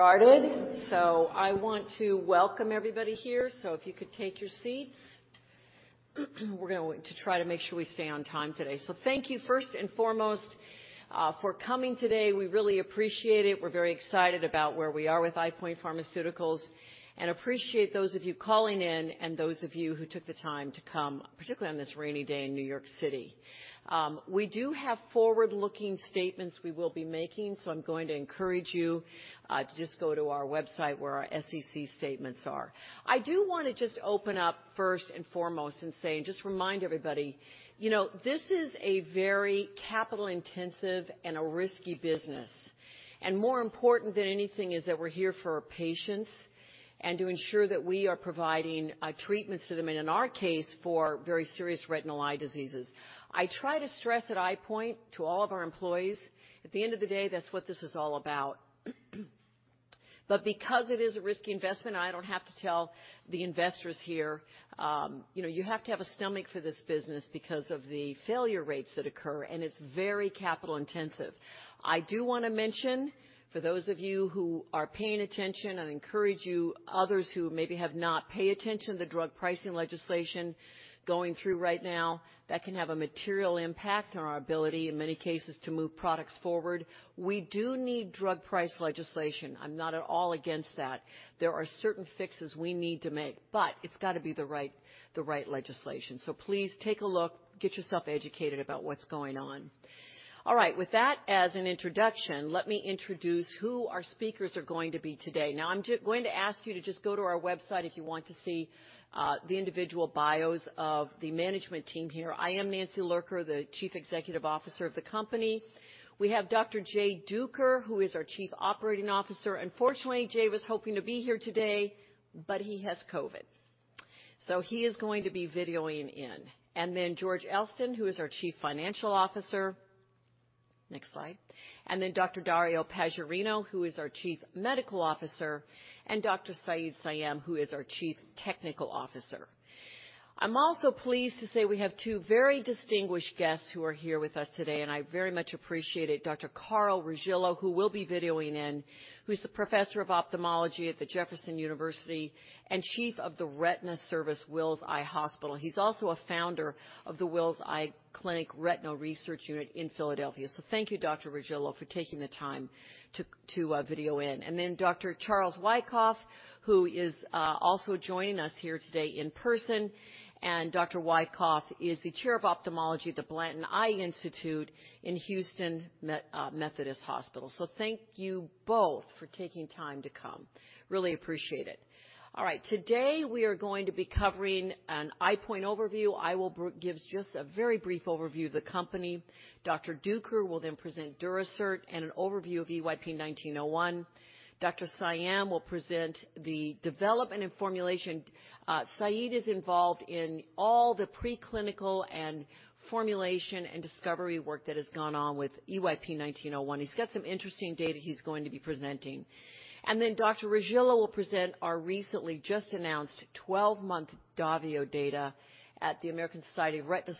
I want to welcome everybody here, so if you could take your seats. We're going to try to make sure we stay on time today. Thank you first and foremost for coming today. We really appreciate it. We're very excited about where we are with EyePoint Pharmaceuticals, and appreciate those of you calling in and those of you who took the time to come, particularly on this rainy day in New York City. We do have forward-looking statements we will be making, so I'm going to encourage you to just go to our website where our SEC statements are. I do wanna just open up first and foremost and say, and just remind everybody, you know, this is a very capital intensive and a risky business. More important than anything is that we're here for our patients and to ensure that we are providing treatments to them, and in our case, for very serious retinal eye diseases. I try to stress at EyePoint to all of our employees, at the end of the day, that's what this is all about. Because it is a risky investment, I don't have to tell the investors here, you know, you have to have a stomach for this business because of the failure rates that occur, and it's very capital intensive. I do wanna mention, for those of you who are paying attention, and encourage you, others who maybe have not, pay attention to drug pricing legislation going through right now, that can have a material impact on our ability, in many cases, to move products forward. We do need drug price legislation. I'm not at all against that. There are certain fixes we need to make, but it's gotta be the right legislation. Please take a look, get yourself educated about what's going on. All right. With that as an introduction, let me introduce who our speakers are going to be today. Now, I'm going to ask you to just go to our website if you want to see the individual bios of the management team here. I am Nancy Lurker, the Chief Executive Officer of the company. We have Dr. Jay Duker, who is our Chief Operating Officer. Unfortunately, Jay was hoping to be here today, but he has COVID, so he is going to be videoing in. George Elston, who is our Chief Financial Officer. Next slide. Dr. Dario Paggiarino, who is our Chief Medical Officer, and Dr. Said Saim, who is our Chief Technology Officer. I'm also pleased to say we have two very distinguished guests who are here with us today, and I very much appreciate it. Dr. Carl Regillo, who will be videoing in, who's the Professor of Ophthalmology at Thomas Jefferson University and chief of the Retina Service, Wills Eye Hospital. He's also a founder of the Wills Eye Hospital Retina Research Unit in Philadelphia. Thank you, Dr. Regillo, for taking the time to video in. Then Dr. Charles Wykoff, who is also joining us here today in person. Dr. Wykoff is the Chair of Ophthalmology at the Blanton Eye Institute in Houston Methodist Hospital. Thank you both for taking time to come. Really appreciate it. All right. Today, we are going to be covering an EyePoint overview. I will give just a very brief overview of the company. Dr. Duker will then present Durasert and an overview of EYP-1901. Dr. Saim will present the development and formulation. Said is involved in all the preclinical and formulation and discovery work that has gone on with EYP-1901. He's got some interesting data he's going to be presenting. Dr. Carl Regillo will present our recently just announced 12-month DAVIO data at the American Society of Retina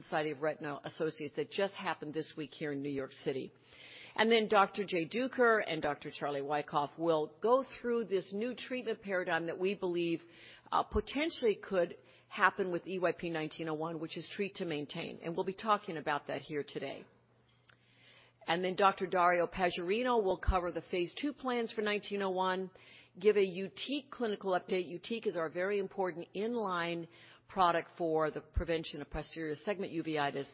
Specialists that just happened this week here in New York City. Dr. Jay Duker and Dr. Charles Wykoff will go through this new treatment paradigm that we believe potentially could happen with EYP-1901, which is treat to maintain. We'll be talking about that here today. Dr. Dario Paggiarino will cover the phase 2 plans for EYP-1901, give a YUTIQ clinical update. YUTIQ is our very important in-line product for the prevention of posterior segment uveitis.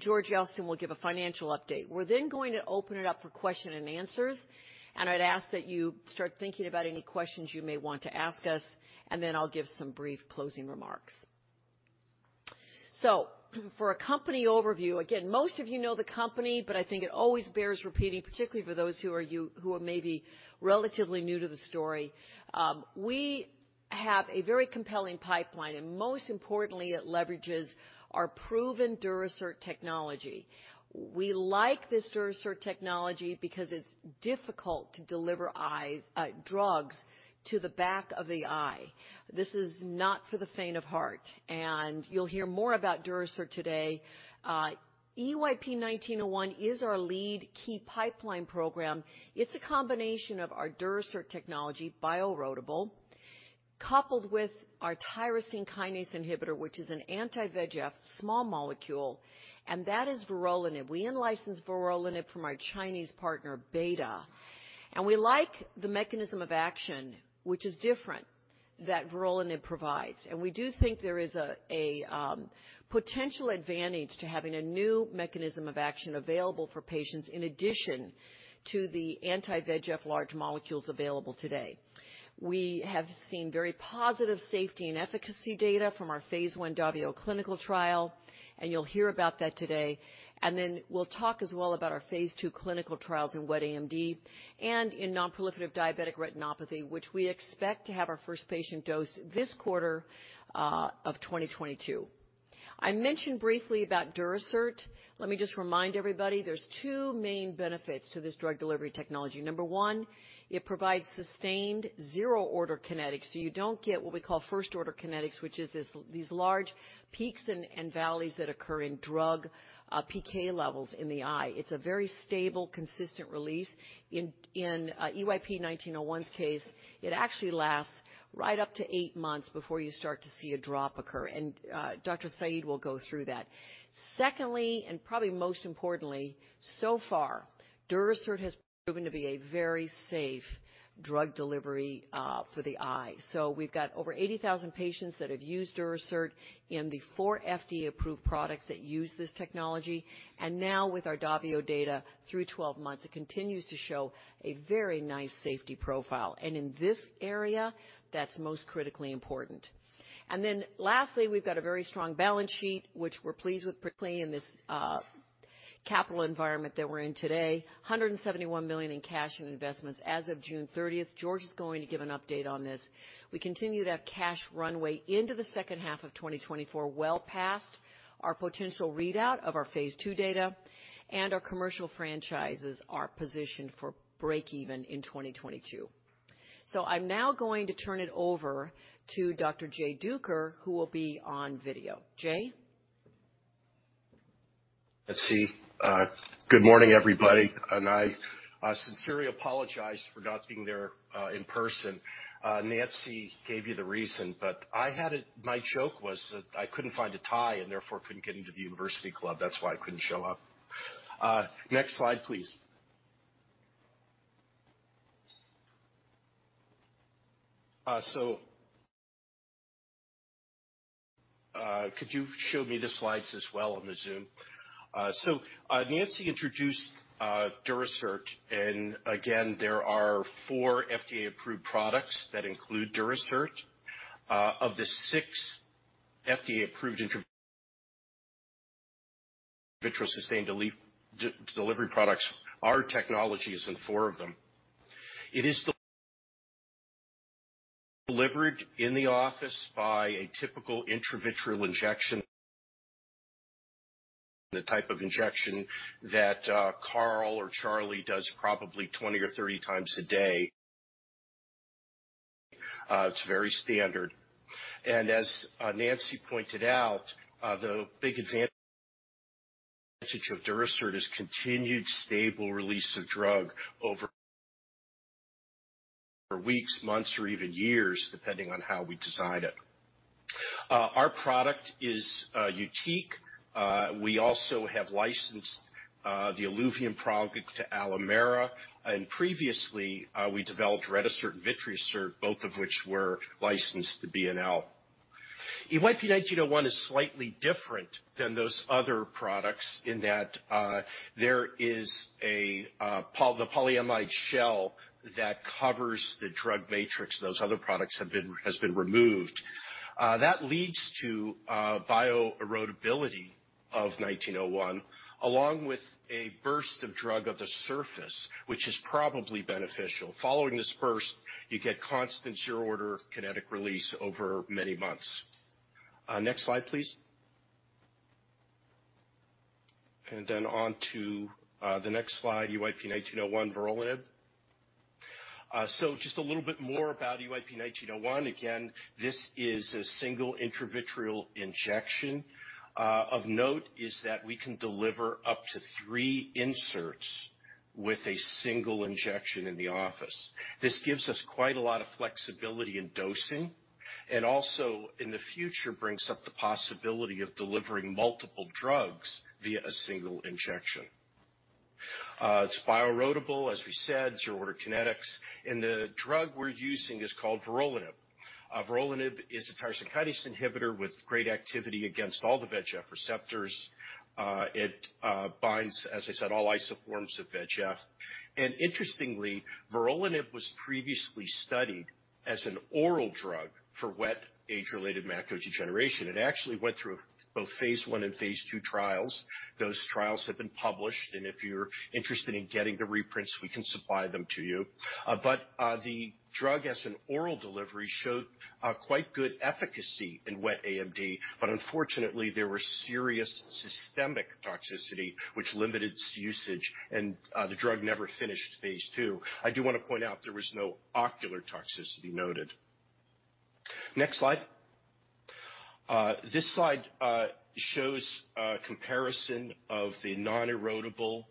George Elston will give a financial update. We're then going to open it up for question and answers, and I'd ask that you start thinking about any questions you may want to ask us, and then I'll give some brief closing remarks. For a company overview, again, most of you know the company, but I think it always bears repeating, particularly for those who are maybe relatively new to the story. We have a very compelling pipeline, and most importantly, it leverages our proven Durasert technology. We like this Durasert technology because it's difficult to deliver drugs to the back of the eye. This is not for the faint of heart, and you'll hear more about Durasert today. EYP-1901 is our lead key pipeline program. It's a combination of our Durasert technology, bioerodible, coupled with our tyrosine kinase inhibitor, which is an anti-VEGF small molecule, and that is vorolanib. We in-licensed vorolanib from our Chinese partner, Betta Pharmaceuticals. We like the mechanism of action, which is different, that vorolanib provides. We do think there is a potential advantage to having a new mechanism of action available for patients in addition to the anti-VEGF large molecules available today. We have seen very positive safety and efficacy data from our phase 1 DAVIO clinical trial, and you'll hear about that today. We'll talk as well about our phase 2 clinical trials in wet AMD and in non-proliferative diabetic retinopathy, which we expect to have our first patient dose this quarter of 2022. I mentioned briefly about Durasert. Let me just remind everybody, there's two main benefits to this drug delivery technology. Number one, it provides sustained zero-order kinetics, so you don't get what we call first-order kinetics, which is this large peaks and valleys that occur in drug PK levels in the eye. It's a very stable, consistent release. In EYP-1901's case, it actually lasts right up to eight months before you start to see a drop occur, and Dr. Said Saim will go through that. Secondly, and probably most importantly, so far, Durasert has proven to be a very safe drug delivery for the eye. We've got over 80,000 patients that have used Durasert in the four FDA-approved products that use this technology. Now with our DAVIO data through 12 months, it continues to show a very nice safety profile. In this area, that's most critically important. Then lastly, we've got a very strong balance sheet, which we're pleased with particularly in this capital environment that we're in today. $171 million in cash and investments as of June 30th. George is going to give an update on this. We continue to have cash runway into the second half of 2024, well past our potential readout of our phase 2 data, and our commercial franchises are positioned for break-even in 2022. I'm now going to turn it over to Dr. Jay Duker, who will be on video. Jay. Let's see. Good morning, everybody. I sincerely apologize for not being there in person. Nancy gave you the reason. My joke was that I couldn't find a tie and therefore couldn't get into the university club. That's why I couldn't show up. Next slide, please. Could you show me the slides as well on the Zoom? Nancy introduced Durasert, and again, there are four FDA-approved products that include Durasert. Of the six FDA-approved intravitreal sustained delivery products, our technology is in four of them. It is delivered in the office by a typical intravitreal injection, the type of injection that Carl or Charlie does probably 20 or 30 times a day. It's very standard. As Nancy pointed out, the big advantage of Durasert is continued stable release of drug over four weeks, months or even years, depending on how we decide it. Our product is unique. We also have licensed the ILUVIEN product to Alimera. Previously, we developed Retisert/Vitrasert, both of which were licensed to B&L. EYP-1901 is slightly different than those other products in that the polyimide shell that covers the drug matrix has been removed. That leads to bioerodibility of EYP-1901, along with a burst of drug on the surface, which is probably beneficial. Following this burst, you get constant zero-order kinetic release over many months. Next slide, please. On to the next slide, EYP-1901 vorolanib. Just a little bit more about EYP-1901. Again, this is a single intravitreal injection. Of note is that we can deliver up to three inserts with a single injection in the office. This gives us quite a lot of flexibility in dosing, and also in the future brings up the possibility of delivering multiple drugs via a single injection. It's bioerodible, as we said, zero-order kinetics. The drug we're using is called vorolanib. Vorolanib is a tyrosine kinase inhibitor with great activity against all the VEGF receptors. It binds, as I said, all isoforms of VEGF. Interestingly, vorolanib was previously studied as an oral drug for wet age-related macular degeneration. It actually went through both phase one and phase 2 trials. Those trials have been published, and if you're interested in getting the reprints, we can supply them to you. The drug as an oral delivery showed quite good efficacy in wet AMD, but unfortunately, there were serious systemic toxicity which limited its usage, and the drug never finished phase 2. I do wanna point out there was no ocular toxicity noted. Next slide. This slide shows a comparison of the nonerodible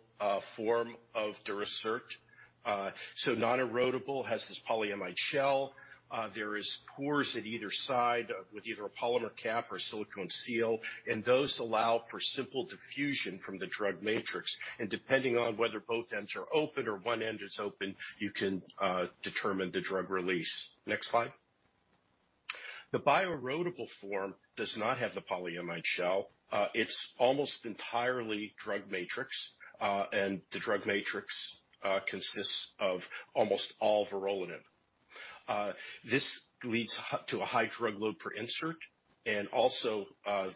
form of Durasert. So nonerodible has this polyimide shell. There is pores at either side with either a polymer cap or a silicone seal, and those allow for simple diffusion from the drug matrix. And depending on whether both ends are open or one end is open, you can determine the drug release. Next slide. The bioerodible form does not have the polyimide shell. It's almost entirely drug matrix, and the drug matrix consists of almost all vorolanib. This leads to a high drug load per insert, and also,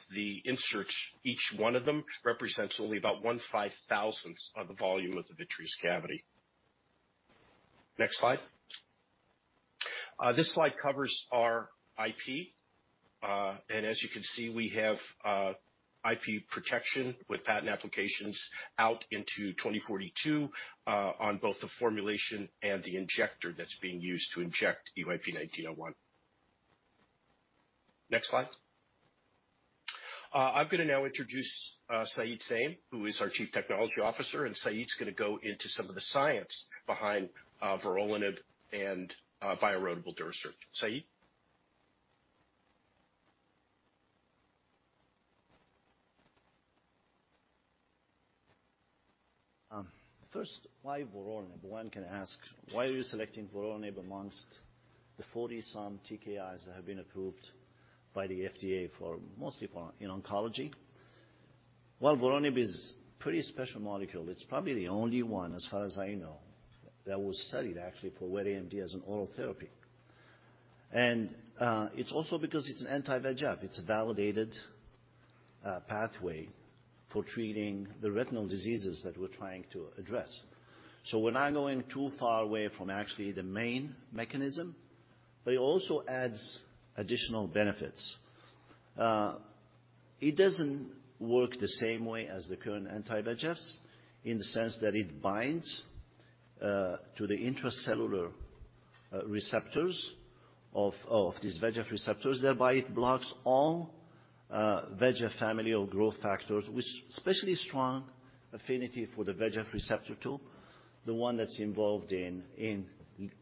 the inserts, each one of them represents only about 1/5,000th of the volume of the vitreous cavity. Next slide. This slide covers our IP. As you can see, we have IP protection with patent applications out into 2042, on both the formulation and the injector that's being used to inject EYP-1901. Next slide. I'm gonna now introduce Said Saim, who is our Chief Technology Officer, and Said's gonna go into some of the science behind vorolanib and bioerodible Durasert insert. Said? First, why vorolanib? One can ask, why are you selecting vorolanib amongst the 40-something TKIs that have been approved by the FDA for mostly in oncology? Well, vorolanib is pretty special molecule. It's probably the only one, as far as I know, that was studied actually for wet AMD as an oral therapy. And, it's also because it's an anti-VEGF. It's a validated pathway for treating the retinal diseases that we're trying to address. We're not going too far away from actually the main mechanism, but it also adds additional benefits. It doesn't work the same way as the current anti-VEGFs in the sense that it binds to the intracellular receptors of these VEGF receptors, thereby it blocks all VEGF family or growth factors, with especially strong affinity for the VEGF Receptor-2, the one that's involved in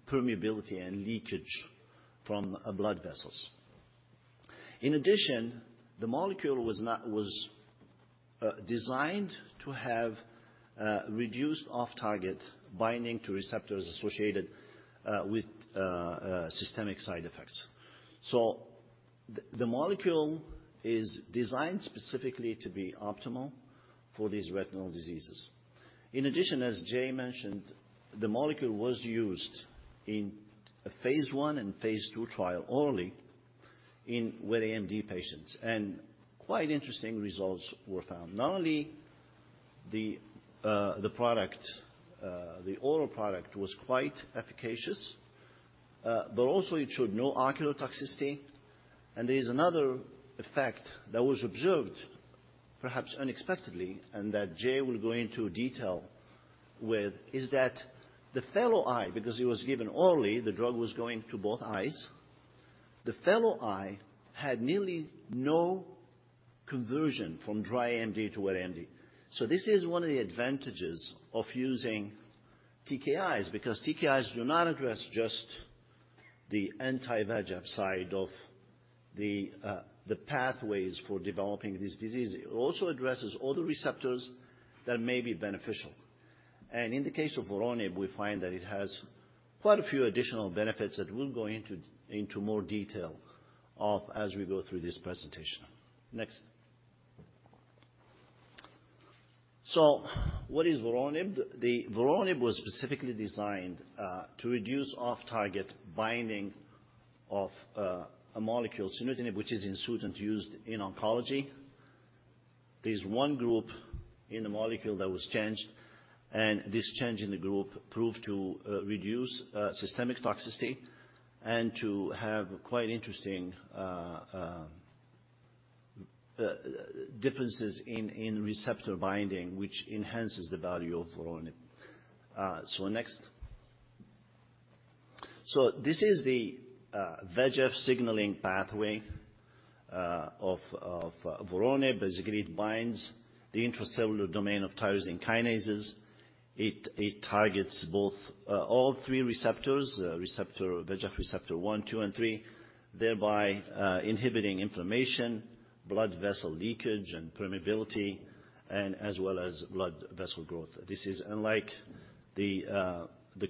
permeability and leakage from blood vessels. In addition, the molecule was designed to have reduced off-target binding to receptors associated with systemic side effects. The molecule is designed specifically to be optimal for these retinal diseases. In addition, as Jay mentioned, the molecule was used in a phase 1 and phase 2 trial orally in wet AMD patients, and quite interesting results were found. Not only the product, the oral product was quite efficacious, but also it showed no ocular toxicity. There is another effect that was observed, perhaps unexpectedly, and that Jay will go into detail with, is that the fellow eye, because it was given orally, the drug was going to both eyes. The fellow eye had nearly no conversion from dry AMD to wet AMD. This is one of the advantages of using TKIs, because TKIs do not address just the anti-VEGF side of the pathways for developing this disease. It also addresses other receptors that may be beneficial. In the case of vorolanib, we find that it has quite a few additional benefits that we'll go into more detail of as we go through this presentation. Next. What is vorolanib? Vorolanib was specifically designed to reduce off-target binding of a molecule, sunitinib, which is in Sutent used in oncology. There's one group in the molecule that was changed, and this change in the group proved to reduce systemic toxicity and to have quite interesting differences in receptor binding, which enhances the value of vorolanib. Next. This is the VEGF signaling pathway of vorolanib. Basically, it binds the intracellular domain of tyrosine kinases. It targets all three receptors, VEGF Receptor-1, 2, and 3, thereby inhibiting inflammation, blood vessel leakage and permeability, and as well as blood vessel growth. This is unlike the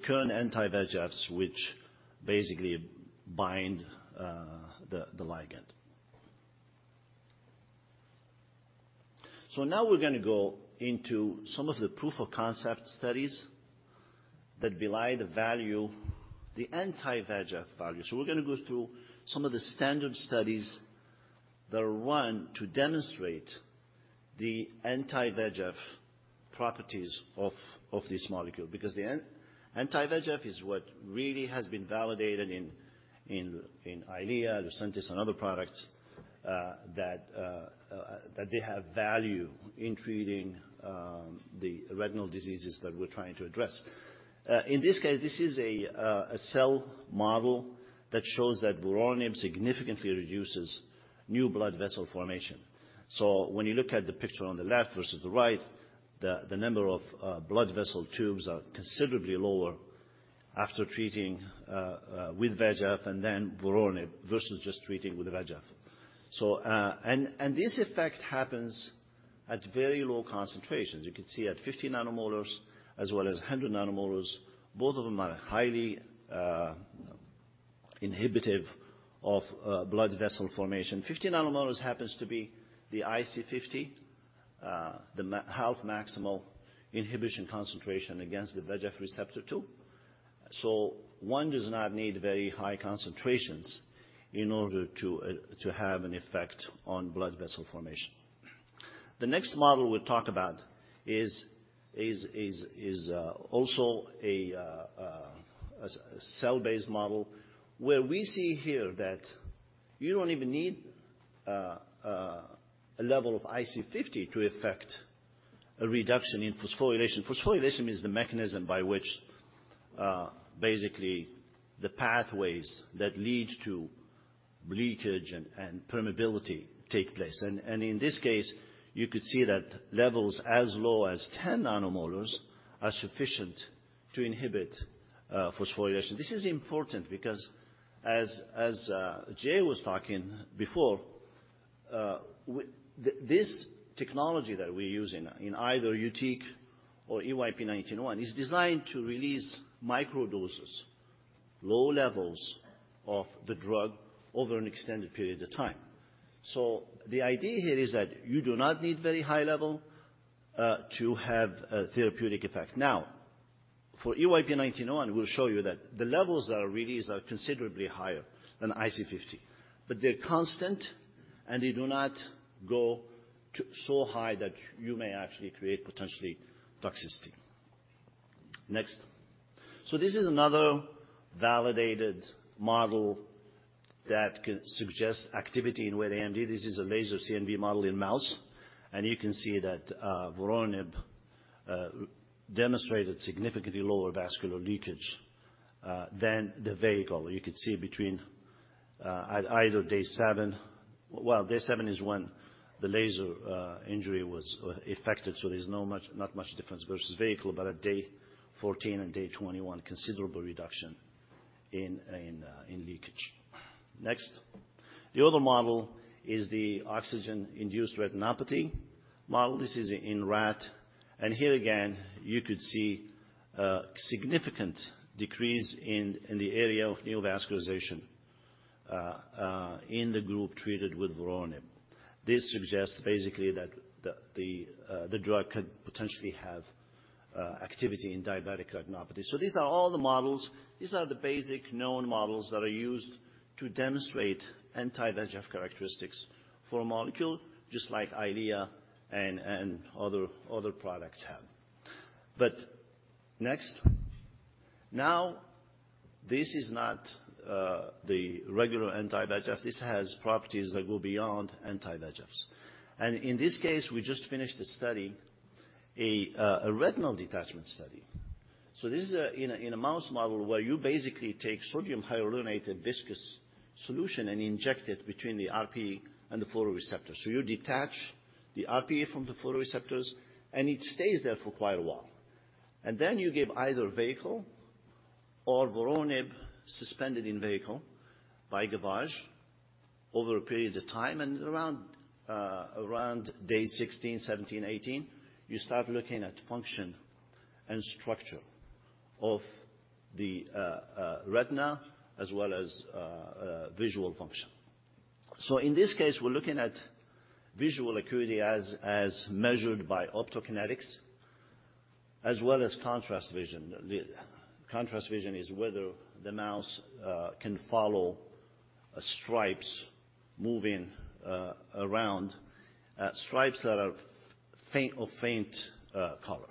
current anti-VEGFs, which basically bind the ligand. Now we're gonna go into some of the proof of concept studies that belie the value, the anti-VEGF value. We're gonna go through some of the standard studies that are run to demonstrate the anti-VEGF properties of this molecule. Because the anti-VEGF is what really has been validated in Eylea, Lucentis, and other products that they have value in treating the retinal diseases that we're trying to address. In this case, this is a cell model that shows that vorolanib significantly reduces new blood vessel formation. When you look at the picture on the left versus the right, the number of blood vessel tubes are considerably lower after treating with VEGF and then vorolanib versus just treating with VEGF. This effect happens at very low concentrations. You can see at 50 nM as well as 100 nM, both of them are highly inhibitive of blood vessel formation. 50 nM happens to be the IC50, the half maximal inhibition concentration against the VEGF Receptor-2. So one does not need very high concentrations in order to have an effect on blood vessel formation. The next model we'll talk about is also a cell-based model where we see here that you don't even need a level of IC50 to affect a reduction in phosphorylation. Phosphorylation is the mechanism by which basically the pathways that lead to leakage and permeability take place. In this case, you could see that levels as low as 10 nM are sufficient to inhibit phosphorylation. This is important because Jay was talking before, this technology that we're using in either YUTIQ or EYP-1901 is designed to release microdoses, low levels of the drug over an extended period of time. The idea here is that you do not need very high level to have a therapeutic effect. Now, for EYP-1901, we'll show you that the levels that are released are considerably higher than IC50, but they're constant, and they do not go full high that you may actually create potential toxicity. Next. This is another validated model that can suggest activity in wet AMD. This is a laser CNV model in mouse, and you can see that vorolanib demonstrated significantly lower vascular leakage than the vehicle. You could see between at either day 7. Well, day 7 is when the laser injury was affected, so there's not much difference versus vehicle, but at day 14 and day 21, considerable reduction in leakage. Next. The other model is the oxygen-induced retinopathy model. This is in rat, and here again, you could see a significant decrease in the area of neovascularization in the group treated with vorolanib. This suggests basically that the drug could potentially have activity in diabetic retinopathy. These are all the models. These are the basic known models that are used to demonstrate anti-VEGF characteristics for a molecule just like Eylea and other products have. Next. Now, this is not the regular anti-VEGF. This has properties that go beyond anti-VEGFs. In this case, we just finished a study, a retinal detachment study. This is in a mouse model where you basically take sodium hyaluronate and viscous solution and inject it between the RPE and the photoreceptor. You detach the RPE from the photoreceptors, and it stays there for quite a while. You give either vehicle or vorolanib suspended in vehicle by gavage over a period of time and around day 16, 17, 18, you start looking at function and structure of the retina as well as visual function. In this case, we're looking at visual acuity as measured by optokinetics as well as contrast vision. The contrast vision is whether the mouse can follow stripes moving around stripes that are faint or faint color.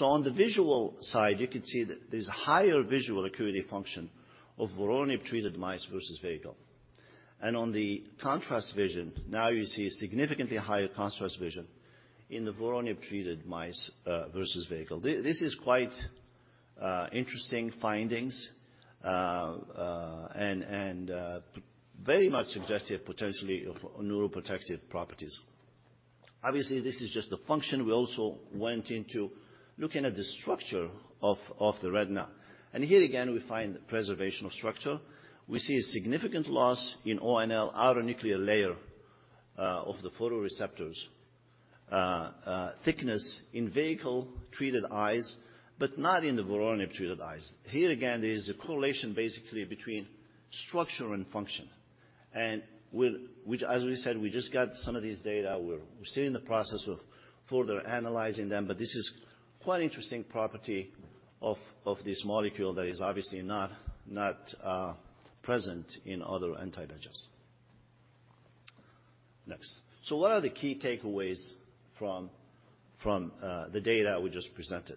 On the visual side, you could see that there's a higher visual acuity function of vorolanib-treated mice versus vehicle. On the contrast vision, now you see a significantly higher contrast vision in the vorolanib-treated mice versus vehicle. This is quite interesting findings and very much suggestive potentially of neuroprotective properties. Obviously, this is just a function. We also went into looking at the structure of the retina. Here again, we find preservation of structure. We see a significant loss in ONL, outer nuclear layer, of the photoreceptors thickness in vehicle-treated eyes, but not in the vorolanib-treated eyes. Here again, there is a correlation basically between structure and function. With which, as we said, we just got some of these data. We're still in the process of further analyzing them, but this is quite interesting property of this molecule that is obviously not present in other anti-VEGFs. Next. What are the key takeaways from the data we just presented?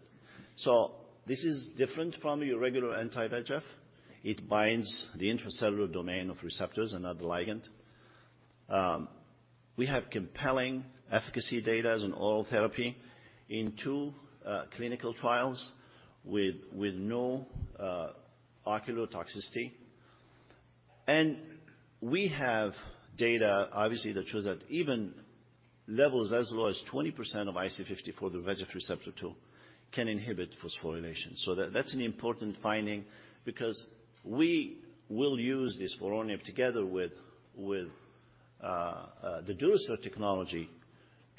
This is different from your regular anti-VEGF. It binds the intracellular domain of receptors and not the ligand. We have compelling efficacy data as an oral therapy in two clinical trials with no ocular toxicity. We have data, obviously, that shows that even levels as low as 20% of IC50 for the VEGF Receptor-2 can inhibit phosphorylation. That's an important finding because we will use this vorolanib together with the Durasert technology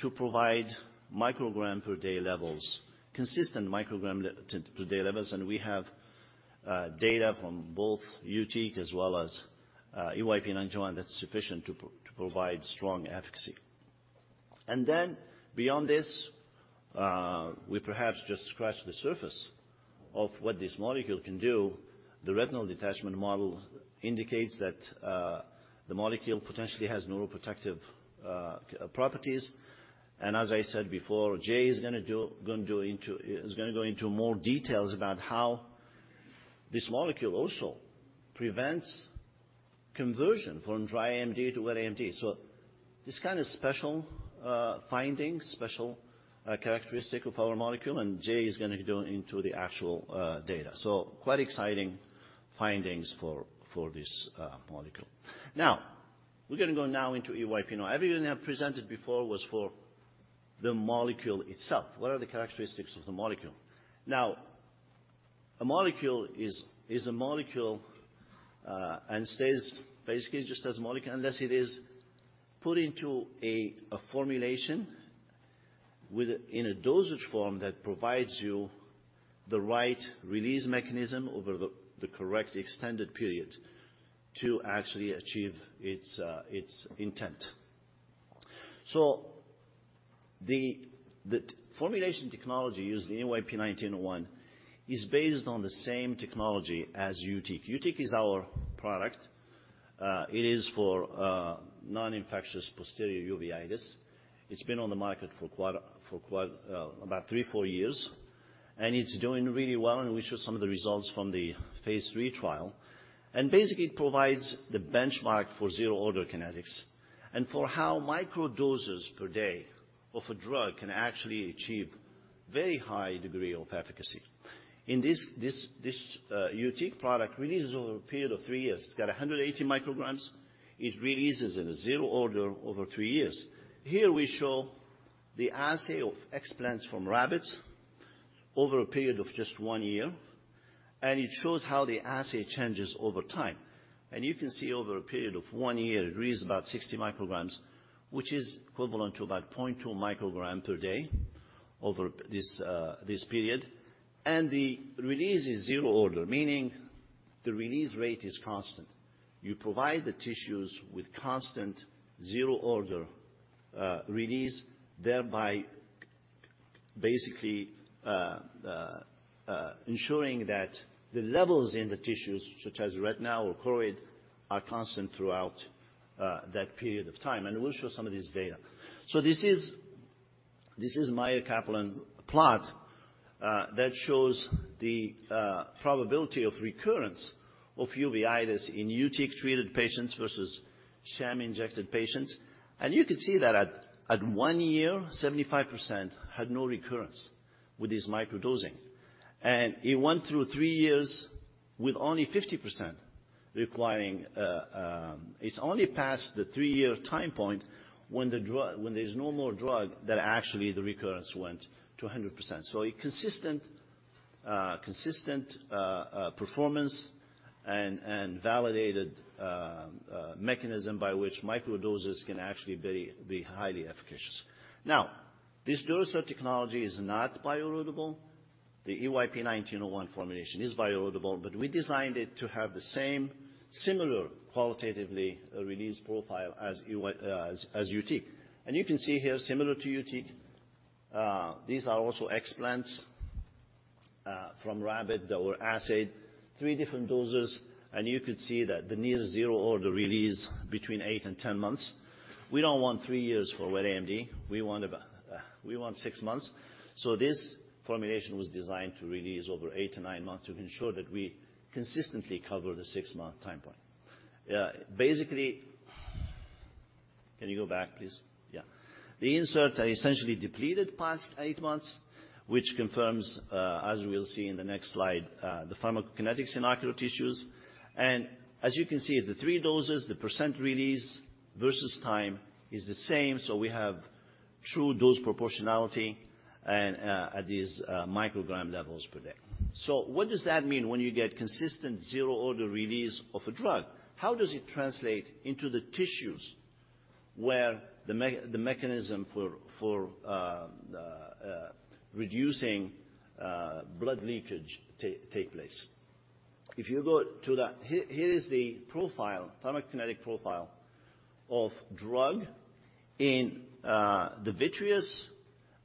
to provide microgram per day levels, consistent microgram-to-day levels. We have data from both YUTIQ as well as EYP-1901 that's sufficient to provide strong efficacy. Then beyond this, we perhaps just scratched the surface of what this molecule can do. The retinal detachment model indicates that the molecule potentially has neuroprotective properties. As I said before, Jay is gonna go into more details about how this molecule also prevents conversion from dry AMD to wet AMD. This is kind of special finding, special characteristic of our molecule, and Jay is gonna go into the actual data. Quite exciting findings for this molecule. Now, we're gonna go into EYP-1901. Everything I presented before was for the molecule itself. What are the characteristics of the molecule? Now, a molecule is a molecule and stays basically just as a molecule unless it is put into a formulation in a dosage form that provides you the right release mechanism over the correct extended period to actually achieve its intent. The formulation technology used in EYP-1901 is based on the same technology as YUTIQ. YUTIQ is our product. It is for non-infectious posterior uveitis. It's been on the market for quite about three, four years, and it's doing really well, and we show some of the results from the phase 3 trial. It provides the benchmark for zero-order kinetics and for how microdoses per day of a drug can actually achieve very high degree of efficacy. This YUTIQ product releases over a period of three years. It's got 180 mcg. It releases in a zero-order over three years. Here, we show the assay of explants from rabbits over a period of just one year, and it shows how the assay changes over time. You can see over a period of one year, it releases about 60 mcg, which is equivalent to about 0.2 mcg per day over this period. The release is zero-order, meaning the release rate is constant. You provide the tissues with constant zero-order release, thereby ensuring that the levels in the tissues, such as retina or choroid, are constant throughout that period of time, and we'll show some of these data. This is Kaplan-Meier plot that shows the probability of recurrence of uveitis in YUTIQ-treated patients versus sham-injected patients. You could see that at one year, 75% had no recurrence with this microdosing. It went through three years with only 50% requiring. It's only past the three-year time point when the drug when there's no more drug that actually the recurrence went to 100%. So a consistent performance and validated mechanism by which microdoses can actually be highly efficacious. Now, this Durasert technology is not bioerodible. The EYP-1901 formulation is bioerodible, but we designed it to have the same similar qualitatively release profile as YUTIQ. You can see here, similar to YUTIQ, these are also explants from rabbit that were assayed. Three different doses, and you could see that the near zero-order release between 8 and 10 months. We don't want three years for wet AMD. We want six months. This formulation was designed to release over eight to nine months to ensure that we consistently cover the six-month time point. Yeah, basically. Can you go back, please? Yeah. The inserts are essentially depleted past eight months, which confirms, as we'll see in the next slide, the pharmacokinetics in ocular tissues. As you can see, the three doses, the percent release versus time is the same, so we have true dose proportionality and, at these, microgram levels per day. What does that mean when you get consistent zero-order release of a drug? How does it translate into the tissues where the mechanism for reducing blood leakage take place? If you go to the Here is the profile, pharmacokinetic profile of drug in the vitreous,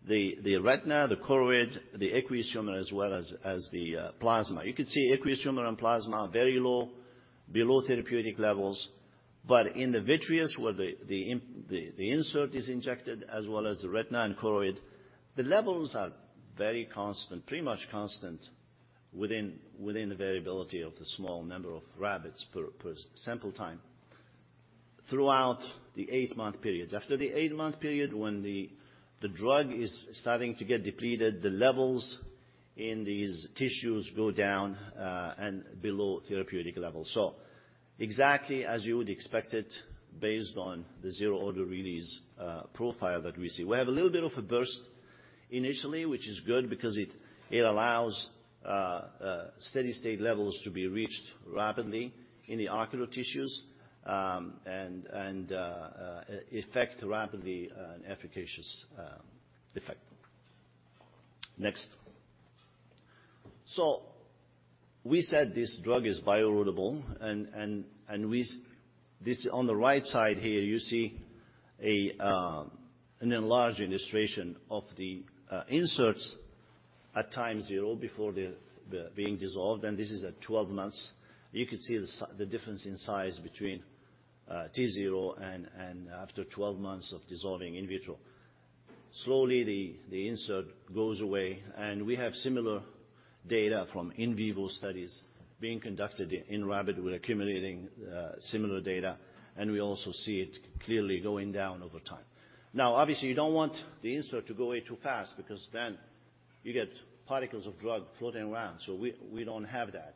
the retina, the choroid, the aqueous humor, as well as the plasma. You could see aqueous humor and plasma are very low, below therapeutic levels. In the vitreous, where the insert is injected, as well as the retina and choroid, the levels are very constant, pretty much constant within the variability of the small number of rabbits per sample time throughout the eight-month periods. After the eight-month period, when the drug is starting to get depleted, the levels in these tissues go down and below therapeutic levels. Exactly as you would expect it based on the zero-order release profile that we see. We have a little bit of a burst initially, which is good because it allows steady-state levels to be reached rapidly in the ocular tissues, and effect rapidly an efficacious effect. Next. So we said this drug is bioerodible, and we see this on the right side here. You see an enlarged illustration of the inserts at time zero before the being dissolved, and this is at 12 months. You can see the difference in size between T zero and after 12 months of dissolving in vitro. Slowly, the insert goes away. We have similar data from in vivo studies being conducted in rabbit. We're accumulating similar data, and we also see it clearly going down over time. Now, obviously, you don't want the insert to go away too fast because then you get particles of drug floating around. We don't have that.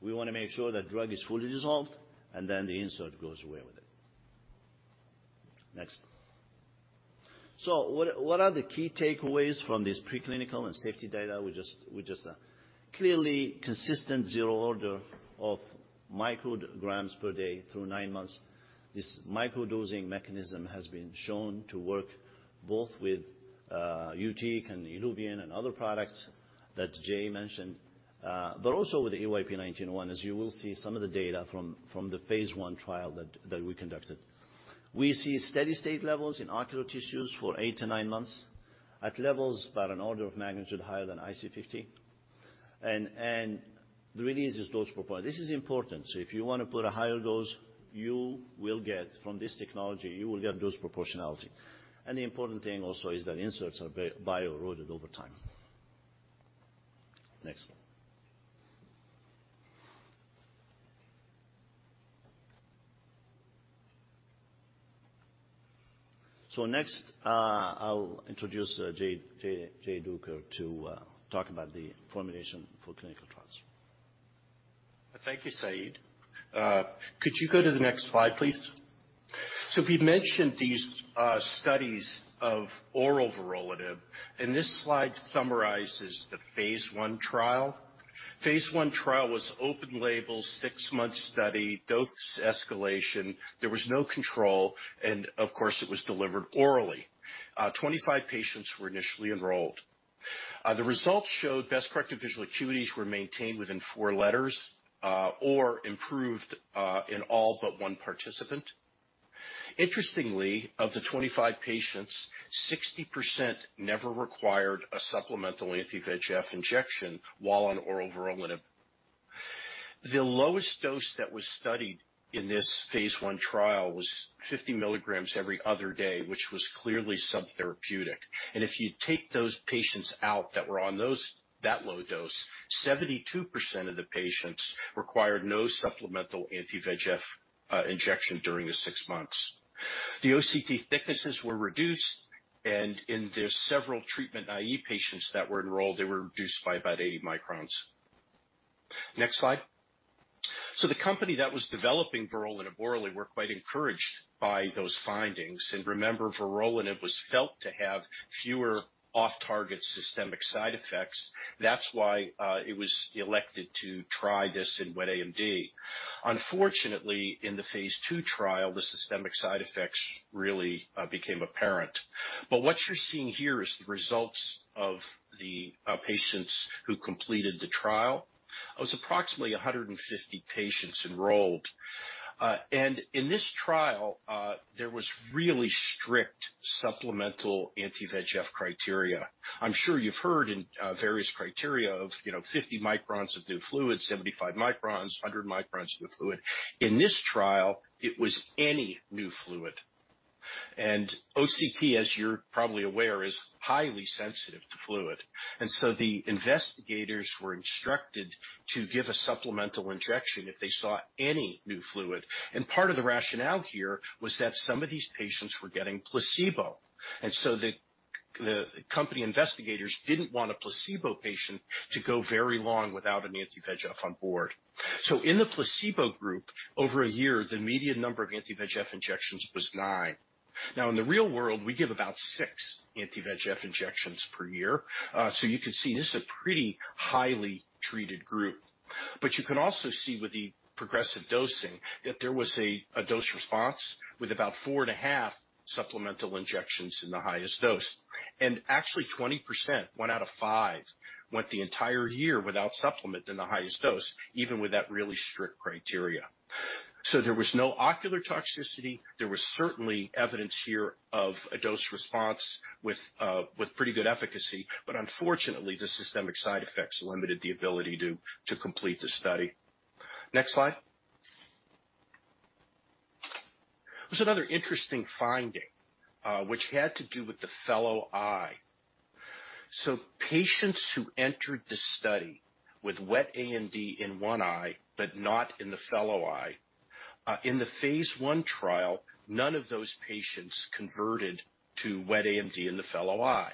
We wanna make sure that drug is fully dissolved, and then the insert goes away with it. Next. What are the key takeaways from this preclinical and safety data we just. Clearly consistent zero order of mcg per day through nine months. This microdosing mechanism has been shown to work both with YUTIQ and ILUVIEN and other products that Jay mentioned, but also with the EYP-1901, as you will see some of the data from the phase 1 trial that we conducted. We see steady-state levels in ocular tissues for eight to nine months at levels about an order of magnitude higher than IC50. The release is dose proportional. This is important. If you wanna put a higher dose, you will get from this technology, you will get dose proportionality. The important thing also is that inserts are bioerodible over time. Next. Next, I'll introduce Jay Duker to talk about the formulation for clinical trials. Thank you, Said. Could you go to the next slide, please? We mentioned these studies of oral vorolanib, and this slide summarizes the phase 1 trial. Phase 1 trial was open label, six-month study, dose escalation. There was no control, and of course, it was delivered orally. Twenty-five patients were initially enrolled. The results showed best-corrected visual acuities were maintained within four letters or improved in all but one participant. Interestingly, of the 25 patients, 60% never required a supplemental anti-VEGF injection while on oral vorolanib. The lowest dose that was studied in this phase 1 trial was 50 mcg every other day, which was clearly subtherapeutic. If you take those patients out that were on that low dose, 72% of the patients required no supplemental anti-VEGF injection during the six months. The OCT thicknesses were reduced, and in the several treatment-naïve patients that were enrolled, they were reduced by about 80 microns. Next slide. The company that was developing vorolanib orally was quite encouraged by those findings. Remember, vorolanib was felt to have fewer off-target systemic side effects. That's why it was selected to try this in wet AMD. Unfortunately, in the phase two trial, the systemic side effects really became apparent. What you're seeing here is the results of the patients who completed the trial. It was approximately 150 patients enrolled. In this trial, there was really strict supplemental anti-VEGF criteria. I'm sure you've heard of various criteria of, you know, 50 microns of new fluid, 75 microns, 100 microns of new fluid. In this trial, it was any new fluid. OCT, as you're probably aware, is highly sensitive to fluid. The investigators were instructed to give a supplemental injection if they saw any new fluid. Part of the rationale here was that some of these patients were getting placebo. The company investigators didn't want a placebo patient to go very long without an anti-VEGF on board. In the placebo group, over a year, the median number of anti-VEGF injections was 9. Now, in the real world, we give about six anti-VEGF injections per year. You can see this is a pretty highly treated group. You can also see with the progressive dosing that there was a dose response with about 4.5 supplemental injections in the highest dose. Actually, 20%, one out of five, went the entire year without supplement in the highest dose, even with that really strict criteria. There was no ocular toxicity. There was certainly evidence here of a dose response with pretty good efficacy, but unfortunately, the systemic side effects limited the ability to complete the study. Next slide. There's another interesting finding, which had to do with the fellow eye. Patients who entered the study with wet AMD in one eye but not in the fellow eye, in the phase 1 trial, none of those patients converted to wet AMD in the fellow eye.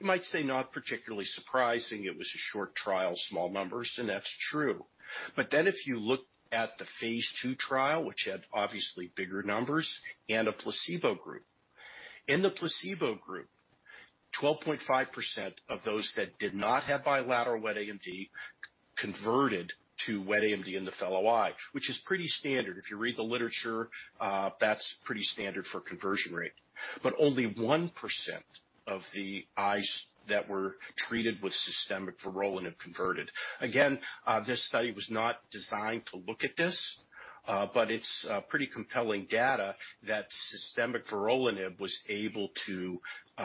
You might say not particularly surprising. It was a short trial, small numbers, and that's true. If you look at the phase 2 trial, which had obviously bigger numbers and a placebo group. In the placebo group, 12.5% of those that did not have bilateral wet AMD converted to wet AMD in the fellow eye, which is pretty standard. If you read the literature, that's pretty standard for conversion rate. But only 1% of the eyes that were treated with systemic vorolanib converted. Again, this study was not designed to look at this, but it's pretty compelling data that systemic vorolanib was able to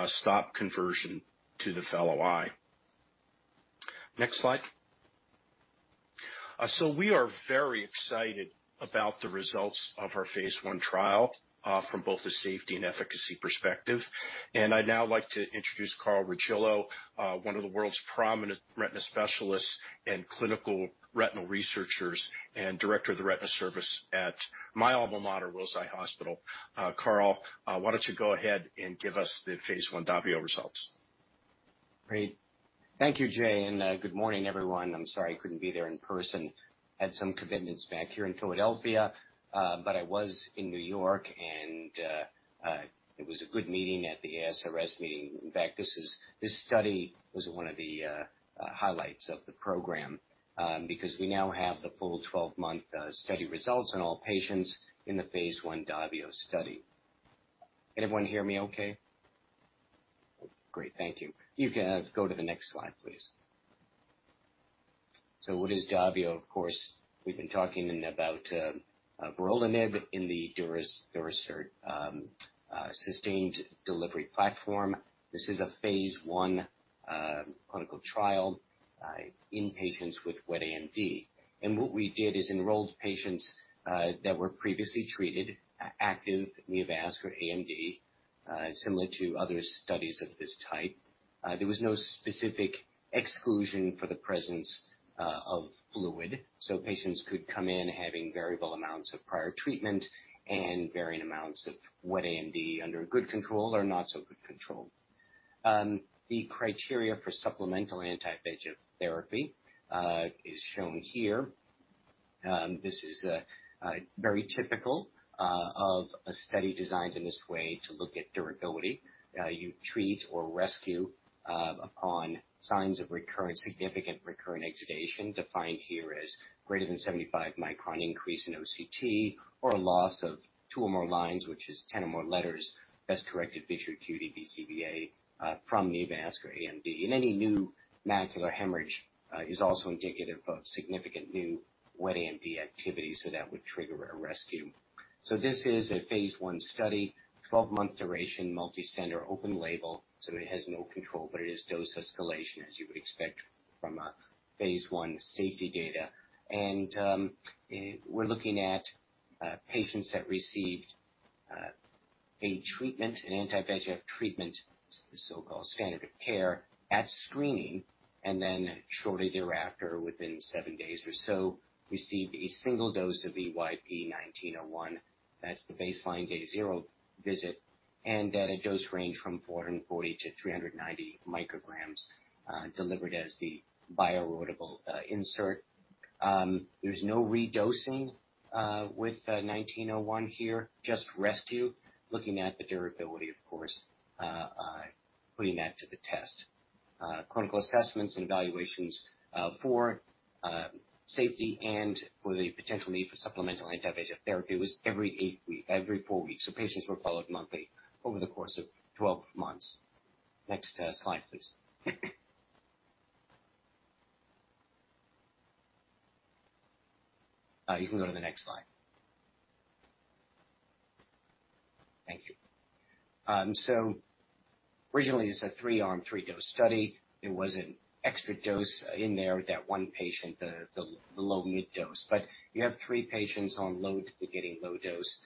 stop conversion to the fellow eye. Next slide. We are very excited about the results of our phase one trial from both a safety and efficacy perspective. I'd now like to introduce Carl Regillo, one of the world's prominent retina specialists and clinical retinal researchers and Director of the Retina Service at my alma mater, Wills Eye Hospital. Carl, why don't you go ahead and give us the phase 1 DAVIO results. Great. Thank you, Jay, and good morning, everyone. I'm sorry I couldn't be there in person. Had some commitments back here in Philadelphia, but I was in New York, and it was a good meeting at the ASRS meeting. In fact, this study was one of the highlights of the program, because we now have the full 12-month study results on all patients in the phase 1 DAVIO study. Can everyone hear me okay? Great. Thank you. You can go to the next slide, please. So what is DAVIO? Of course, we've been talking about vorolanib in the Durasert sustained delivery platform. This is a phase 1 clinical trial in patients with wet AMD. What we did is enrolled patients that were previously treated, active neovascular AMD, similar to other studies of this type. There was no specific exclusion for the presence of fluid, so patients could come in having variable amounts of prior treatment and varying amounts of wet AMD under good control or not so good control. The criteria for supplemental anti-VEGF therapy is shown here. This is very typical of a study designed in this way to look at durability. You treat or rescue upon signs of recurrent significant exudation, defined here as greater than 75 micron increase in OCT or a loss of two or more lines, which is 10 or more letters, best corrected visual acuity BCVA from neovascular AMD. Any new macular hemorrhage is also indicative of significant new wet AMD activity, so that would trigger a rescue. This is a phase 1 study, 12-month duration, multicenter, open label, so it has no control, but it is dose escalation, as you would expect from a phase 1 safety data. We're looking at patients that received a treatment, an anti-VEGF treatment, the so-called standard of care, at screening, and then shortly thereafter, within seven days or so, received a single dose of EYP-1901. That's the baseline day zero visit, and at a dose range from 440 mcg-390 mcg, delivered as the bioerodible insert. There's no redosing with 1901 here, just rescue, looking at the durability, of course, putting that to the test. Clinical assessments and evaluations for safety and for the potential need for supplemental anti-VEGF therapy was every eight-week, every four weeks, so patients were followed monthly over the course of 12 months. Next, slide, please. You can go to the next slide. Thank you. Originally, it's a three-arm, three-dose study. There was an extra dose in there with that one patient, the low mid dose. You have three patients on low, getting low dose.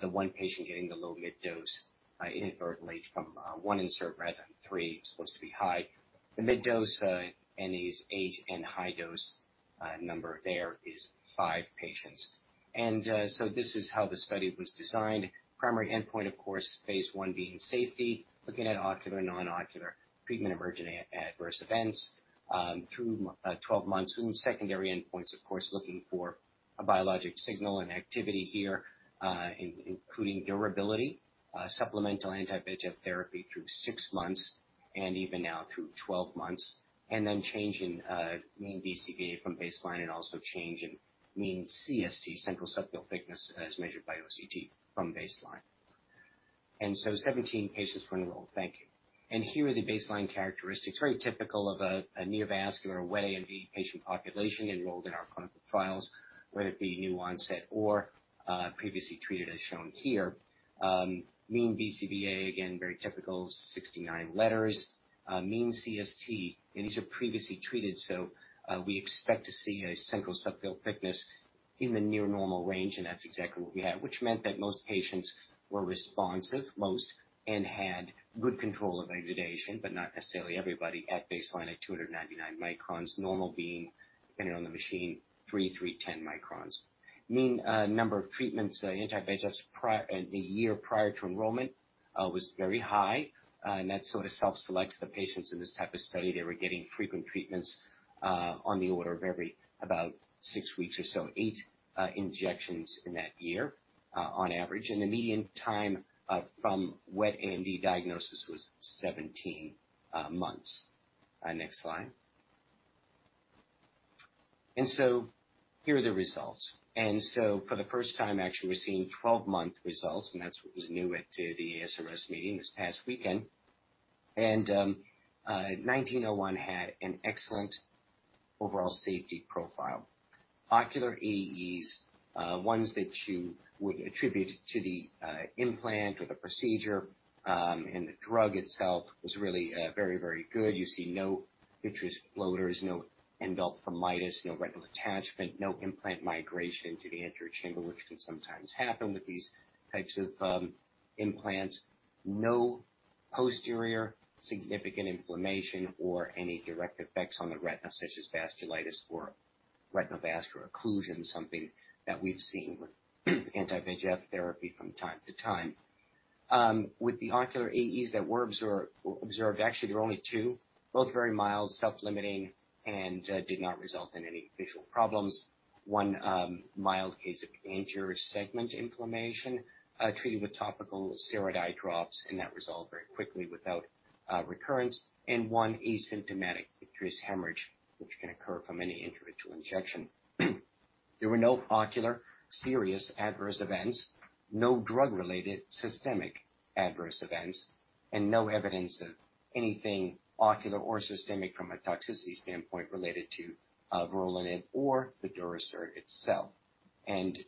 The one patient getting the low mid dose inadvertently from one insert rather than three, supposed to be high. The mid dose, n is eight, and high dose, number there is five patients. This is how the study was designed. Primary endpoint, of course, phase 1 being safety, looking at ocular, non-ocular treatment, emergent adverse events through 12 months. Secondary endpoints, of course, looking for a biologic signal and activity here, including durability, supplemental anti-VEGF therapy through six months and even now through 12 months, and then change in mean BCVA from baseline and also change in mean CST, central subfield thickness, as measured by OCT from baseline. Seventeen patients were enrolled. Thank you. Here are the baseline characteristics, very typical of a neovascular or wet AMD patient population enrolled in our clinical trials, whether it be new onset or previously treated as shown here. Mean BCVA, again, very typical, 69 letters. Mean CST, and these are previously treated, so we expect to see a central subfield thickness in the near normal range, and that's exactly what we had. Which meant that most patients were responsive and had good control of exudation, but not necessarily everybody at baseline at 299 microns. Normal being, depending on the machine, 300 microns-310 microns. Mean number of treatments, anti-VEGFs the year prior to enrollment, was very high, and that sort of self-selects the patients in this type of study. They were getting frequent treatments on the order of every about six weeks or so, eight injections in that year on average, and the median time from wet AMD diagnosis was 17 months. Next slide. Here are the results. For the first time, actually, we're seeing 12-month results, and that's what was new at the ASRS meeting this past weekend, 1901 had an excellent overall safety profile. Ocular AEs, ones that you would attribute to the implant or the procedure, and the drug itself was really, very, very good. You see no vitreous floaters, no endophthalmitis, no retinal detachment, no implant migration to the anterior chamber, which can sometimes happen with these types of implants. No posterior significant inflammation or any direct effects on the retina, such as vasculitis or retinal vascular occlusion, something that we've seen with anti-VEGF therapy from time to time. With the ocular AEs that were observed, actually, there were only two, both very mild, self-limiting, and did not result in any visual problems. One mild case of anterior segment inflammation treated with topical steroid eye drops, and that resolved very quickly without recurrence, and one asymptomatic vitreous hemorrhage, which can occur from any intra-retinal injection. There were no ocular serious adverse events, no drug-related systemic adverse events, and no evidence of anything ocular or systemic from a toxicity standpoint related to vorolanib or the Durasert itself.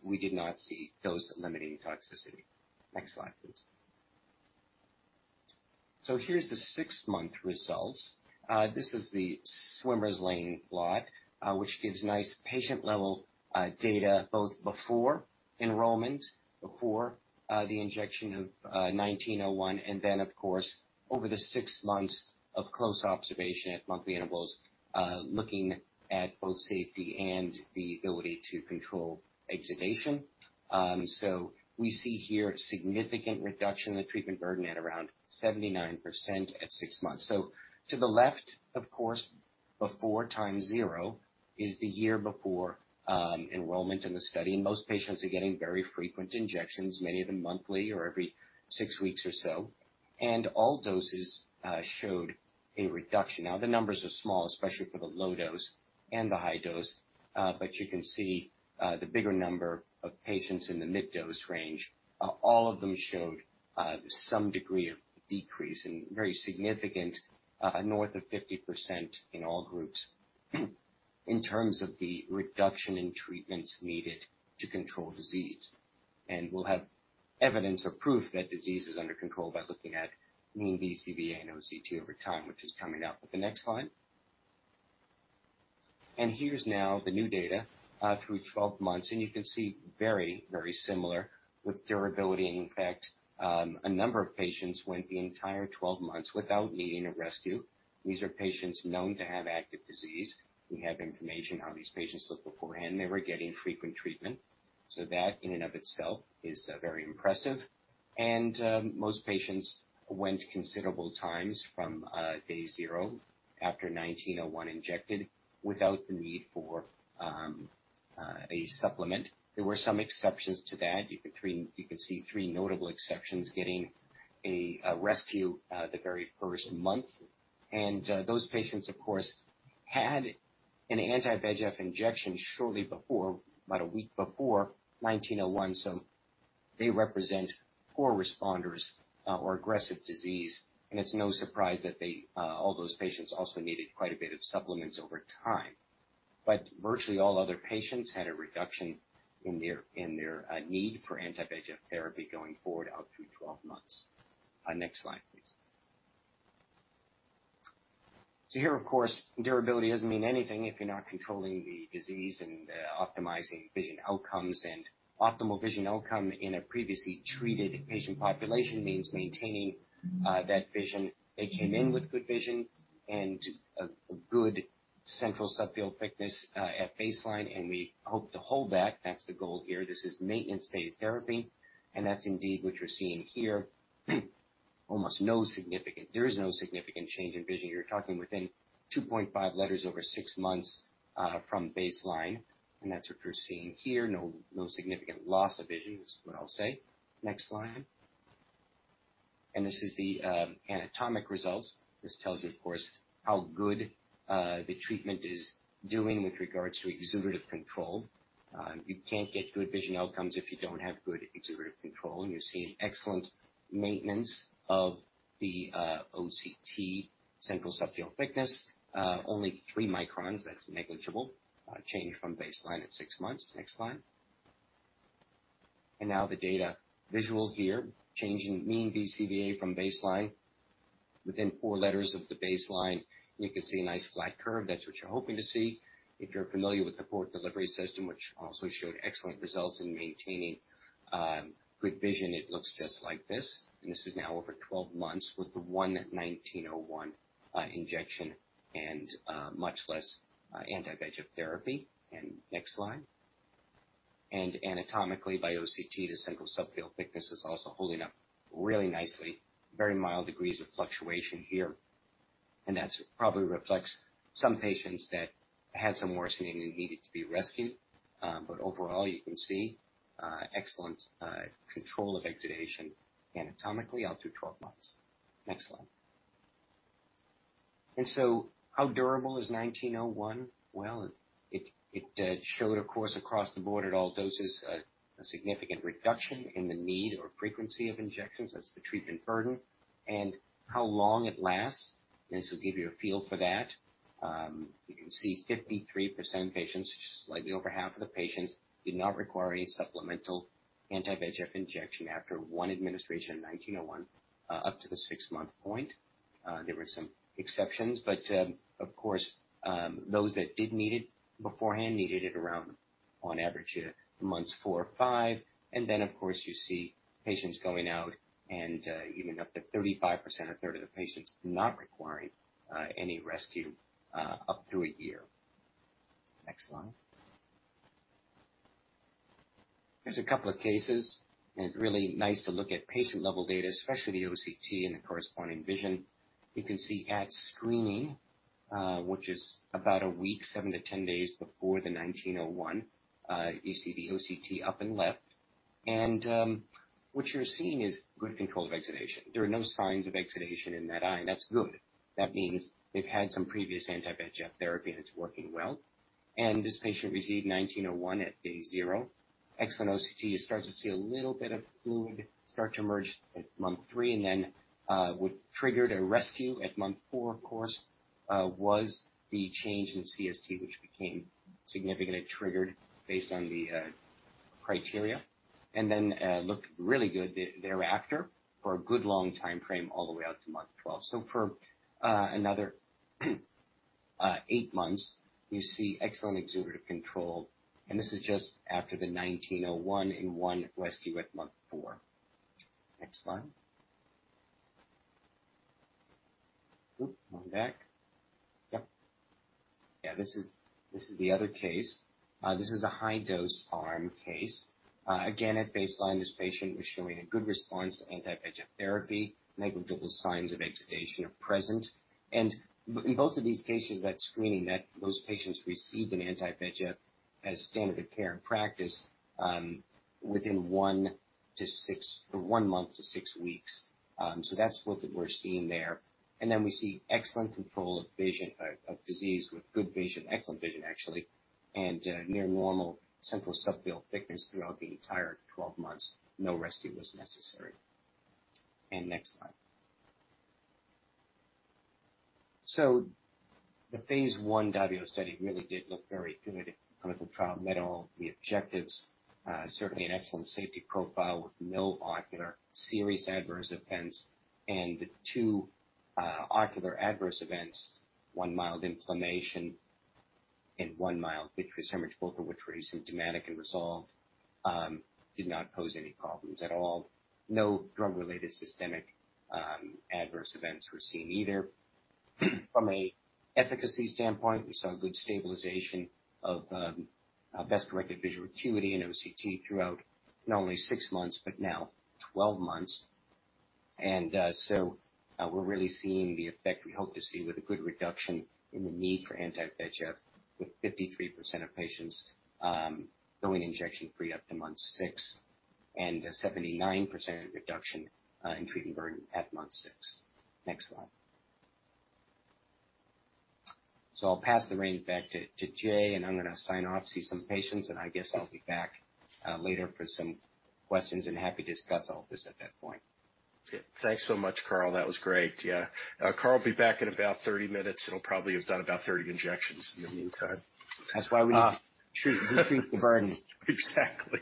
We did not see dose-limiting toxicity. Next slide, please. Here's the six-month results. This is the swimmer's lane plot, which gives nice patient-level data both before enrollment, before the injection of 1901, and then, of course, over the six months of close observation at monthly intervals, looking at both safety and the ability to control exudation. We see here a significant reduction in the treatment burden at around 79% at six months. To the left, of course, before time zero is the year before enrollment in the study. Most patients are getting very frequent injections, many of them monthly or every six weeks or so. All doses showed a reduction. Now, the numbers are small, especially for the low dose and the high dose. But you can see the bigger number of patients in the mid dose range. All of them showed some degree of decrease and very significant, north of 50% in all groups in terms of the reduction in treatments needed to control disease. We'll have evidence or proof that disease is under control by looking at mean BCVA and OCT over time, which is coming up with the next slide. Here's now the new data through 12 months, and you can see very, very similar with durability. In fact, a number of patients went the entire 12 months without needing a rescue. These are patients known to have active disease. We have information how these patients looked beforehand. They were getting frequent treatment. So that, in and of itself, is very impressive. Most patients went considerable times from day zero after 1901 injected without the need for a supplement. There were some exceptions to that. You could see three notable exceptions getting a rescue the very first month. Those patients, of course, had an anti-VEGF injection shortly before, about a week before, EYP-1901. They represent poor responders or aggressive disease. It's no surprise that they, all those patients also needed quite a bit of supplements over time. Virtually all other patients had a reduction in their need for anti-VEGF therapy going forward out through 12 months. Next slide, please. Here, of course, durability doesn't mean anything if you're not controlling the disease and optimizing vision outcomes. Optimal vision outcome in a previously treated patient population means maintaining that vision. They came in with good vision and a good central subfield thickness at baseline, and we hope to hold that. That's the goal here. This is maintenance phase therapy, and that's indeed what you're seeing here. Almost no significant. There is no significant change in vision. You're talking within 2.5 letters over six months from baseline, and that's what you're seeing here. No significant loss of vision is what I'll say. Next slide. This is the anatomic results. This tells you, of course, how good the treatment is doing with regards to exudative control. You can't get good vision outcomes if you don't have good exudative control. You're seeing excellent maintenance of the OCT central subfield thickness. Only three microns, that's negligible change from baseline at six months. Next slide. Now the data visual here, change in mean BCVA from baseline. Within four letters of the baseline, you can see a nice flat curve. That's what you're hoping to see. If you're familiar with the Port Delivery System, which also showed excellent results in maintaining good vision, it looks just like this. This is now over 12 months with the EYP-1901 injection and much less anti-VEGF therapy. Next slide. Anatomically by OCT, the central subfield thickness is also holding up really nicely. Very mild degrees of fluctuation here. That probably reflects some patients that had some worsening and needed to be rescued. But overall, you can see excellent control of exudation anatomically out to 12 months. Next slide. How durable is EYP-1901? Well, it did show, of course, across the board at all doses a significant reduction in the need or frequency of injections. That's the treatment burden and how long it lasts. This will give you a feel for that. You can see 53% of patients, just slightly over half of the patients, did not require any supplemental anti-VEGF injection after one administration of EYP-1901, up to the six-month point. There were some exceptions, but, of course, those that did need it beforehand needed it around, on average, months four or five. Then, of course, you see patients going out and, even up to 35%, 1/3 of the patients not requiring, any rescue, up to a year. Next slide. Here's a couple of cases, and really nice to look at patient-level data, especially the OCT and the corresponding vision. You can see at screening, which is about a week, 7-10 days before the EYP-1901, you see the OCT up and left. What you're seeing is good control of exudation. There are no signs of exudation in that eye, and that's good. That means they've had some previous anti-VEGF therapy, and it's working well. This patient received EYP-1901 at day zero. Excellent OCT. You start to see a little bit of fluid start to emerge at month three, and then what triggered a rescue at month four, of course, was the change in CST, which became significant. It triggered based on the criteria. Then looked really good thereafter for a good long timeframe all the way out to month 12. For another eight months, you see excellent exudative control, and this is just after the EYP-1901 and one Eylea at month four. Next slide. Ooh, one back. Yep. Yeah, this is the other case. This is a high-dose arm case. Again, at baseline, this patient was showing a good response to anti-VEGF therapy, negligible signs of exudation are present. In both of these cases at screening, those patients received an anti-VEGF as standard of care and practice, within one to six or one month to six weeks. That's what we're seeing there. We see excellent control of disease with good vision, excellent vision, actually. Near normal central subfield thickness throughout the entire 12 months. No rescue was necessary. Next slide. The phase 1 DAVIO study really did look very good. Clinical trial met all the objectives. Certainly an excellent safety profile with no ocular serious adverse events. The two ocular adverse events, one mild inflammation and one mild vitreous hemorrhage, both of which were asymptomatic and resolved, did not pose any problems at all. No drug-related systemic adverse events were seen either. From an efficacy standpoint, we saw good stabilization of best-corrected visual acuity and OCT throughout, not only six months but now 12 months. We're really seeing the effect we hope to see with a good reduction in the need for anti-VEGF, with 53% of patients going injection-free up to month six and a 79% reduction in treatment burden at month six. Next slide. I'll pass the rein back to Jay, and I'm gonna sign off, see some patients, and I guess I'll be back later for some questions, and happy to discuss all this at that point. Okay. Thanks so much, Carl. That was great. Yeah. Carl will be back in about 30 minutes, and he'll probably have done about 30 injections in the meantime. That's why we need to treat, decrease the burden. Exactly.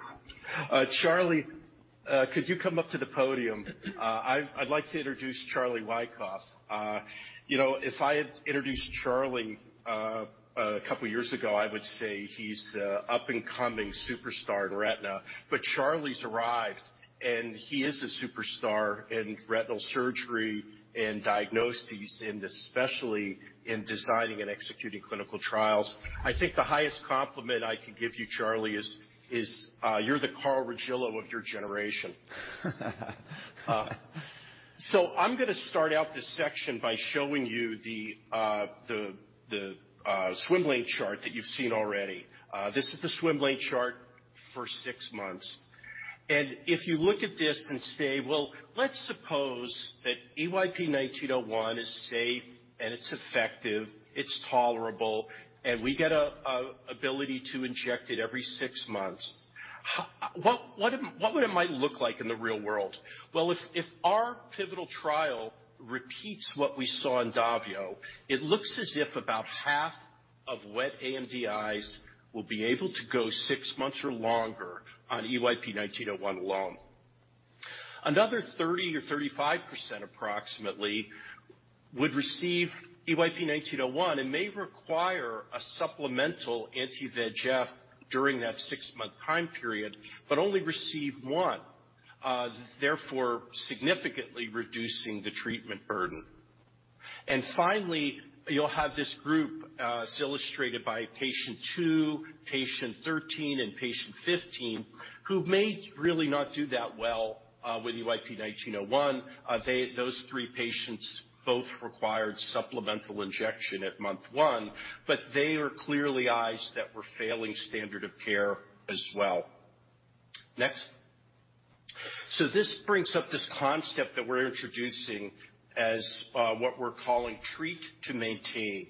Charlie, could you come up to the podium? I'd like to introduce Charles C. Wykoff. You know, if I had introduced Charles a couple years ago, I would say he's an up-and-coming superstar in retina. Charles has arrived, and he is a superstar in retinal surgery and diagnoses, and especially in designing and executing clinical trials. I think the highest compliment I could give you, Charles, is you're the Carl D. Regillo of your generation. I'm gonna start out this section by showing you the swimmer's lane plot that you've seen already. This is the swimmer's lane plot for six months. If you look at this and say, well, let's suppose that EYP-1901 is safe, and it's effective, it's tolerable, and we get an ability to inject it every six months. What would it might look like in the real world? Well, if our pivotal trial repeats what we saw in DAVIO, it looks as if about half of wet AMD eyes will be able to go six months or longer on EYP-1901 alone. Another 30% or 35% approximately would receive EYP-1901 and may require a supplemental anti-VEGF during that six-month time period but only receive one, therefore significantly reducing the treatment burden. Finally, you'll have this group, as illustrated by patient 2, patient 13, and patient 15, who may really not do that well, with EYP-1901. They, those three patients both required supplemental injection at month one, but they are clearly eyes that were failing standard of care as well. Next. This brings up this concept that we're introducing as, what we're calling treat to maintain.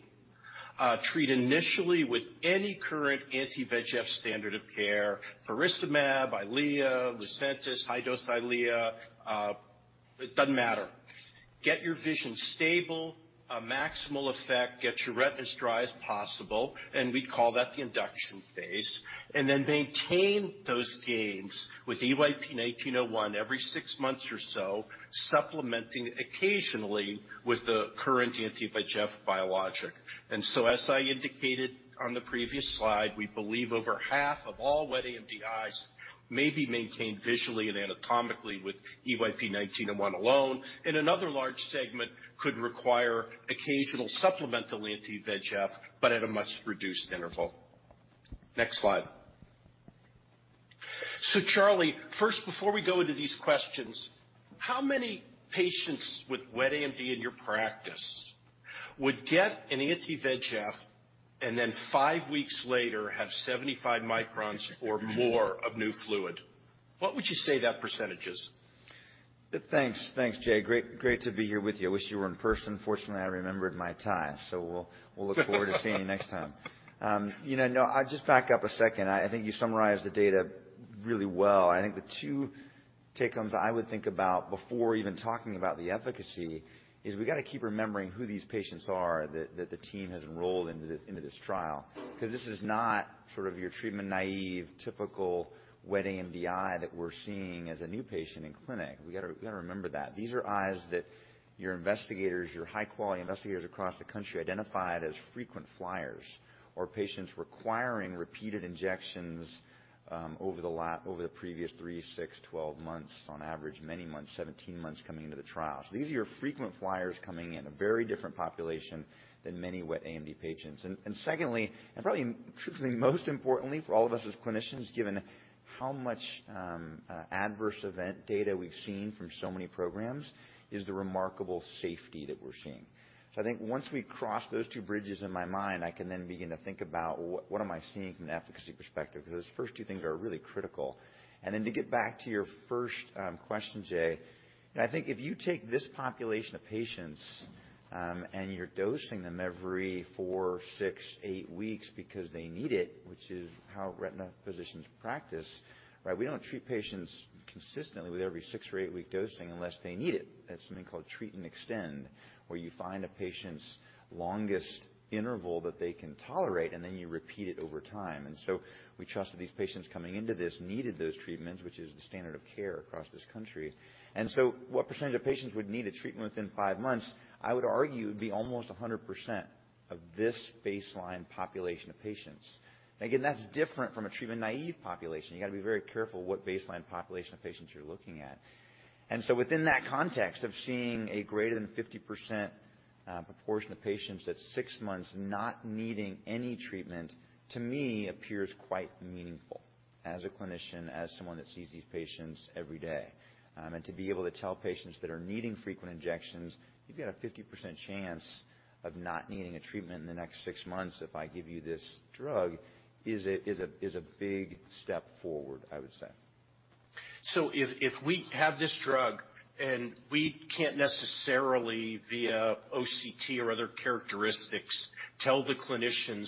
Treat initially with any current anti-VEGF standard of care, faricimab, Eylea, Lucentis, high-dose Eylea. It doesn't matter. Get your vision stable, a maximal effect, get your retinas dry as possible, and we call that the induction phase. Then maintain those gains with EYP-1901 every six months or so, supplementing occasionally with the current anti-VEGF biologic. As I indicated on the previous slide, we believe over half of all wet AMD eyes may be maintained visually and anatomically with EYP-1901 alone. Another large segment could require occasional supplemental anti-VEGF, but at a much reduced interval. Next slide. Charles, first, before we go into these questions, how many patients with wet AMD in your practice would get an anti-VEGF and then five weeks later have 75 microns or more of new fluid? What would you say that percentage is? Thanks. Thanks, Jay. Great to be here with you. I wish you were in person. Fortunately, I remembered my time, so we'll look forward to seeing you next time. You know, no, I'll just back up a second. I think you summarized the data really well. I think the two take-homes I would think about before even talking about the efficacy is we got to keep remembering who these patients are that the team has enrolled into this trial. 'Cause this is not sort of your treatment-naive, typical wet AMD eye that we're seeing as a new patient in clinic. We got to remember that. These are eyes that your investigators, your high-quality investigators across the country identified as frequent flyers or patients requiring repeated injections over the previous 3, 6, 12 months on average, many months, 17 months coming into the trial. These are your frequent flyers coming in, a very different population than many wet AMD patients. Secondly, and probably truthfully most importantly for all of us as clinicians, given how much adverse event data we've seen from so many programs, is the remarkable safety that we're seeing. I think once we cross those two bridges in my mind, I can then begin to think about what am I seeing from an efficacy perspective, because those first two things are really critical. To get back to your first question, Jay, I think if you take this population of patients, and you're dosing them every four, six, eight weeks because they need it, which is how retina physicians practice, right? We don't treat patients consistently with every six or eight-week dosing unless they need it. That's something called treat and extend, where you find a patient's longest interval that they can tolerate, and then you repeat it over time. We trusted these patients coming into this needed those treatments, which is the standard of care across this country. What percentage of patients would need a treatment within five months? I would argue it would be almost 100% of this baseline population of patients. Again, that's different from a treatment-naive population. You got to be very careful what baseline population of patients you're looking at. Within that context of seeing a greater than 50% proportion of patients at six months not needing any treatment, to me appears quite meaningful as a clinician, as someone that sees these patients every day. To be able to tell patients that are needing frequent injections, "You've got a 50% chance of not needing a treatment in the next six months if I give you this drug," is a big step forward, I would say. If we have this drug, and we can't necessarily via OCT or other characteristics tell the clinicians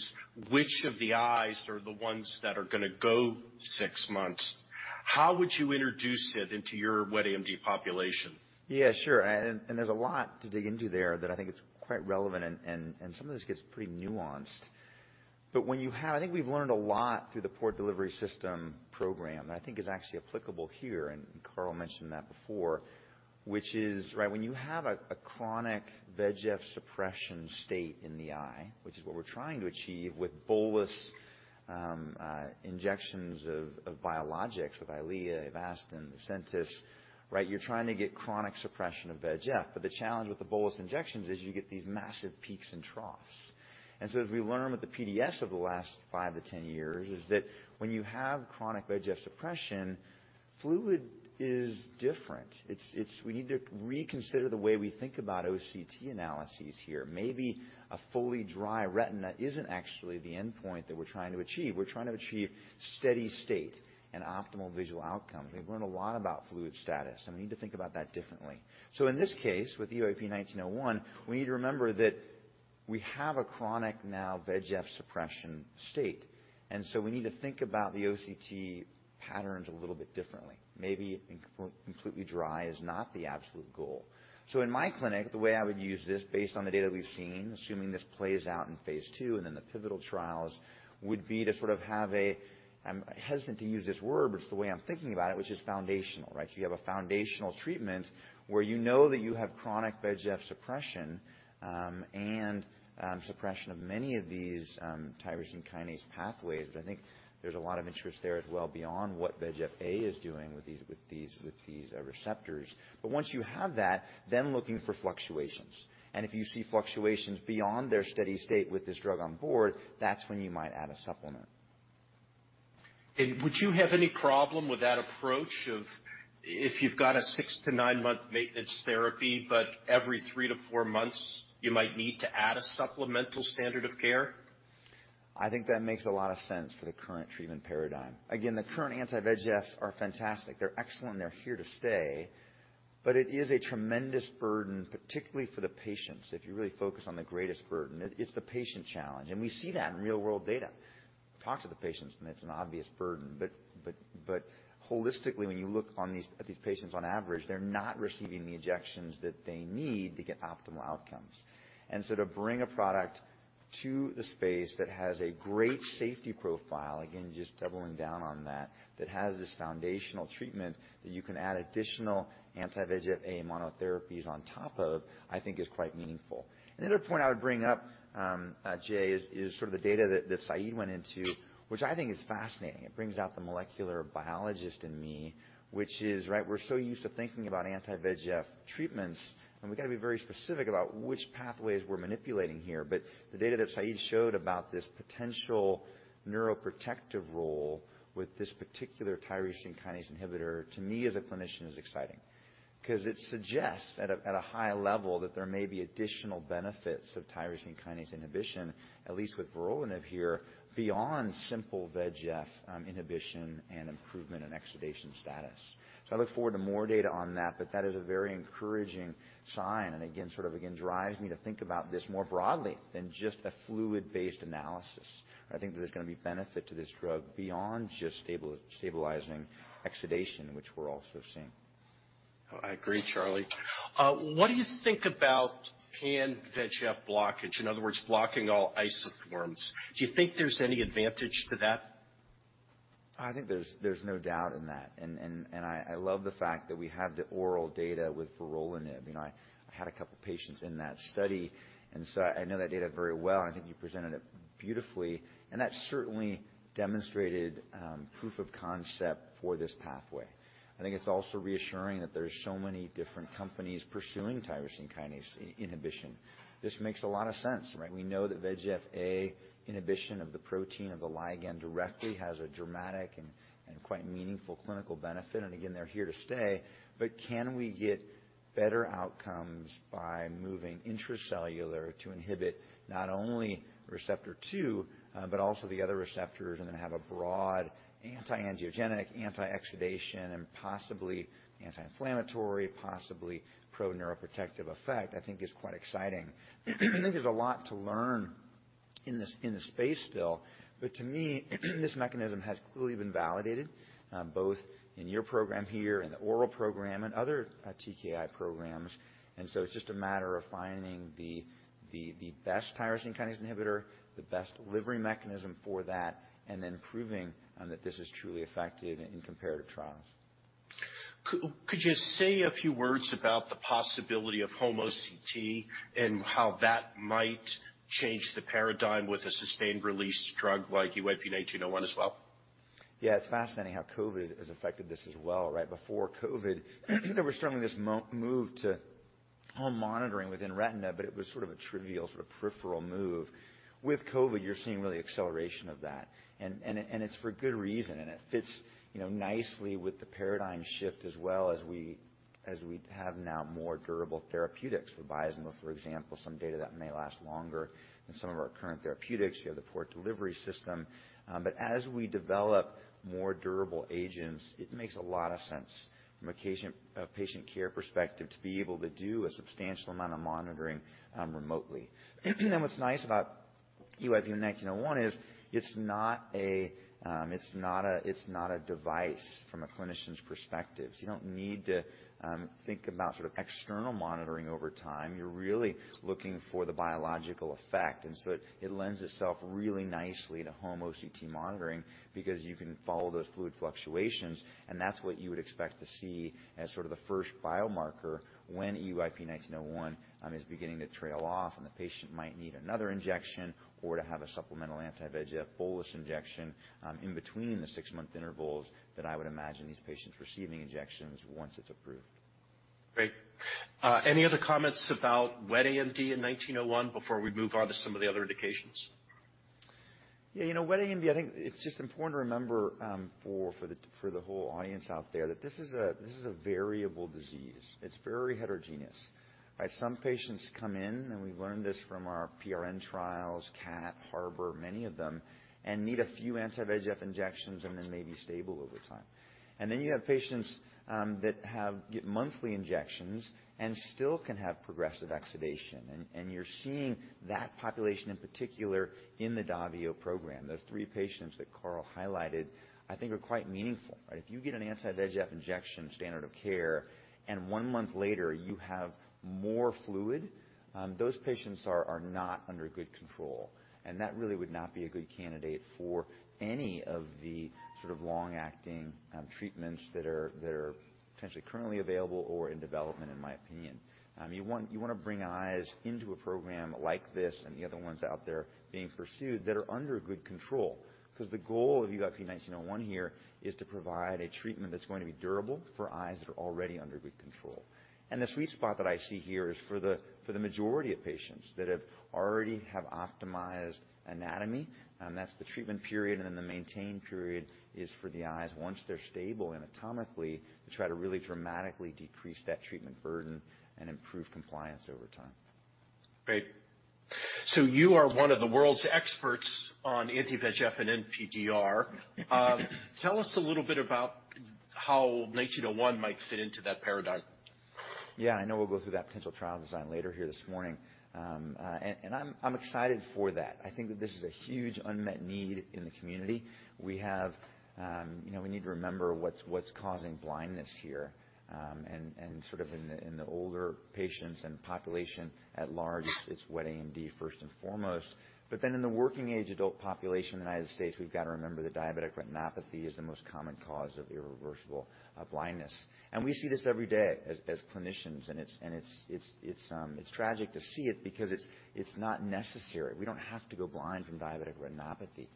which of the eyes are the ones that are gonna go six months, how would you introduce it into your wet AMD population? Yeah, sure. There's a lot to dig into there that I think it's quite relevant, and some of this gets pretty nuanced. But when you have, I think we've learned a lot through the Port Delivery System program that I think is actually applicable here, and Carl mentioned that before, which is, right when you have a chronic VEGF suppression state in the eye, which is what we're trying to achieve with bolus injections of biologics with Eylea, Avastin, Lucentis, right? You're trying to get chronic suppression of VEGF. But the challenge with the bolus injections is you get these massive peaks and troughs. As we learn with the PDS of the last 5-10 years is that when you have chronic VEGF suppression, fluid is different. We need to reconsider the way we think about OCT analyses here. Maybe a fully dry retina isn't actually the endpoint that we're trying to achieve. We're trying to achieve steady state and optimal visual outcomes. We've learned a lot about fluid status, and we need to think about that differently. In this case, with EYP-1901, we need to remember that we have a chronic now VEGF suppression state. We need to think about the OCT patterns a little bit differently. Maybe incompletely dry is not the absolute goal. In my clinic, the way I would use this based on the data we've seen, assuming this plays out in phase 2 and then the pivotal trials, would be to sort of have a, I'm hesitant to use this word, but it's the way I'm thinking about it, which is foundational, right? You have a foundational treatment where you know that you have chronic VEGF suppression and suppression of many of these tyrosine kinase pathways. I think there's a lot of interest there as well beyond what VEGF-A is doing with these receptors. Once you have that, looking for fluctuations, and if you see fluctuations beyond their steady state with this drug on board, that's when you might add a supplement. Would you have any problem with that approach of if you've got a six to nine-month maintenance therapy, but every three to four months you might need to add a supplemental standard of care? I think that makes a lot of sense for the current treatment paradigm. Again, the current anti-VEGF are fantastic. They're excellent. They're here to stay. It is a tremendous burden, particularly for the patients. If you really focus on the greatest burden, it's the patient challenge. We see that in real-world data. Talk to the patients, and it's an obvious burden. Holistically, when you look at these patients on average, they're not receiving the injections that they need to get optimal outcomes. To bring a product to the space that has a great safety profile, again, just doubling down on that has this foundational treatment that you can add additional anti-VEGF-A monotherapies on top of, I think is quite meaningful. Another point I would bring up, Jay, is sort of the data that Said went into, which I think is fascinating. It brings out the molecular biologist in me, which is, right, we're so used to thinking about anti-VEGF treatments, and we gotta be very specific about which pathways we're manipulating here. But the data that Said showed about this potential neuroprotective role with this particular tyrosine kinase inhibitor, to me as a clinician is exciting. 'Cause it suggests at a high level that there may be additional benefits of tyrosine kinase inhibition, at least with vorolanib here, beyond simple VEGF inhibition and improvement in exudation status. So I look forward to more data on that, but that is a very encouraging sign, and sort of drives me to think about this more broadly than just a fluid-based analysis. I think that there's gonna be benefit to this drug beyond just stabilizing exudation, which we're also seeing. Oh, I agree, Charlie. What do you think about pan-VEGF blockage? In other words, blocking all isoforms. Do you think there's any advantage to that? I think there's no doubt in that. I love the fact that we have the oral data with vorolanib. You know, I had a couple patients in that study, and so I know that data very well, and I think you presented it beautifully. That certainly demonstrated proof of concept for this pathway. I think it's also reassuring that there's so many different companies pursuing tyrosine kinase inhibition. This makes a lot of sense, right? We know that VEGF-A inhibition of the protein of the ligand directly has a dramatic and quite meaningful clinical benefit. Again, they're here to stay. Can we get better outcomes by moving intracellular to inhibit not only Receptor-2, but also the other receptors and then have a broad anti-angiogenic, anti-exudation, and possibly anti-inflammatory, possibly pro-neuroprotective effect, I think is quite exciting. I think there's a lot to learn in this space still, but to me, this mechanism has clearly been validated, both in your program here, in the oral program and other TKI programs. It's just a matter of finding the best tyrosine kinase inhibitor, the best delivery mechanism for that, and then proving that this is truly effective in comparative trials. Could you say a few words about the possibility of home OCT and how that might change the paradigm with a sustained release drug like EYP-1901 as well? Yeah. It's fascinating how COVID has affected this as well. Right before COVID, there was certainly this move to home monitoring within retina, but it was sort of a trivial, sort of peripheral move. With COVID, you're seeing really acceleration of that, and it's for good reason, and it fits, you know, nicely with the paradigm shift as well as we have now more durable therapeutics. With Vyzulta, for example, some data that may last longer than some of our current therapeutics. You have the Port Delivery System. But as we develop more durable agents, it makes a lot of sense from a patient care perspective to be able to do a substantial amount of monitoring remotely. What's nice about EYP-1901 is it's not a device from a clinician's perspective. You don't need to think about sort of external monitoring over time. You're really looking for the biological effect. It lends itself really nicely to home OCT monitoring because you can follow those fluid fluctuations, and that's what you would expect to see as sort of the first biomarker when EYP-1901 is beginning to trail off, and the patient might need another injection or to have a supplemental anti-VEGF bolus injection in between the six-month intervals that I would imagine these patients receiving injections once it's approved. Great. Any other comments about wet AMD in EYP-1901 before we move on to some of the other indications? Yeah. You know, wet AMD, I think it's just important to remember for the whole audience out there that this is a variable disease. It's very heterogeneous. All right? Some patients come in, and we've learned this from our PRN trials, CATT, HARBOR, many of them, and need a few anti-VEGF injections and then may be stable over time. Then you have patients that have q-monthly injections and still can have progressive exudation. You're seeing that population in particular in the DAVIO program. Those three patients that Carl highlighted, I think are quite meaningful. Right? If you get an anti-VEGF injection standard of care, and one month later you have more fluid, those patients are not under good control, and that really would not be a good candidate for any of the sort of long-acting treatments that are potentially currently available or in development in my opinion. You want, you wanna bring eyes into a program like this and the other ones out there being pursued that are under good control. 'Cause the goal of EYP-1901 here is to provide a treatment that's going to be durable for eyes that are already under good control. The sweet spot that I see here is for the majority of patients that already have optimized anatomy, and that's the treatment period, and then the maintain period is for the eyes. Once they're stable anatomically, we try to really dramatically decrease that treatment burden and improve compliance over time. Great. You are one of the world's experts on anti-VEGF and NPDR. Tell us a little bit about how 1901 might fit into that paradigm. Yeah. I know we'll go through that potential trial design later here this morning. I'm excited for that. I think that this is a huge unmet need in the community. We have, you know, we need to remember what's causing blindness here. Sort of in the older patients and population at large, it's wet AMD first and foremost. In the working age adult population in the United States, we've got to remember that diabetic retinopathy is the most common cause of irreversible blindness. We see this every day as clinicians, and it's tragic to see it because it's not necessary. We don't have to go blind from diabetic retinopathy.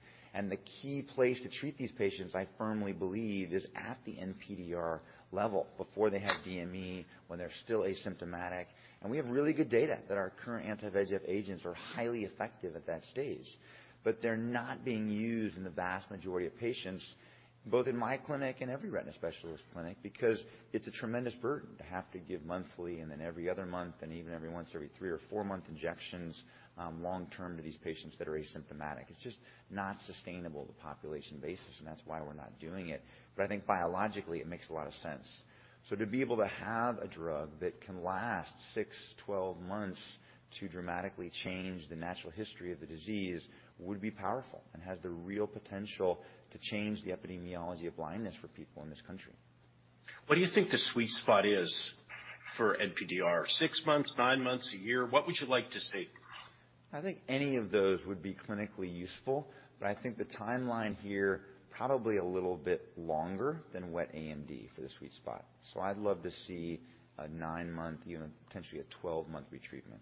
The key place to treat these patients, I firmly believe, is at the NPDR level before they have DME, when they're still asymptomatic. We have really good data that our current anti-VEGF agents are highly effective at that stage. They're not being used in the vast majority of patients, both in my clinic and every retina specialist clinic, because it's a tremendous burden to have to give monthly and then every other month and even every once every three or four-month injections, long-term to these patients that are asymptomatic. It's just not sustainable at the population basis, and that's why we're not doing it. I think biologically it makes a lot of sense. To be able to have a drug that can last 6, 12 months to dramatically change the natural history of the disease would be powerful and has the real potential to change the epidemiology of blindness for people in this country. What do you think the sweet spot is for NPDR? Six months, nine months, a year? What would you like to see? I think any of those would be clinically useful, but I think the timeline here probably a little bit longer than wet AMD for the sweet spot. I'd love to see a nine-month, even potentially a 12-month retreatment.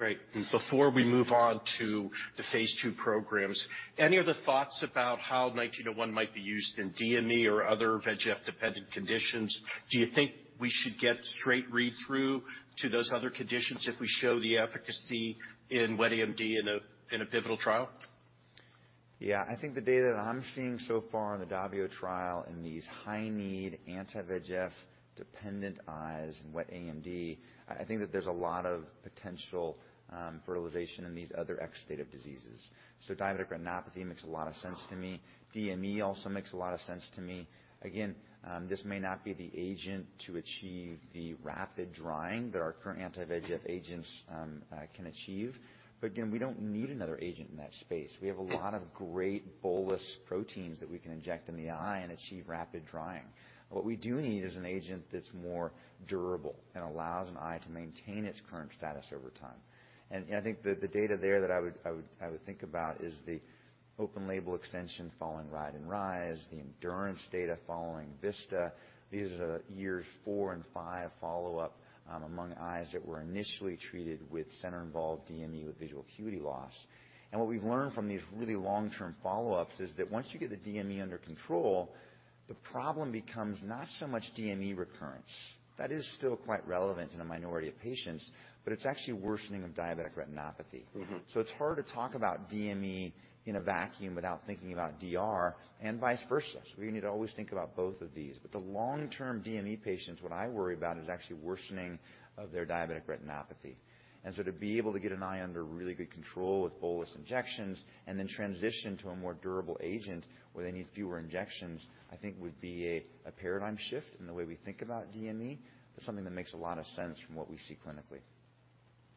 Great. Before we move on to the phase 2 programs, any other thoughts about how EYP-1901 might be used in DME or other VEGF-dependent conditions? Do you think we should get straight read-through to those other conditions if we show the efficacy in wet AMD in a pivotal trial? Yeah. I think the data that I'm seeing so far in the DAVIO trial in these high-need anti-VEGF dependent eyes and wet AMD. I think that there's a lot of potential utilization in these other states of diseases. Diabetic retinopathy makes a lot of sense to me. DME also makes a lot of sense to me. Again, this may not be the agent to achieve the rapid drying that our current anti-VEGF agents can achieve. Again, we don't need another agent in that space. We have a lot of great bolus proteins that we can inject in the eye and achieve rapid drying. What we do need is an agent that's more durable and allows an eye to maintain its current status over time. I think the data there that I would think about is the open-label extension following RIDE and RISE, the endurance data following VISTA. These are years four and five follow-up among eyes that were initially treated with center-involved DME with visual acuity loss. What we've learned from these really long-term follow-ups is that once you get the DME under control, the problem becomes not so much DME recurrence. That is still quite relevant in a minority of patients, but it's actually worsening of diabetic retinopathy. It's hard to talk about DME in a vacuum without thinking about DR and vice versa. We need to always think about both of these. The long-term DME patients, what I worry about is actually worsening of their diabetic retinopathy. To be able to get an eye under really good control with bolus injections and then transition to a more durable agent where they need fewer injections, I think would be a paradigm shift in the way we think about DME, but something that makes a lot of sense from what we see clinically.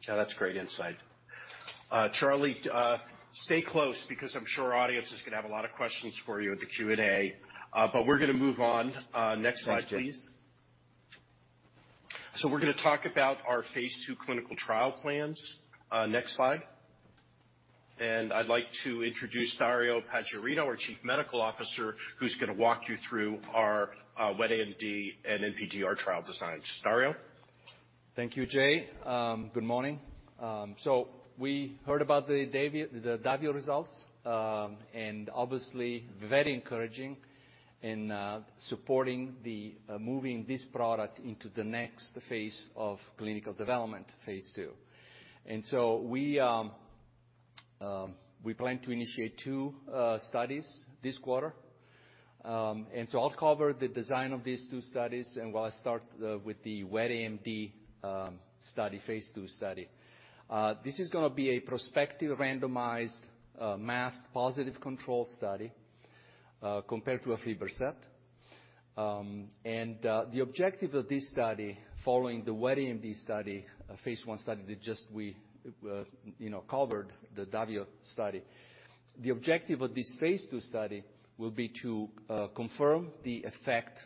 Yeah, that's great insight. Charlie, stay close because I'm sure our audience is gonna have a lot of questions for you in the Q&A. We're gonna move on. Next slide, please. Thank you. We're gonna talk about our phase two clinical trial plans. Next slide. I'd like to introduce Dario Paggiarino, our Chief Medical Officer, who's gonna walk you through our wet AMD and NPDR trial designs. Dario. Thank you, Jay. Good morning. We heard about the DAVIO results, and obviously very encouraging in supporting the moving this product into the next phase of clinical development, phase 2. We plan to initiate two studies this quarter. I'll cover the design of these two studies, and we'll start with the wet AMD study, phase 2 study. This is gonna be a prospective randomized, masked positive control study, compared to aflibercept. The objective of this study following the wet AMD study, phase 1 study that we just you know covered the DAVIO study. The objective of this phase 2 study will be to confirm the effect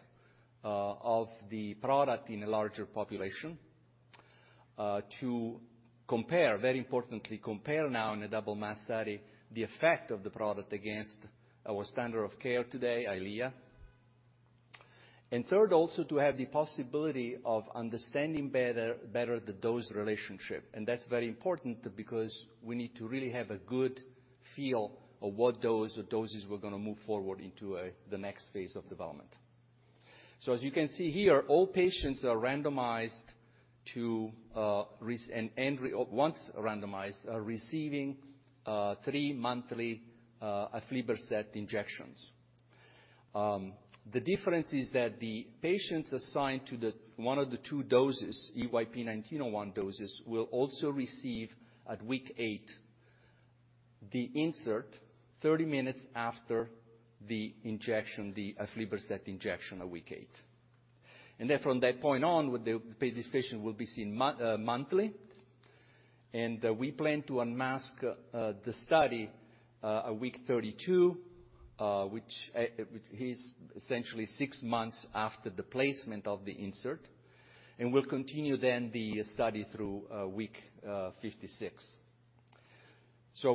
of the product in a larger population, to compare, very importantly, now in a double-masked study the effect of the product against our standard of care today, Eylea. Third, also to have the possibility of understanding better the dose relationship, and that's very important because we need to really have a good feel of what dose or doses we're gonna move forward into the next phase of development. As you can see here, all patients are randomized, once randomized, are receiving three monthly aflibercept injections. The difference is that the patients assigned to one of the two doses, EYP-1901 doses, will also receive at week eight the insert 30 minutes after the injection, the aflibercept injection at week eight. From that point on, these patients will be seen monthly, and we plan to unmask the study at week 32, which is essentially six months after the placement of the insert, and we'll continue the study through week 56.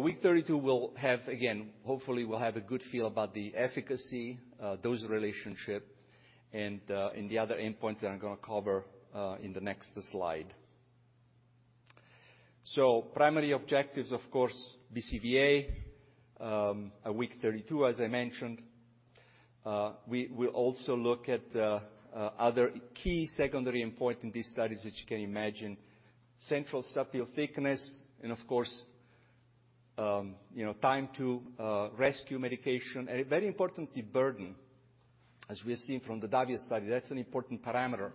Week 32, we'll have again, hopefully, a good feel about the efficacy, dose relationship, and the other endpoints that I'm gonna cover in the next slide. Primary objectives, of course, BCVA at week 32, as I mentioned. We also look at other key secondary endpoint in these studies, as you can imagine, central subfield thickness and of course, you know, time to rescue medication and very importantly, burden. As we have seen from the DAVIO study, that's an important parameter.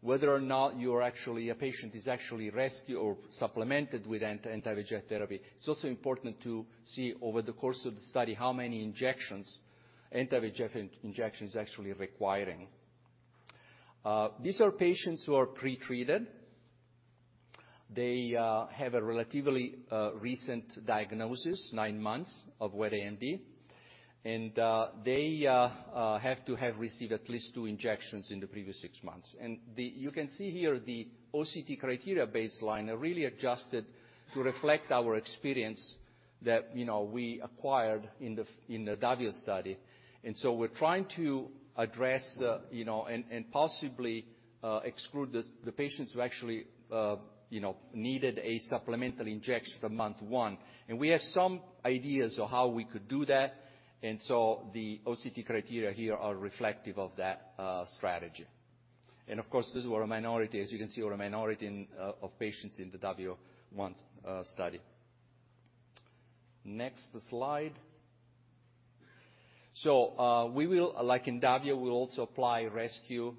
Whether or not you are actually a patient is actually rescue or supplemented with an anti-VEGF therapy, it's also important to see over the course of the study how many injections, anti-VEGF injections actually requiring. These are patients who are pre-treated. They have a relatively recent diagnosis, nine months of wet AMD, and they have to have received at least two injections in the previous six months. You can see here the OCT criteria baseline are really adjusted to reflect our experience that, you know, we acquired in the DAVIO study. We're trying to address, you know, and possibly exclude the patients who actually, you know, needed a supplemental injection at month one. We have some ideas of how we could do that, and so the OCT criteria here are reflective of that, strategy. Of course, this is what a minority of patients in the DAVIO 1 study. Next slide. We will, like in DAVIO, also apply rescue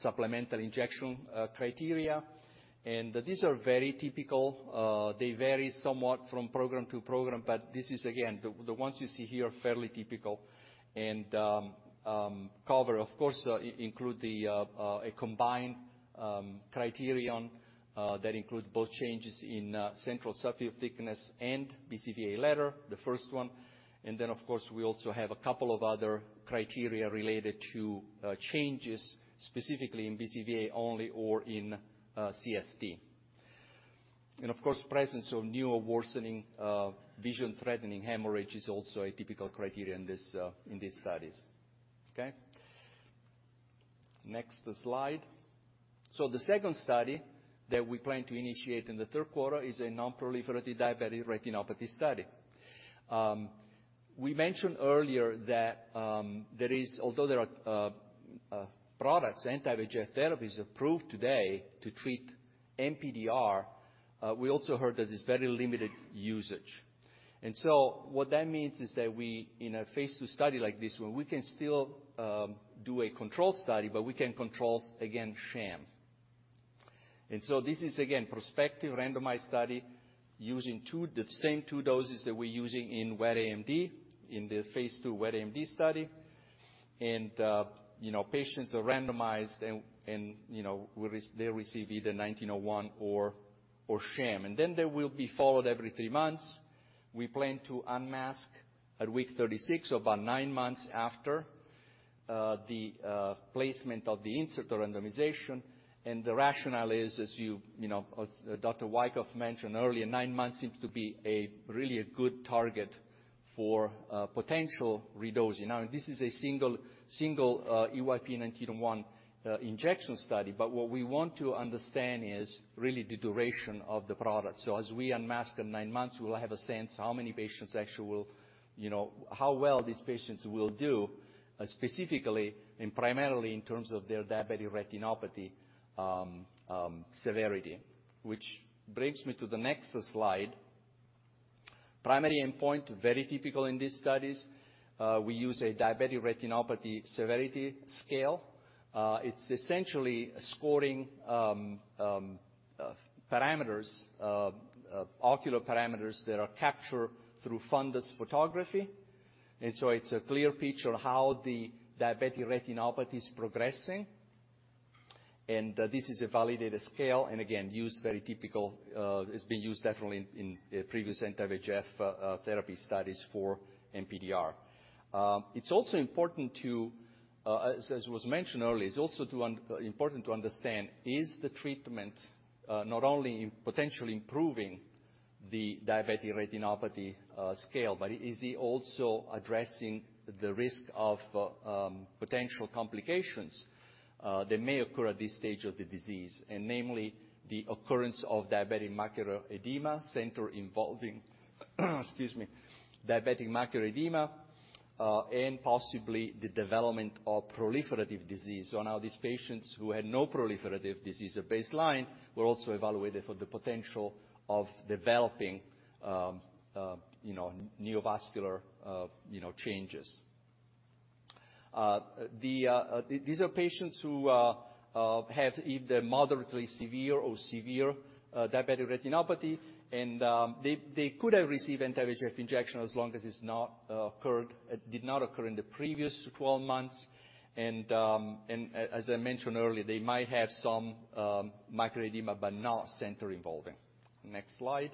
supplemental injection criteria. These are very typical. They vary somewhat from program to program, but this is again, the ones you see here are fairly typical and of course include a combined criterion that includes both changes in central subfield thickness and BCVA letter, the first one. Then, of course, we also have a couple of other criteria related to changes specifically in BCVA only or in CST. Of course, presence of new or worsening vision-threatening hemorrhage is also a typical criterion in this, in these studies. Okay. Next slide. The second study that we plan to initiate in the third quarter is a non-proliferative diabetic retinopathy study. We mentioned earlier that although there are products, anti-VEGF therapies approved today to treat NPDR, we also heard that it's very limited usage. What that means is that we, in a phase 2 study like this one, can still do a control study, but we can control again, sham. This is again a prospective randomized study using the same two doses that we're using in wet AMD, in the phase 2 wet AMD study. You know, patients are randomized and they receive either EYP-1901 or sham. They will be followed every three months. We plan to unmask at week 36, about nine months after the placement of the insert or randomization. The rationale is, as you know, as Dr. Wykoff mentioned earlier, nine months seems to be a really good target for potential redosing. Now, this is a single EYP-1901 injection study, but what we want to understand is really the duration of the product. As we unmask in nine months, we will have a sense how many patients actually will, you know, how well these patients will do, specifically and primarily in terms of their Diabetic Retinopathy Severity, which brings me to the next slide. Primary endpoint, very typical in these studies. We use a Diabetic Retinopathy Severity Scale. It's essentially scoring ocular parameters that are captured through fundus photography. It's a clear picture of how the diabetic retinopathy is progressing. This is a validated scale, and again used very typical, it's been used definitely in previous anti-VEGF therapy studies for NPDR. It's also important to, as was mentioned earlier, it's also important to understand, is the treatment not only potentially improving the diabetic retinopathy scale, but is it also addressing the risk of potential complications that may occur at this stage of the disease, and namely the occurrence of diabetic macular edema, center involving, excuse me, diabetic macular edema. Possibly the development of proliferative disease. These patients who had non-proliferative disease at baseline were also evaluated for the potential of developing, you know, neovascular, you know, changes. These are patients who have either moderately severe or severe diabetic retinopathy, and they could have received anti-VEGF injection as long as it did not occur in the previous 12 months. As I mentioned earlier, they might have some macular edema, but not center-involving. Next slide.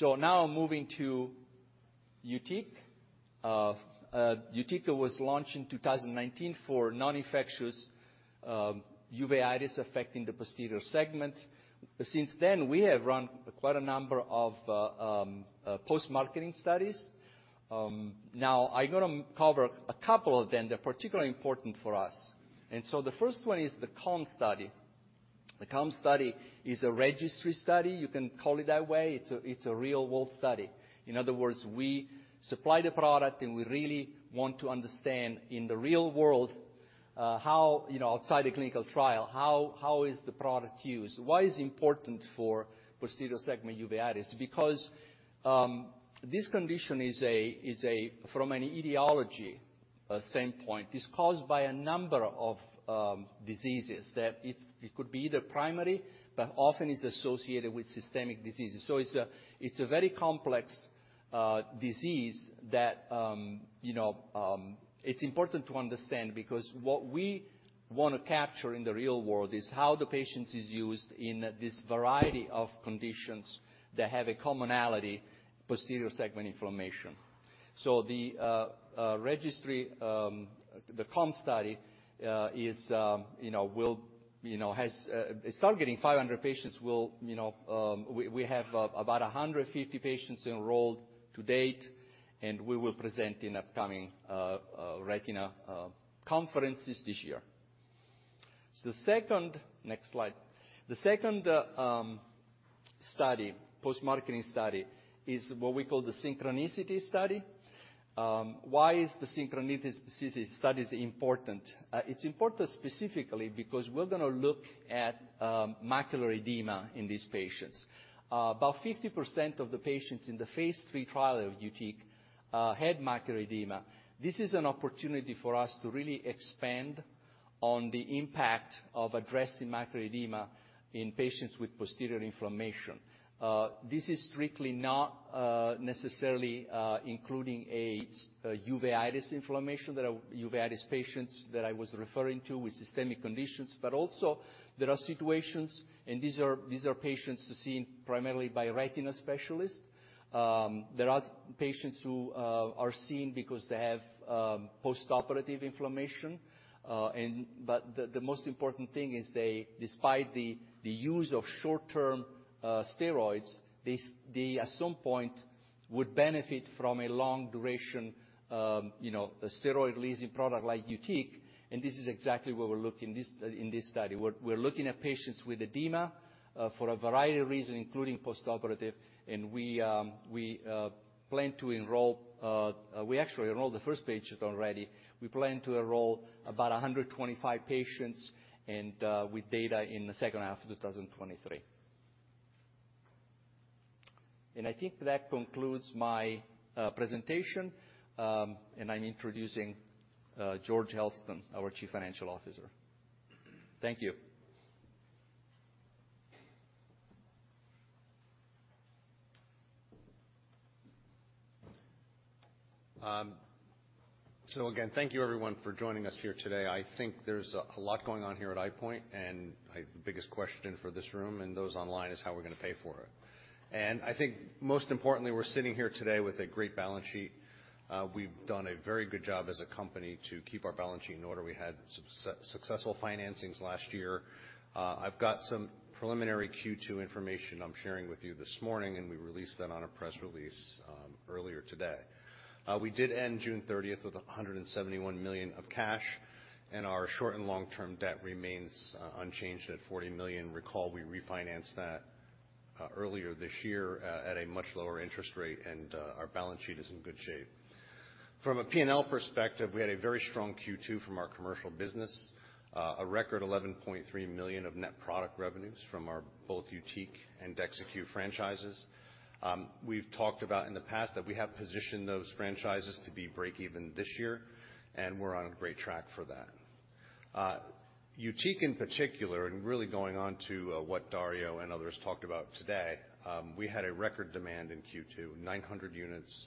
Now moving to YUTIQ. YUTIQ was launched in 2019 for non-infectious uveitis affecting the posterior segment. Since then, we have run quite a number of post-marketing studies. Now I gonna cover a couple of them. They're particularly important for us. The first one is the CALM study. The CALM study is a registry study. You can call it that way. It's a real-world study. In other words, we supply the product, and we really want to understand, in the real world, you know, outside the clinical trial, how is the product used? Why is it important for posterior segment uveitis? Because this condition is a, from an etiology standpoint, is caused by a number of diseases that it could be either primary, but often is associated with systemic diseases. It's a very complex disease that you know it's important to understand, because what we wanna capture in the real world is how the implant is used in this variety of conditions that have a commonality, posterior segment inflammation. The registry, the CALM study, you know, is targeting 500 patients. You know, we have about 150 patients enrolled to date, and we will present in upcoming retina conferences this year. The second study, post-marketing study, is what we call the Synchronicity study. Why is the Synchronicity study important? It's important specifically because we're gonna look at macular edema in these patients. About 50% of the patients in the phase 3 trial of YUTIQ had macular edema. This is an opportunity for us to really expand on the impact of addressing macular edema in patients with posterior inflammation. This is strictly not necessarily including a uveitis inflammation that uveitis patients that I was referring to with systemic conditions, but also there are situations, and these are patients seen primarily by a retina specialist. There are patients who are seen because they have postoperative inflammation. But the most important thing is they, despite the use of short-term steroids, they at some point would benefit from a long duration, you know, a steroid-releasing product like YUTIQ, and this is exactly what we're looking this, in this study. We're looking at patients with edema for a variety of reasons, including postoperative. We plan to enroll, we actually enrolled the first patient already. We plan to enroll about 125 patients, and with data in the second half of 2023. I think that concludes my presentation. I'm introducing George Elston, our Chief Financial Officer. Thank you. Again, thank you everyone for joining us here today. I think there's a lot going on here at EyePoint, and the biggest question for this room and those online is how we're gonna pay for it. I think most importantly, we're sitting here today with a great balance sheet. We've done a very good job as a company to keep our balance sheet in order. We had successful financings last year. I've got some preliminary Q2 information I'm sharing with you this morning, and we released that on a press release earlier today. We did end June 30th with $171 million of cash, and our short and long-term debt remains unchanged at $40 million. Recall, we refinanced that earlier this year at a much lower interest rate, and our balance sheet is in good shape. From a P&L perspective, we had a very strong Q2 from our commercial business. A record $11.3 million of net product revenues from both YUTIQ and DEXYCU franchises. We've talked about in the past that we have positioned those franchises to be break even this year, and we're on a great track for that. YUTIQ in particular, and really going on to what Dario and others talked about today, we had a record demand in Q2, 900 units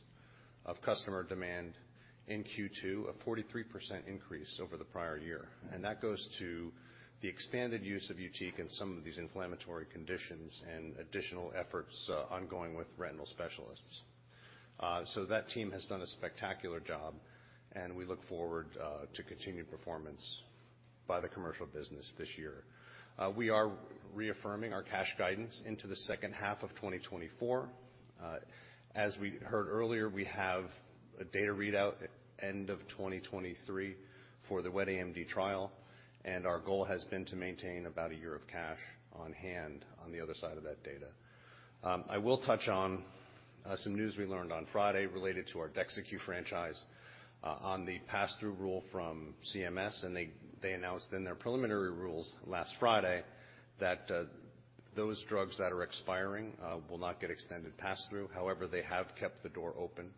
of customer demand in Q2, a 43% increase over the prior year. That goes to the expanded use of YUTIQ in some of these inflammatory conditions and additional efforts ongoing with retinal specialists. That team has done a spectacular job, and we look forward to continued performance by the commercial business this year. We are reaffirming our cash guidance into the second half of 2024. As we heard earlier, we have a data readout end of 2023 for the wet AMD trial, and our goal has been to maintain about a year of cash on hand on the other side of that data. I will touch on some news we learned on Friday related to our DEXYCU franchise on the pass-through rule from CMS. They announced in their preliminary rules last Friday that those drugs that are expiring will not get extended pass-through. However, they have kept the door open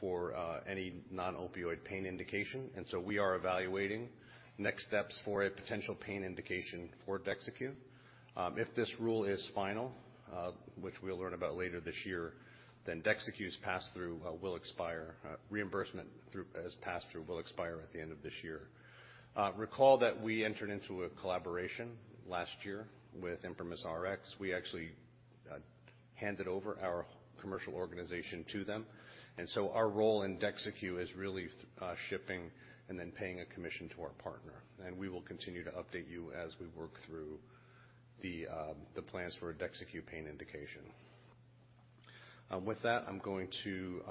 for any non-opioid pain indication, and so we are evaluating next steps for a potential pain indication for DEXYCU. If this rule is final, which we'll learn about later this year, then DEXYCU's pass-through will expire, reimbursement through pass-through will expire at the end of this year. Recall that we entered into a collaboration last year with ImprimisRx. We actually handed over our commercial organization to them, and so our role in DEXYCU is really shipping and then paying a commission to our partner. We will continue to update you as we work through the plans for a DEXYCU pain indication. With that, I'm going to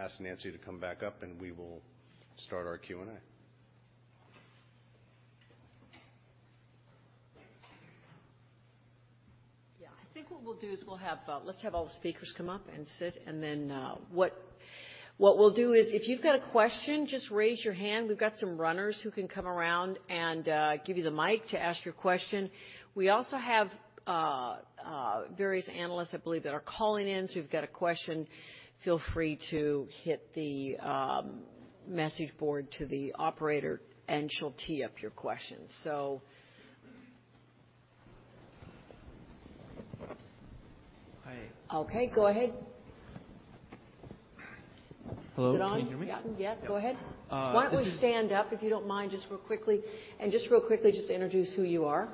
ask Nancy to come back up, and we will start our Q&A. Yeah. I think what we'll do is let's have all the speakers come up and sit and then what we'll do is if you've got a question, just raise your hand. We've got some runners who can come around and give you the mic to ask your question. We also have various analysts, I believe, that are calling in. If you've got a question, feel free to hit the message board to the operator, and she'll tee up your questions. Hi. Okay, go ahead. Hello. Can you hear me? Is it on? Yeah. Yeah. Go ahead. Uh, this is- Why don't you stand up, if you don't mind, just real quickly. Just real quickly, just introduce who you are-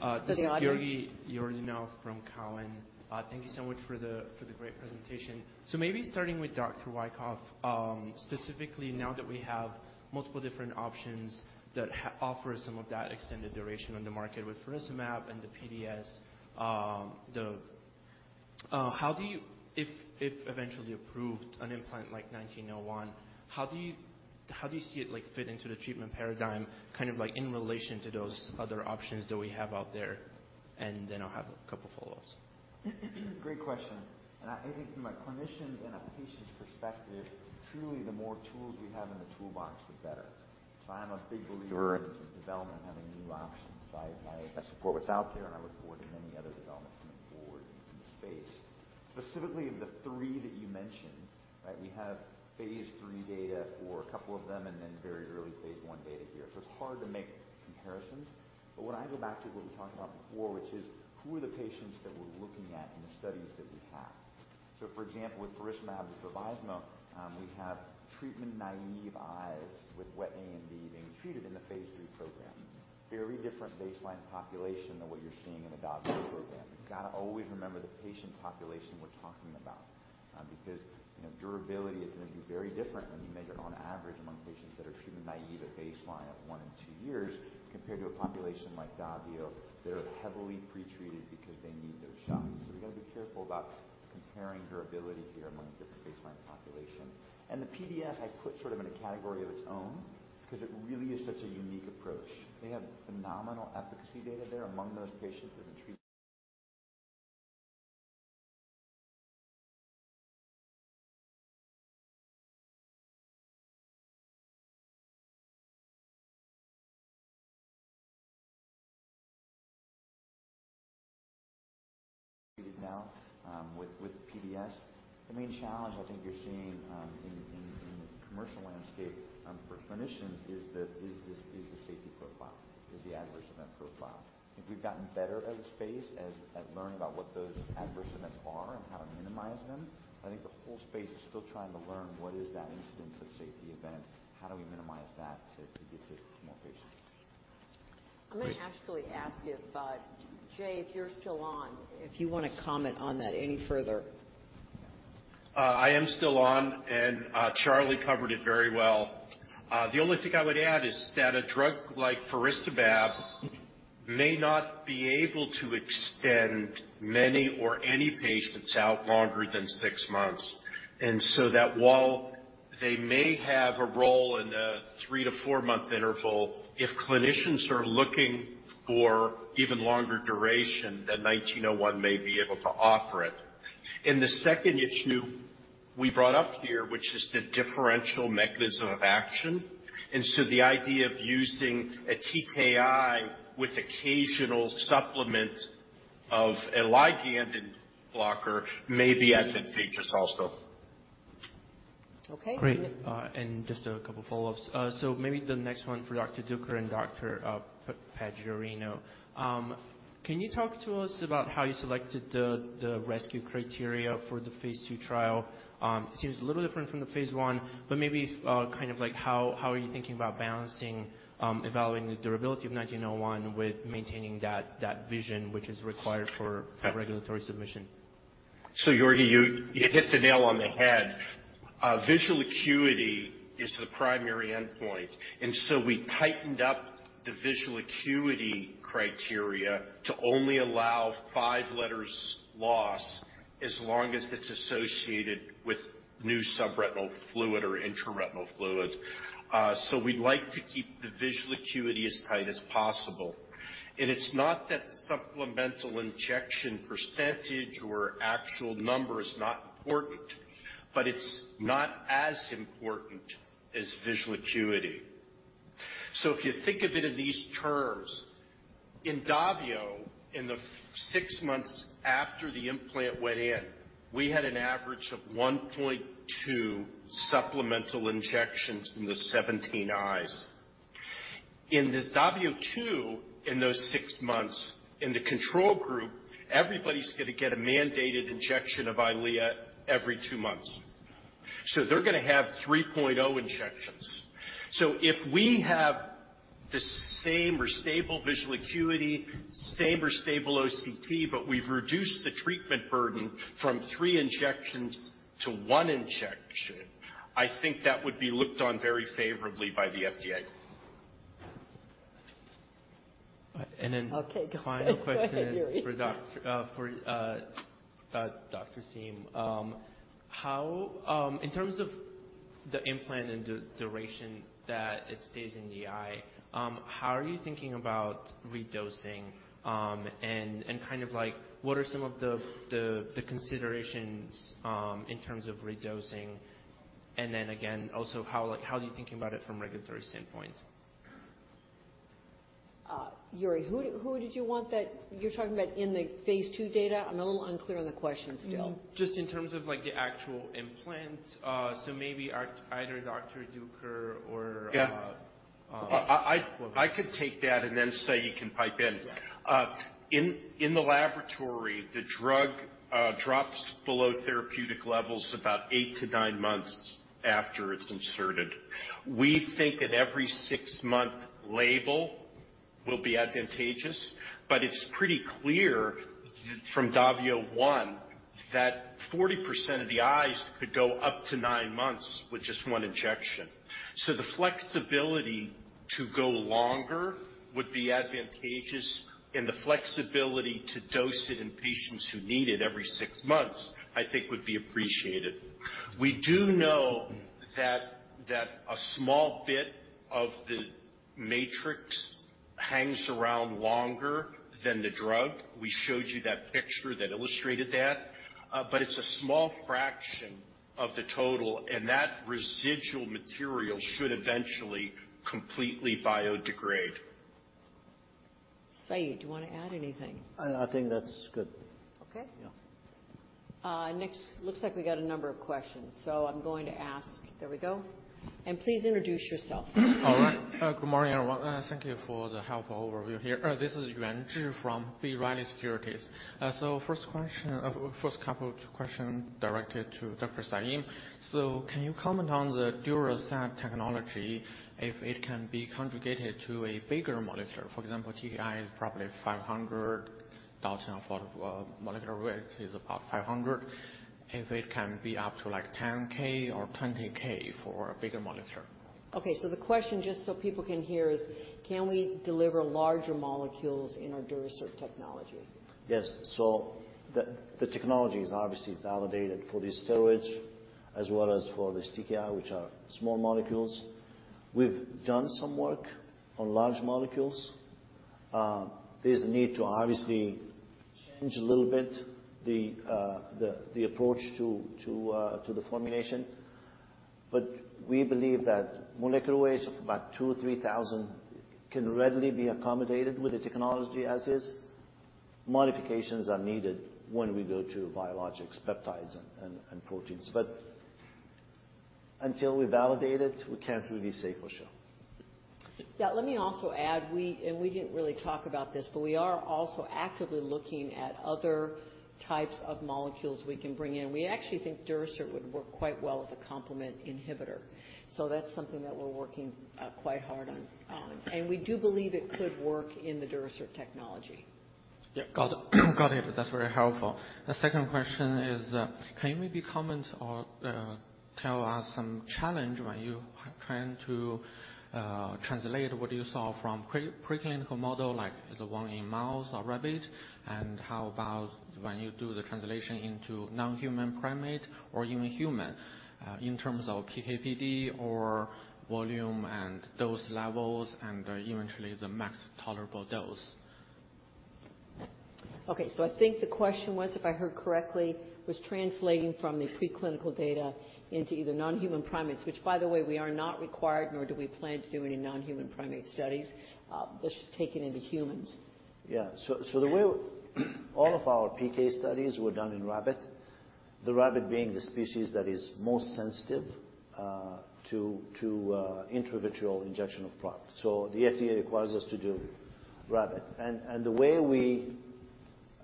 Uh, this is- To the audience. Georgi Yordanov from TD Cowen. Thank you so much for the great presentation. Maybe starting with Dr. Wykoff, specifically now that we have multiple different options that offer some of that extended duration on the market with faricimab and the PDS. How do you—if eventually approved, an implant like 1901. How do you see it fit into the treatment paradigm, kind of like in relation to those other options that we have out there? Then I'll have a couple follow-ups. Great question. I think from a clinician and a patient's perspective, truly the more tools we have in the toolbox, the better. I'm a big believer. Sure. In development having new options. I support what's out there, and I look forward to many other developments coming forward in the space. Specifically, the three that you mentioned, right? We have phase three data for a couple of them and then very early phase one data here. It's hard to make comparisons. When I go back to what we talked about before, which is who are the patients that we're looking at in the studies that we have? For example, with faricimab and Vabysmo, we have treatment-naive eyes with wet AMD being treated in the phase three program. Very different baseline population than what you're seeing in the DAVIO Program. You've got to always remember the patient population we're talking about, because, you know, durability is gonna be very different when you measure on average among patients that are treatment naive at baseline of one and two years compared to a population like DAVIO that are heavily pretreated because they need those shots. We gotta be careful about comparing durability here among different baseline population. The PDS, I put sort of in a category of its own 'cause it really is such a unique approach. They have phenomenal efficacy data there among those patients that have been treated now, with PDS. The main challenge I think you're seeing, in the commercial landscape, for clinicians is the safety profile, is the adverse event profile. I think we've gotten better at learning about what those adverse events are and how to minimize them, but I think the whole space is still trying to learn what is that incidence of safety event, how do we minimize that to get this to more patients. Great. I'm gonna actually ask if, Jay, if you're still on, if you wanna comment on that any further? I am still on, and Charlie covered it very well. The only thing I would add is that a drug like faricimab may not be able to extend many or any patients out longer than six months. While they may have a role in a three-four month interval, if clinicians are looking for even longer duration, then 1901 may be able to offer it. The second issue we brought up here, which is the differential mechanism of action, and so the idea of using a TKI with occasional supplement of a ligand blocker may be advantageous also. Okay. Great. Just a couple follow-ups. Maybe the next one for Dr. Duker and Dr. Paggiarino. Can you talk to us about how you selected the rescue criteria for the phase 2 trial? It seems a little different from the phase 1, but maybe kind of like how you are thinking about balancing evaluating the durability of 1901 with maintaining that vision which is required for a regulatory submission? Georgi, you hit the nail on the head. Visual acuity is the primary endpoint. We tightened up the visual acuity criteria to only allow five letters loss as long as it's associated with new subretinal fluid or intraretinal fluid. We'd like to keep the visual acuity as tight as possible. It's not that supplemental injection percentage or actual number is not important, but it's not as important as visual acuity. If you think of it in these terms, in DAVIO, in the first six months after the implant went in, we had an average of 1.2 supplemental injections in the 17 eyes. In the DAVIO 2, in those six months, in the control group, everybody's gonna get a mandated injection of Eylea every two months. They're gonna have 3.0 injections. If we have the same or stable visual acuity, same or stable OCT, but we've reduced the treatment burden from three injections to one injection, I think that would be looked on very favorably by the FDA. And then- Okay, go Georgi. Final question is for Dr. Saim. In terms of the implant and the duration that it stays in the eye, how are you thinking about redosing? Kind of like what are some of the considerations in terms of redosing? Again, also how, like how are you thinking about it from a regulatory standpoint? Yuri, you're talking about in the phase 2 data? I'm a little unclear on the question still. Just in terms of like the actual implant. So maybe either Dr. Duker or Yeah. I could take that and then Said can pipe in. Yeah. In the laboratory, the drug drops below therapeutic levels about eight to nine months after it's inserted. We think an every six-month label will be advantageous, but it's pretty clear from DAVIO 1 that 40% of the eyes could go up to nine months with just one injection. The flexibility to go longer would be advantageous, and the flexibility to dose it in patients who need it every six months, I think would be appreciated. We do know that a small bit of the matrix hangs around longer than the drug. We showed you that picture that illustrated that. But it's a small fraction of the total, and that residual material should eventually completely biodegrade. Said, do you wanna add anything? I think that's good. Okay. Yeah. Looks like we got a number of questions. I'm going to ask. There we go. Please introduce yourself. All right. Good morning, everyone, and thank you for the helpful overview here. This is Yuan Zhi from B. Riley Securities. First couple of questions directed to Dr. Saim. Can you comment on the Durasert technology, if it can be conjugated to a bigger molecule? For example, TKI is probably 500 for molecular weight is about 500. If it can be up to like 10K or 20K for a bigger molecule. Okay. The question, just so people can hear, is, can we deliver larger molecules in our Durasert technology? Yes. The technology is obviously validated for the steroids as well as for the TKI, which are small molecules. We've done some work on large molecules. There's a need to obviously change a little bit the approach to the formulation, but we believe that molecular weights of about two or three thousand can readily be accommodated with the technology as is. Modifications are needed when we go to biologics, peptides, and proteins. Until we validate it, we can't really say for sure. Let me also add, we didn't really talk about this, but we are also actively looking at other types of molecules we can bring in. We actually think Durasert would work quite well with a complement inhibitor. That's something that we're working quite hard on, and we do believe it could work in the Durasert technology. Yeah. Got it. That's very helpful. The second question is, can you maybe comment or tell us some challenge when you are trying to translate what you saw from clinical model, like the one in mouse or rabbit? How about when you do the translation into non-human primate or even human, in terms of PK/PD or volume and dose levels and eventually the max tolerable dose? Okay. I think the question was, if I heard correctly, was translating from the preclinical data into either non-human primates, which by the way, we are not required nor do we plan to do any non-human primate studies, but taken into humans. The way all of our PK studies were done in rabbit, the rabbit being the species that is most sensitive to intravitreal injection of product. The FDA requires us to do rabbit. The way we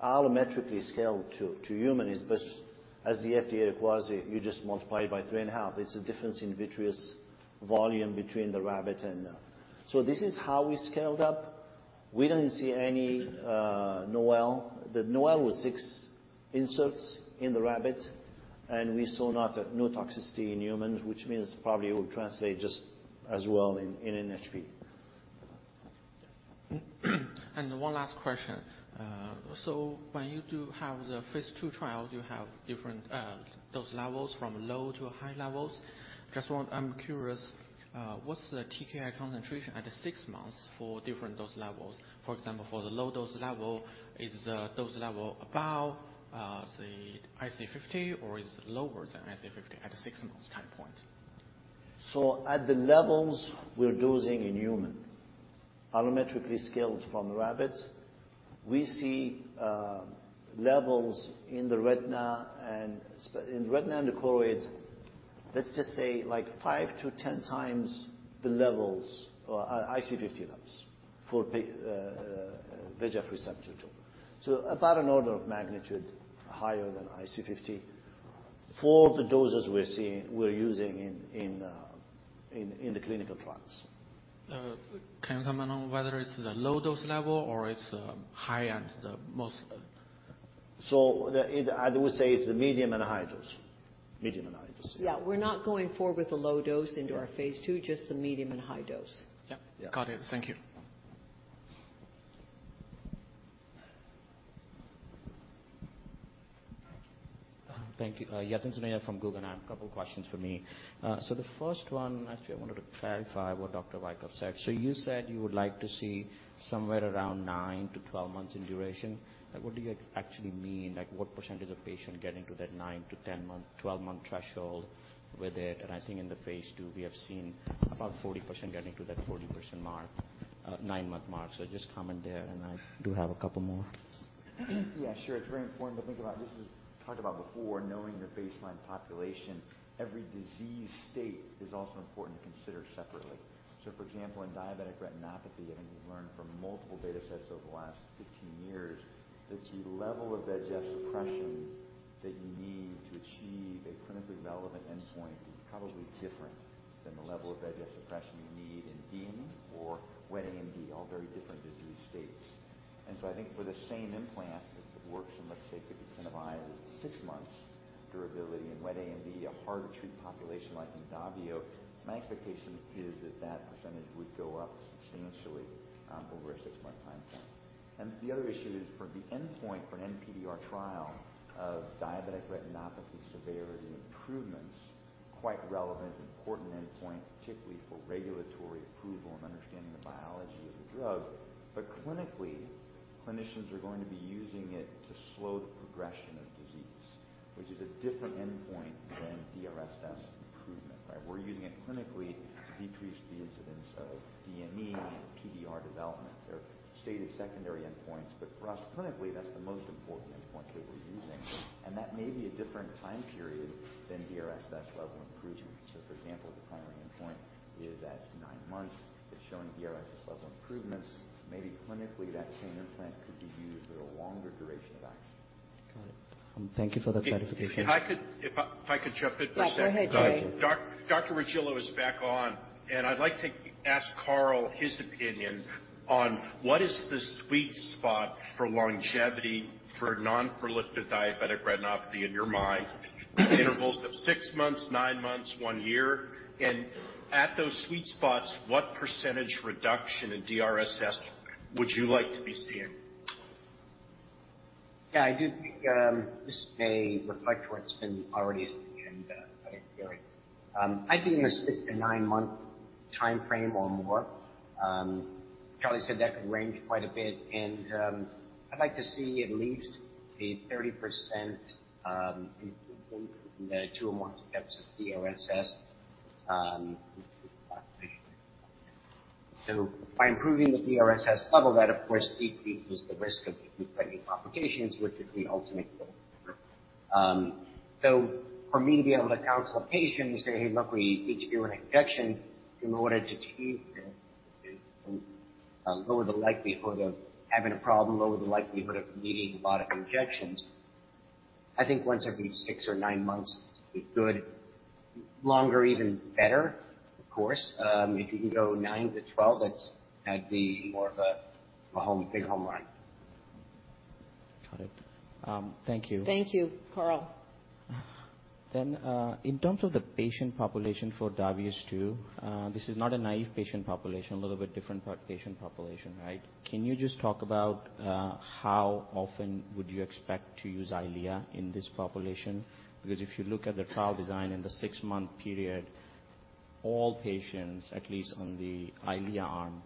allometrically scale to human is as the FDA requires it, you just multiply it by 3.5. It's the difference in vitreous volume between the rabbit and human. This is how we scaled up. The NOAEL was six inserts in the rabbit, and we saw no toxicity in humans, which means probably it will translate just as well in NHP. One last question. When you do have the phase 2 trial, you have different dose levels from low to high levels. I'm curious, what's the TKI concentration at six months for different dose levels? For example, for the low dose level, is the dose level above, say, IC50 or is it lower than IC50 at the six months time point? At the levels we're dosing in human, allometrically scaled from rabbits, we see levels in the retina and the choroid, let's just say like 5-10 times the levels or IC50 levels for VEGF Receptor-2. About an order of magnitude higher than IC50 for the doses we're using in the clinical trials. Can you comment on whether it's the low dose level or it's high-end, the most? I would say it's the medium and high dose, yeah. Yeah. We're not going forward with the low dose into our phase 2, just the medium and high dose. Yeah. Yeah. Got it. Thank you. Thank you. Yatin Suneja from Guggenheim. A couple questions for me. The first one, actually, I wanted to clarify what Dr. Wykoff said. You said you would like to see somewhere around 9-12 months in duration. Like, what do you actually mean? Like, what percentage of patients get into that 9-10-month, 12-month threshold with it? I think in the phase 2, we have seen about 40% getting to that 40% mark, nine-month mark. Just comment there, and I do have a couple more. Yeah, sure. It's very important to think about this. As we talked about before, knowing your baseline population, every disease state is also important to consider separately. For example, in diabetic retinopathy, I think we've learned from multiple data sets over the last 15 years that the level of VEGF suppression that you need to achieve a clinically relevant endpoint is probably different than the level of VEGF suppression you need in DME or wet AMD, all very different disease states. I think for the same implant that works in, let's say, 50% of eyes at six months durability in wet AMD, a hard-to-treat population like in DAVIO, my expectation is that that percentage would go up substantially over a six-month timeframe. The other issue is for the endpoint for an NPDR trial of diabetic retinopathy severity improvements, quite relevant, important endpoint, particularly for regulatory approval and understanding the biology of the drug. Clinically, clinicians are going to be using it to slow the progression of disease, which is a different endpoint than DRSS improvement, right? We're using it clinically to decrease the incidence of DME and PDR development. They're stated secondary endpoints, but for us, clinically, that's the most important endpoint that we're using. That may be a different time period than DRSS level improvements. For example, the primary endpoint is at nine months. It's showing DRSS level improvements. Maybe clinically, that same implant could be used with a longer duration of action. Got it. Thank you for that clarification. If I could jump in for a second. Yeah, go ahead, Jay. Dr. Regillo is back on, and I'd like to ask Carl his opinion on what is the sweet spot for longevity for non-proliferative diabetic retinopathy in your mind. Intervals of six months, nine months, on year. At those sweet spots, what percentage reduction in DRSS would you like to be seeing? Yeah, I do think this may reflect what's been already mentioned by Gary. I think it's the nine-month timeframe or more. Charlie said that could range quite a bit and I'd like to see at least a 30% improvement in the two or more steps of DRSS in the population. By improving the DRSS level, that of course decreases the risk of treatment-threatening complications, which is the ultimate goal. For me to be able to counsel a patient and say, "Hey, look, we need to do an injection in order to achieve this and lower the likelihood of having a problem, lower the likelihood of needing a lot of injections," I think once every six or nine months would be good. Longer even better, of course. If you can go 9 to 12, it's That'd be more of a big home run. Got it. Thank you. Thank you, Carl. In terms of the patient population for DAVIO 2, this is not a naive patient population, a little bit different patient population, right? Can you just talk about how often would you expect to use Eylea in this population? Because if you look at the trial design in the six-month period, all patients, at least on the Eylea arm,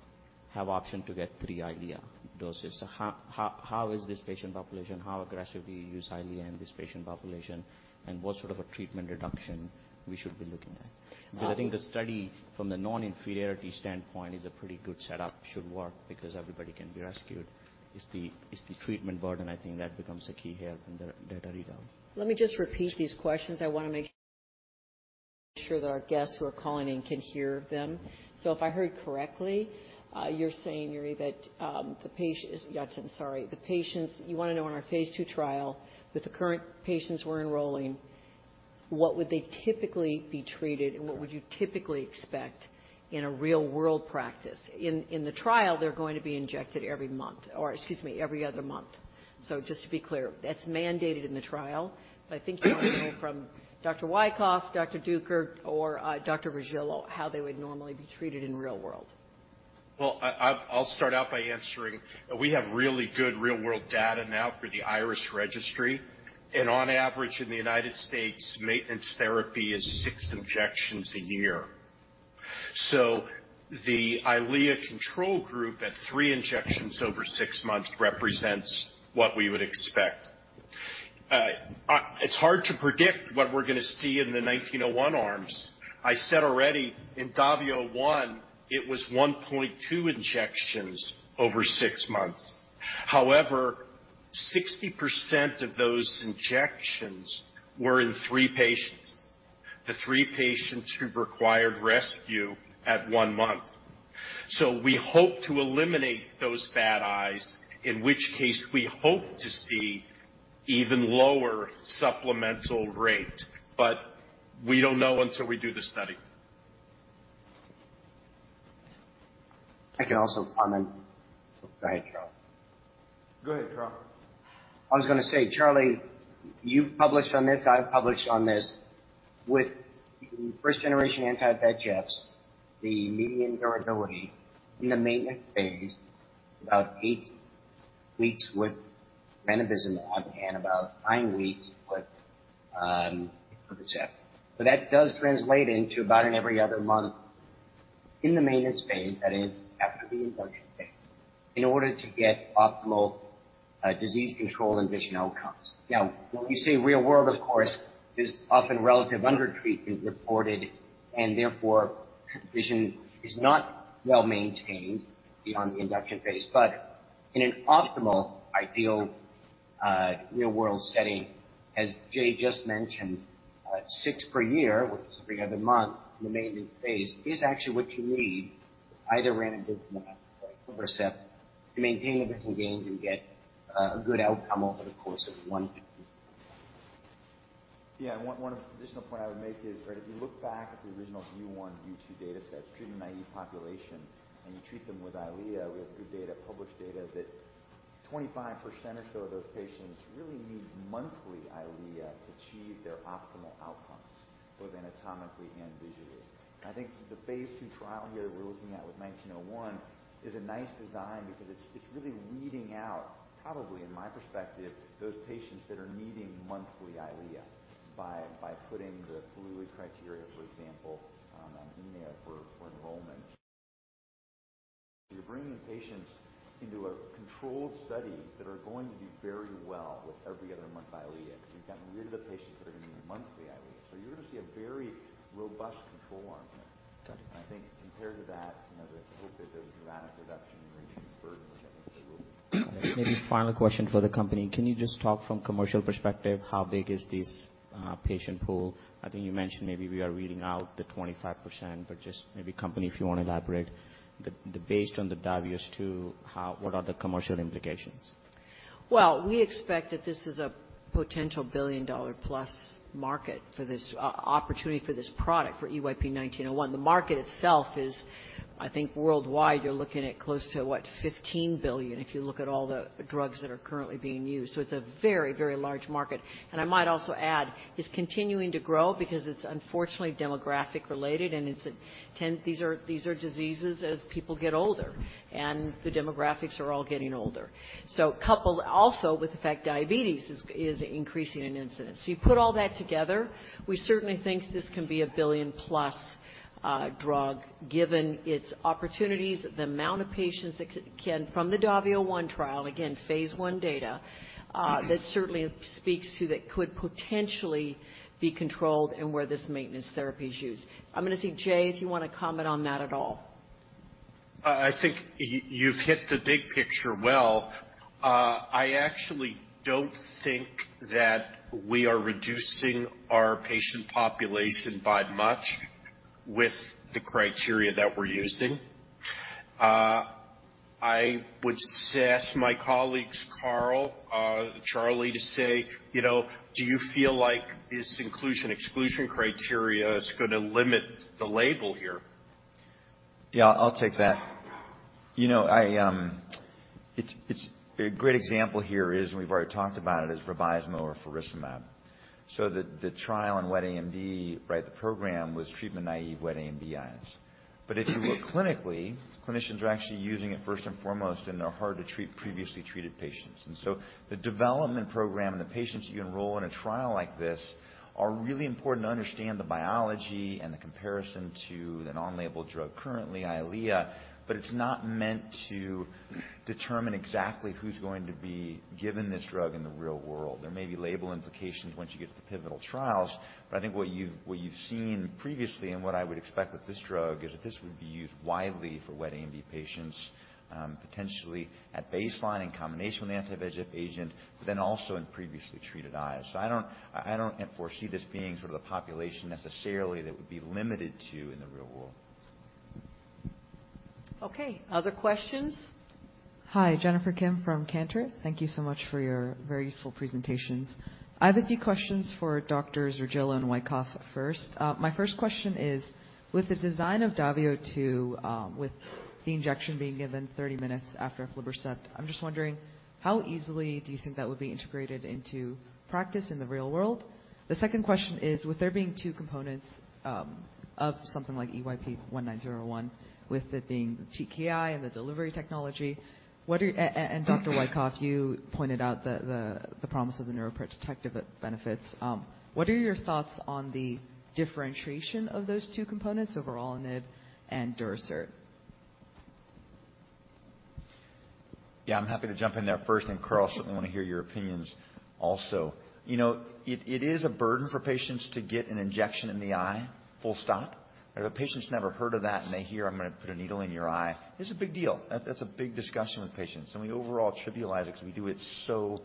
have option to get three Eylea doses. How is this patient population? How aggressive do you use Eylea in this patient population? And what sort of a treatment reduction we should be looking at? Because I think the study from the non-inferiority standpoint is a pretty good setup, should work because everybody can be rescued. It's the treatment burden, I think, that becomes a key here in the data readout. Let me just repeat these questions. I wanna make sure that our guests who are calling in can hear them. If I heard correctly, you're saying, Yatin, that the patients. You wanna know in our phase 2 trial with the current patients we're enrolling—what would they typically be treated, and what would you typically expect in a real-world practice? In the trial, they're going to be injected every month. Or excuse me, every other month. Just to be clear, that's mandated in the trial. I think you wanna know from Dr. Wykoff, Dr. Duker, or Dr. Regillo how they would normally be treated in real world. Well, I'll start out by answering. We have really good real-world data now for the IRIS Registry. On average in the United States, maintenance therapy is six injections a year. The Eylea control group at three injections over six months represents what we would expect. It's hard to predict what we're gonna see in the 1901 arms. I said already in DAVIO 1, it was 1.2 injections over six months. However, 60% of those injections were in three patients, the three patients who required rescue at one month. We hope to eliminate those bad eyes, in which case we hope to see even lower supplemental rate. We don't know until we do the study. I can also comment. Go ahead, Charlie. Go ahead, Carl. I was gonna say, Charlie, you've published on this, I've published on this. With first generation anti-VEGFs, the median durability in the maintenance phase, about eight weeks with bevacizumab and about nine weeks with lucentis. That does translate into about every other month in the maintenance phase, that is after the induction phase, in order to get optimal disease control and vision outcomes. Now, when we say real world, of course, there's often relative undertreatment reported, and therefore vision is not well-maintained beyond the induction phase. In an optimal, ideal real-world setting, as Jay just mentioned, six per year with every other month in the maintenance phase is actually what you need, either ranibizumab or Lucentis to maintain the visual gains and get a good outcome over the course of one to two years. Yeah. One additional point I would make is, right, if you look back at the original VIEW 1, VIEW 2 datasets, treatment-naive population, and you treat them with Eylea, we have good data, published data that 25% or so of those patients really need monthly Eylea to achieve their optimal outcomes, both anatomically and visually. I think the phase two trial here that we're looking at with 1901 is a nice design because it's really weeding out probably, in my perspective, those patients that are needing monthly Eylea by putting the fluid criteria, for example, in there for enrollment. You're bringing patients into a controlled study that are going to do very well with every other month Eylea 'cause you've gotten rid of the patients that are gonna need monthly Eylea. You're gonna see a very robust control arm here. Got it. I think compared to that, you know, the hope that there's a dramatic reduction in the burden, which I think there will be. Maybe final question for the company. Can you just talk from commercial perspective, how big is this patient pool? I think you mentioned maybe we are reading out the 25%, but just maybe company, if you wanna elaborate. Based on the DAVIO 2, what are the commercial implications? We expect that this is a potential billion-dollar plus market for this opportunity for this product, for EYP-1901. The market itself is, I think worldwide, you're looking at close to $15 billion, if you look at all the drugs that are currently being used. It's a very, very large market. I might also add, it's continuing to grow because it's unfortunately demographic related, and these are diseases as people get older, and the demographics are all getting older. Coupled also with the fact diabetes is increasing in incidence. You put all that together, we certainly think this can be a billion-plus drug, given its opportunities, the amount of patients that can from the DAVIO 1 trial, again, phase 1 data. That certainly speaks to that could potentially be controlled and where this maintenance therapy is used. I'm gonna see, Jay, if you wanna comment on that at all. I think you've hit the big picture well. I actually don't think that we are reducing our patient population by much with the criteria that we're using. I would ask my colleagues, Carl, Charlie, to say, you know, "Do you feel like this inclusion/exclusion criteria is gonna limit the label here? Yeah, I'll take that. You know, It's a great example here, and we've already talked about it, is Vabysmo or faricimab. The trial in wet AMD, right? The program was treatment-naive wet AMD eyes. If you look clinically, clinicians are actually using it first and foremost in their hard to treat previously treated patients. The development program and the patients you enroll in a trial like this are really important to understand the biology and the comparison to an on-label drug currently, Eylea, but it's not meant to determine exactly who's going to be given this drug in the real world. There may be label implications once you get to the pivotal trials, but I think what you've seen previously and what I would expect with this drug is that this would be used widely for wet AMD patients, potentially at baseline in combination with anti-VEGF agent, but then also in previously treated eyes. I don't foresee this being sort of the population necessarily that would be limited to in the real world. Okay. Other questions? Hi, Jennifer Kim from Cantor Fitzgerald. Thank you so much for your very useful presentations. I have a few questions for Doctors Regillo and Wykoff first. My first question is, with the design of DAVIO 2, with the injection being given 30 minutes after aflibercept, I'm just wondering how easily do you think that would be integrated into practice in the real world? The second question is, with there being two components of something like EYP-1901, with it being TKI and the delivery technology, what are and Dr. Wykoff, you pointed out the promise of the neuroprotective benefits. What are your thoughts on the differentiation of those two components of vorolanib and Durasert? Yeah, I'm happy to jump in there first, and Carl, certainly wanna hear your opinions also. You know, it is a burden for patients to get an injection in the eye, full stop. If a patient's never heard of that and they hear, "I'm gonna put a needle in your eye," it's a big deal. That's a big discussion with patients. I mean, overall trivialize it 'cause we do it so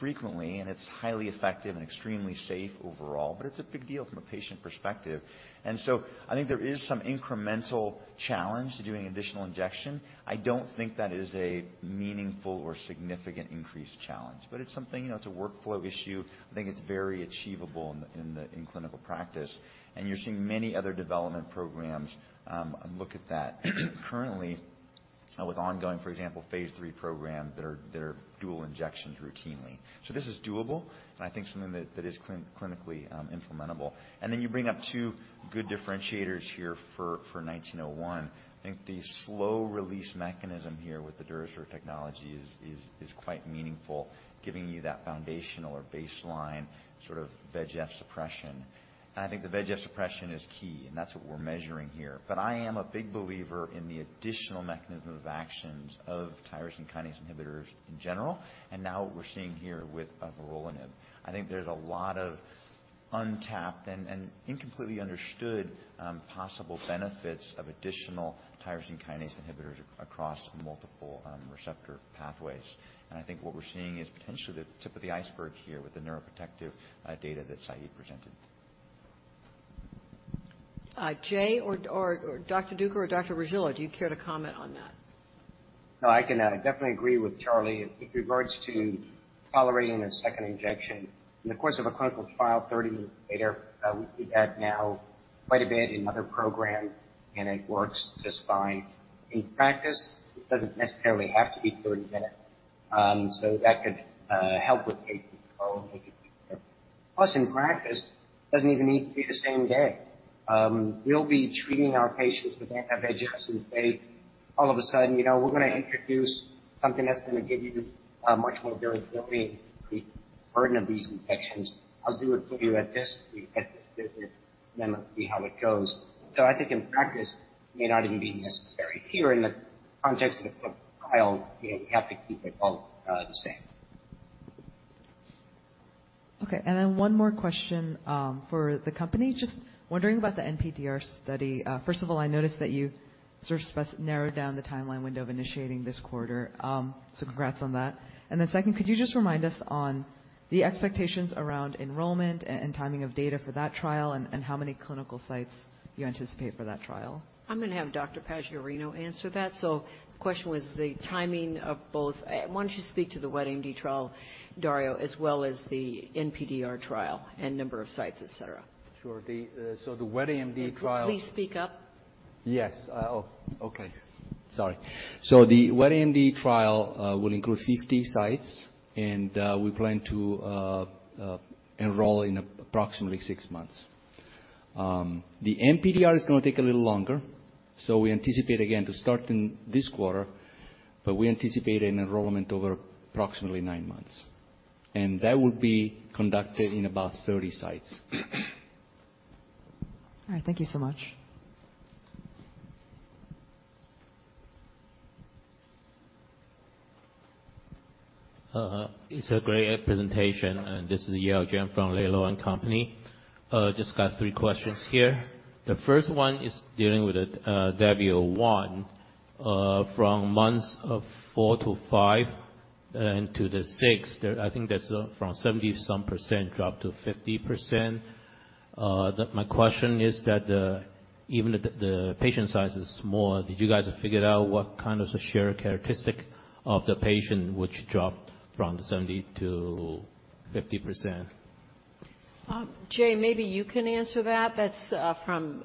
frequently, and it's highly effective and extremely safe overall, but it's a big deal from a patient perspective. I think there is some incremental challenge to doing additional injection. I don't think that is a meaningful or significant increased challenge, but it's something, you know, it's a workflow issue. I think it's very achievable in clinical practice, and you're seeing many other development programs look at that currently with ongoing, for example, phase 3 program that are dual injections routinely. This is doable, and I think something that is clinically implementable. Then you bring up two good differentiators here for EYP-1901. I think the slow release mechanism here with the Durasert technology is quite meaningful, giving you that foundational or baseline sort of VEGF suppression. I think the VEGF suppression is key, and that's what we're measuring here. I am a big believer in the additional mechanism of actions of tyrosine kinase inhibitors in general. Now what we're seeing here with vorolanib. I think there's a lot of untapped and incompletely understood, possible benefits of additional tyrosine kinase inhibitors across multiple receptor pathways. I think what we're seeing is potentially the tip of the iceberg here with the neuroprotective data that Said presented. Jay Duker or Dr. Duker or Dr. Regillo, do you care to comment on that? No, I can definitely agree with Charlie. With regards to tolerating a second injection, in the course of a clinical trial, 30 minutes later, we've had now quite a bit in other programs, and it works just fine. In practice, it doesn't necessarily have to be 30 minutes. So that could help with patient flow, make it easier. Plus, in practice, doesn't even need to be the same day. We'll be treating our patients with anti-VEGF, and say, "All of a sudden, you know, we're gonna introduce something that's gonna give you much more durability, decrease the burden of these injections. I'll do it for you at this visit. Then let's see how it goes." So I think in practice may not even be necessary. Here in the context of the clinical trial, you know, we have to keep it both, the same. Okay. One more question for the company. Just wondering about the NPDR study. First of all, I noticed that you sort of narrowed down the timeline window of initiating this quarter. Congrats on that. Second, could you just remind us on the expectations around enrollment and timing of data for that trial, and how many clinical sites you anticipate for that trial? I'm gonna have Dr. Paggiarino answer that. The question was the timing of both. Why don't you speak to the wet AMD trial, Dario, as well as the NPDR trial and number of sites, et cetera. Sure. The wet AMD trial Please speak up. The wet AMD trial will include 50 sites, and we plan to enroll in approximately six months. The NPDR is gonna take a little longer, so we anticipate again to start in this quarter, but we anticipate an enrollment over approximately nine months. That will be conducted in about 30 sites. All right. Thank you so much. It's a great presentation. This is Yale Jen from Laidlaw & Company. Just got three questions here. The first one is dealing with the DAVIO 1. From months four to five and to the 6th, there I think that's from 70-some% drop to 50%. My question is that even the patient size is small, did you guys figure out what kind of shared characteristic of the patient which dropped from 70%-50%? Jay, maybe you can answer that. That's from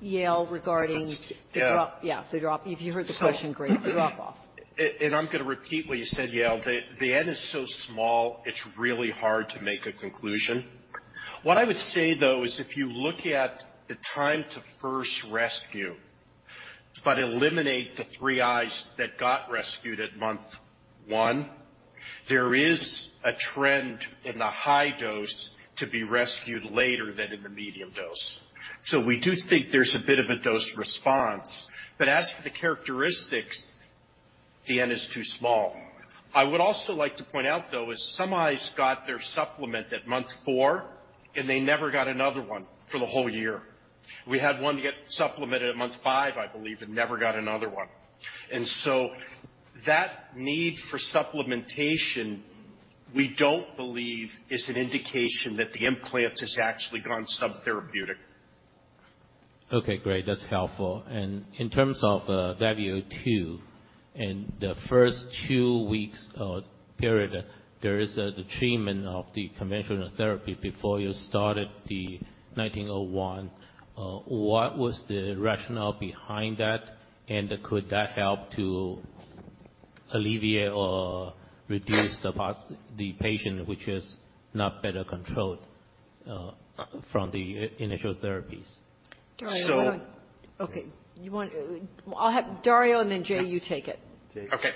Yale regarding. Yes. The drop. Yeah. Yeah, the drop. If you heard the question, great. The drop-off. I'm gonna repeat what you said, Yale. The N is so small, it's really hard to make a conclusion. What I would say, though, is if you look at the time to first rescue but eliminate the three eyes that got rescued at month one, there is a trend in the high dose to be rescued later than in the medium dose. We do think there's a bit of a dose response, but as for the characteristics, the N is too small. I would also like to point out, though, is some eyes got their supplement at month four, and they never got another one for the whole year. We had one get supplemented at month five, I believe, and never got another one. That need for supplementation. We don't believe it's an indication that the implant has actually gone subtherapeutic. Okay, great. That's helpful. In terms of DAVIO 2, in the first two weeks period, there is the treatment of the conventional therapy before you started the EYP-1901, what was the rationale behind that? Could that help to alleviate or reduce the patient, which is not better controlled from the initial therapies? Dario. So- Okay. I'll have Dario and then Jay, you take it. Jay. Okay.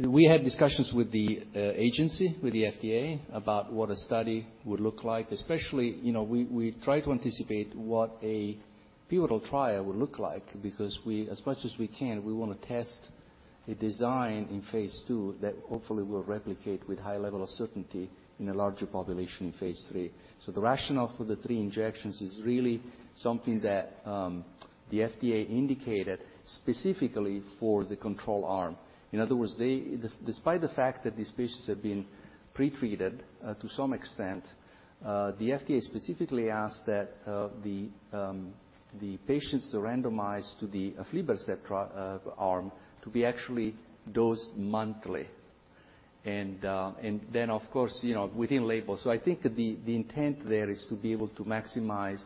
We had discussions with the agency, with the FDA, about what a study would look like. Especially, you know, we try to anticipate what a pivotal trial would look like because we, as much as we can, we wanna test a design in phase 2 that hopefully will replicate with high level of certainty in a larger population in phase 3. The rationale for the three injections is really something that the FDA indicated specifically for the control arm. In other words, despite the fact that these patients have been pretreated to some extent, the FDA specifically asked that the patients randomized to the aflibercept arm be actually dosed monthly. And then, of course, you know, within label. I think the intent there is to be able to maximize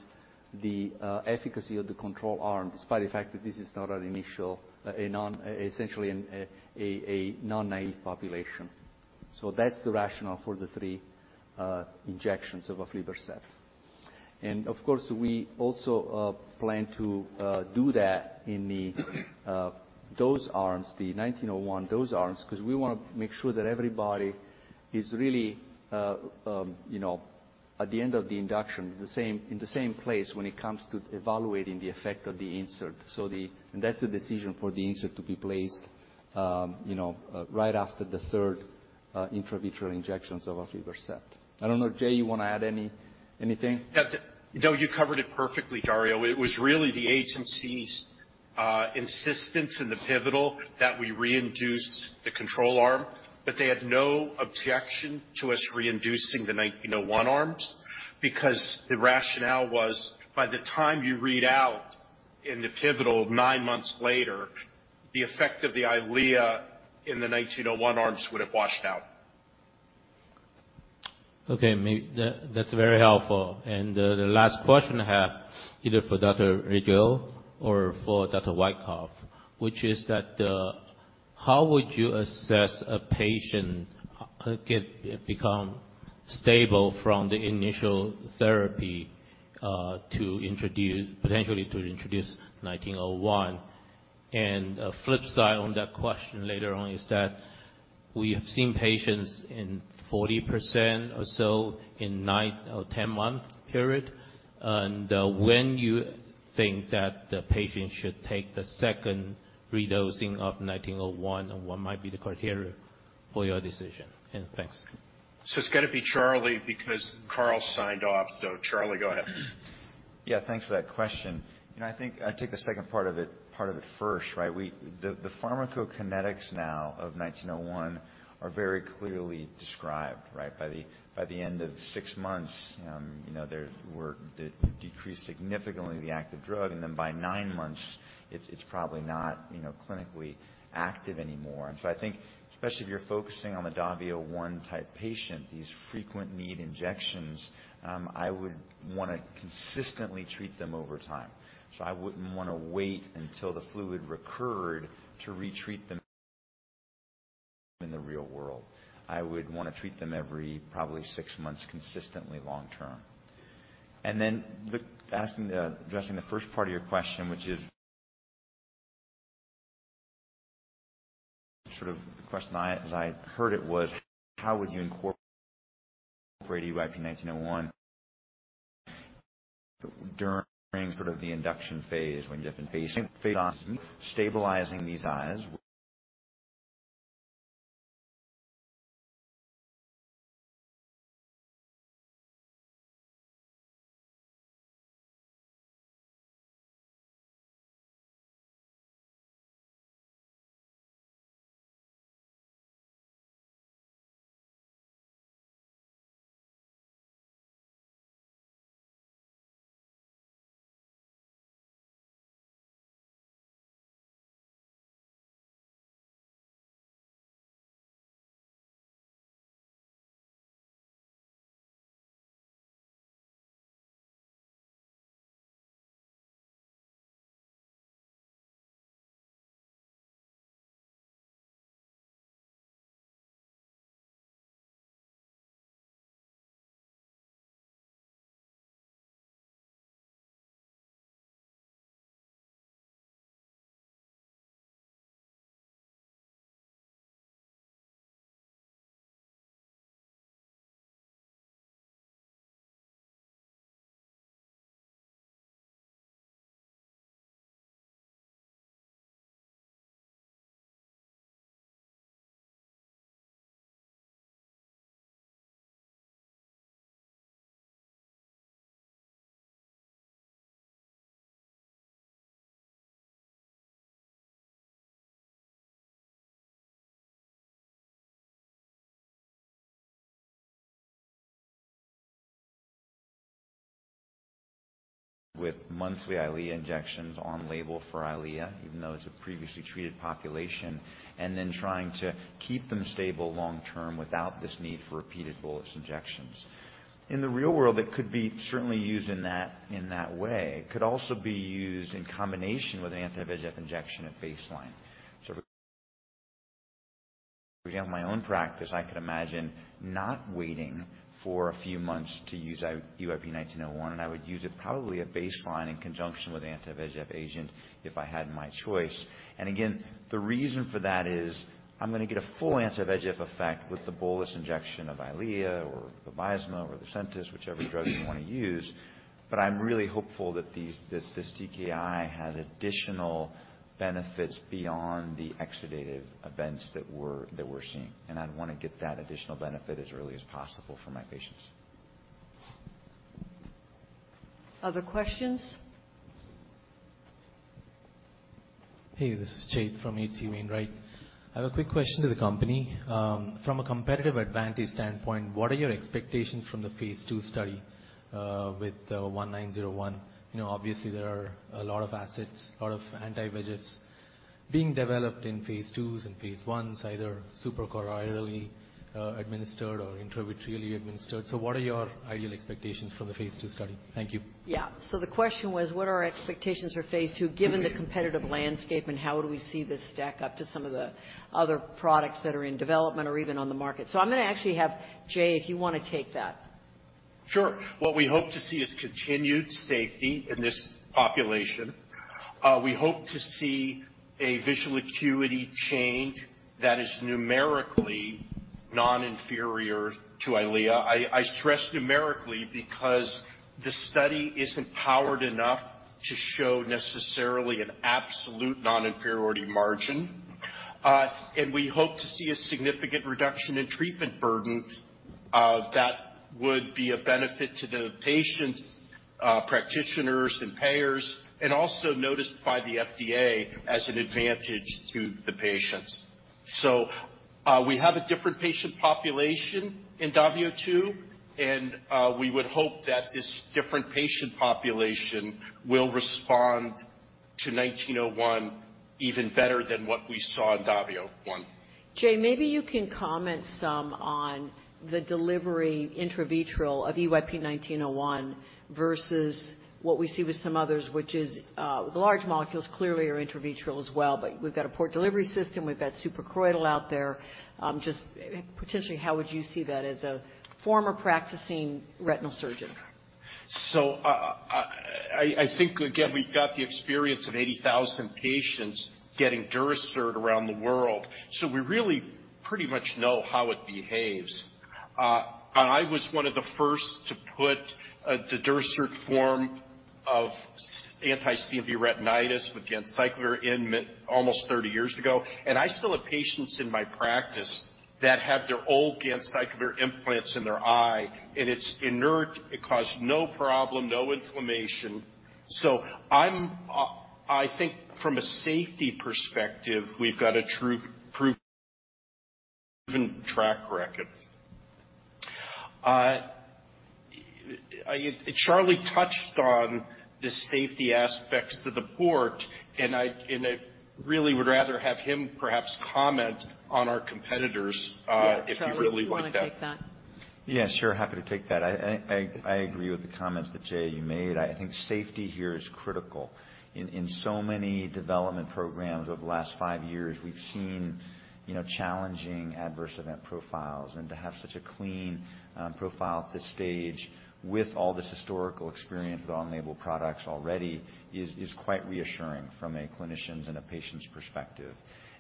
the efficacy of the control arm, despite the fact that this is not an initial, essentially a non-naive population. That's the rationale for the three injections of aflibercept. Of course, we also plan to do that in the dose arms, the nineteen oh one dose arms, 'cause we wanna make sure that everybody is really, you know, at the end of the induction, in the same place when it comes to evaluating the effect of the insert. And that's the decision for the insert to be placed, you know, right after the third intravitreal injections of aflibercept. I don't know, Jay, you wanna add anything? That's it. No, you covered it perfectly, Dario. It was really the agency's insistence in the pivotal that we reinduce the control arm, but they had no objection to us reinducing the 1901 arms because the rationale was by the time you read out in the pivotal nine months later, the effect of the Eylea in the 1901 arms would have washed out. That's very helpful. The last question I have, either for Dr. Regillo or for Dr. Wykoff, which is that, how would you assess a patient become stable from the initial therapy, potentially to introduce 1901? A flip side on that question later on is that we have seen patients in 40% or so in 9 or 10-month period. When you think that the patient should take the second redosing of 1901, and what might be the criteria for your decision? Thanks. It's gonna be Charlie, because Carl signed off. Charlie, go ahead. Yeah. Thanks for that question. You know, I think I'd take the second part of it first, right? The pharmacokinetics of EYP-1901 are very clearly described, right? By the end of six months, you know, the active drug decreased significantly, and then by nine months, it's probably not clinically active anymore. I think especially if you're focusing on the DAVIO 1-type patient who needs frequent injections, I would want to consistently treat them over time. I wouldn't want to wait until the fluid recurred to retreat them in the real world. I would want to treat them every probably six months consistently long term. Addressing the first part of your question, which is sort of the question I, as I heard it was: how would you incorporate EYP-1901 during sort of the induction phase when you have been phase stabilizing these eyes? With monthly Eylea injections on label for Eylea, even though it's a previously treated population, and then trying to keep them stable long term without this need for repeated bolus injections. In the real world, it could certainly be used in that way. It could also be used in combination with an anti-VEGF injection at baseline. So for example, in my own practice, I could imagine not waiting for a few months to use EYP-1901, and I would use it probably at baseline in conjunction with anti-VEGF agent if I had my choice. The reason for that is I'm gonna get a full anti-VEGF effect with the bolus injection of Eylea or Avastin or Lucentis, whichever drug you wanna use. I'm really hopeful that this TKI has additional benefits beyond the exudative events that we're seeing. I'd wanna get that additional benefit as early as possible for my patients. Other questions? Hey, this is Chen from H.C. Wainwright. I have a quick question to the company. From a competitive advantage standpoint, what are your expectations from the phase 2 study with EYP-1901? You know, obviously there are a lot of assets, a lot of anti-VEGFs being developed in phase 2s and phase 1s, either suprachoroidally administered or intravitreally administered. What are your ideal expectations from the phase 2 study? Thank you. Yeah. The question was, what are our expectations for phase 2, given the competitive landscape, and how do we see this stack up to some of the other products that are in development or even on the market? I'm gonna actually have Jay, if you wanna take that. Sure. What we hope to see is continued safety in this population. We hope to see a visual acuity change that is numerically non-inferior to Eylea. I stress numerically because the study isn't powered enough to show necessarily an absolute non-inferiority margin. We hope to see a significant reduction in treatment burden that would be a benefit to the patients, practitioners, and payers, and also noticed by the FDA as an advantage to the patients. We have a different patient population in DAVIO 2, and we would hope that this different patient population will respond to 1901 even better than what we saw in DAVIO 1. Jay, maybe you can comment some on the delivery intravitreal of EYP-1901 versus what we see with some others, which is, the large molecules clearly are intravitreal as well, but we've got a Port Delivery System, we've got suprachoroidal out there. Just potentially, how would you see that as a former practicing retinal surgeon? I think, again, we've got the experience of 80,000 patients getting Durasert around the world, so we really pretty much know how it behaves. I was one of the first to put the Durasert for CMV retinitis with ganciclovir almost 30 years ago. I still have patients in my practice that have their old ganciclovir implants in their eye, and it's inert. It caused no problem, no inflammation. I think from a safety perspective, we've got a true proven track record. Charlie touched on the safety aspects of the port, and I really would rather have him perhaps comment on our competitors, if he really would. Yeah. Charlie, do you wanna take that? Yeah, sure. Happy to take that. I agree with the comments that, Jay, you made. I think safety here is critical. In so many development programs over the last five years, we've seen, you know, challenging adverse event profiles. To have such a clean profile at this stage with all this historical experience with on-label products already is quite reassuring from a clinician's and a patient's perspective.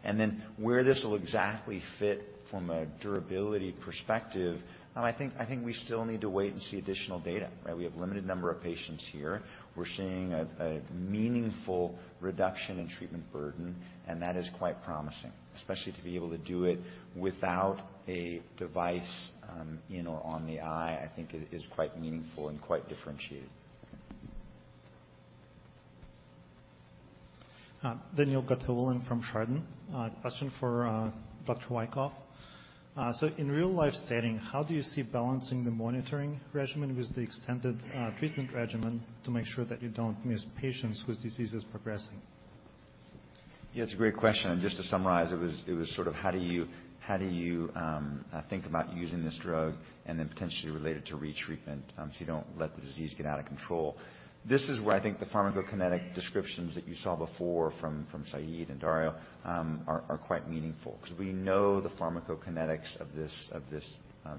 Then where this will exactly fit from a durability perspective, I think we still need to wait and see additional data, right? We have limited number of patients here. We're seeing a meaningful reduction in treatment burden, and that is quite promising, especially to be able to do it without a device, in or on the eye, I think is quite meaningful and quite differentiated. Hi. Daniil Gataulin from Chardan. A question for Dr. Wykoff. In real-life setting, how do you see balancing the monitoring regimen with the extended treatment regimen to make sure that you don't miss patients whose disease is progressing? Yeah, it's a great question. Just to summarize, it was sort of how do you think about using this drug and then potentially relate it to retreatment, so you don't let the disease get out of control. This is where I think the pharmacokinetic descriptions that you saw before from Said and Dario are quite meaningful 'cause we know the pharmacokinetics of this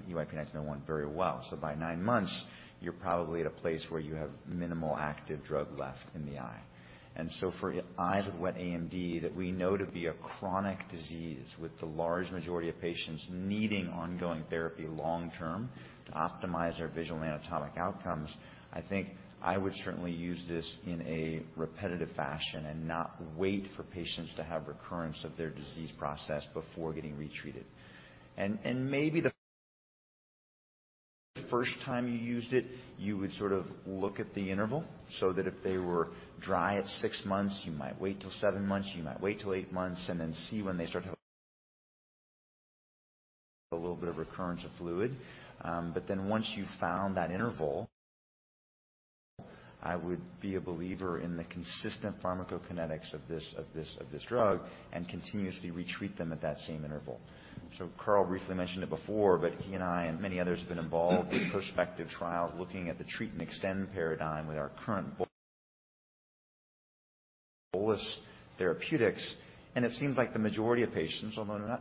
EYP-1901 very well. By nine months, you're probably at a place where you have minimal active drug left in the eye. For eyes with wet AMD that we know to be a chronic disease with the large majority of patients needing ongoing therapy long term to optimize their visual anatomic outcomes, I think I would certainly use this in a repetitive fashion and not wait for patients to have recurrence of their disease process before getting retreated. Maybe the first time you used it, you would sort of look at the interval so that if they were dry at six months, you might wait till seven months, you might wait till eight months, and then see when they start to a little bit of recurrence of fluid. But then once you've found that interval, I would be a believer in the consistent pharmacokinetics of this drug and continuously retreat them at that same interval. Carl briefly mentioned it before, but he and I and many others have been involved in prospective trials looking at the treat and extend paradigm with our current bolus therapeutics, and it seems like the majority of patients, although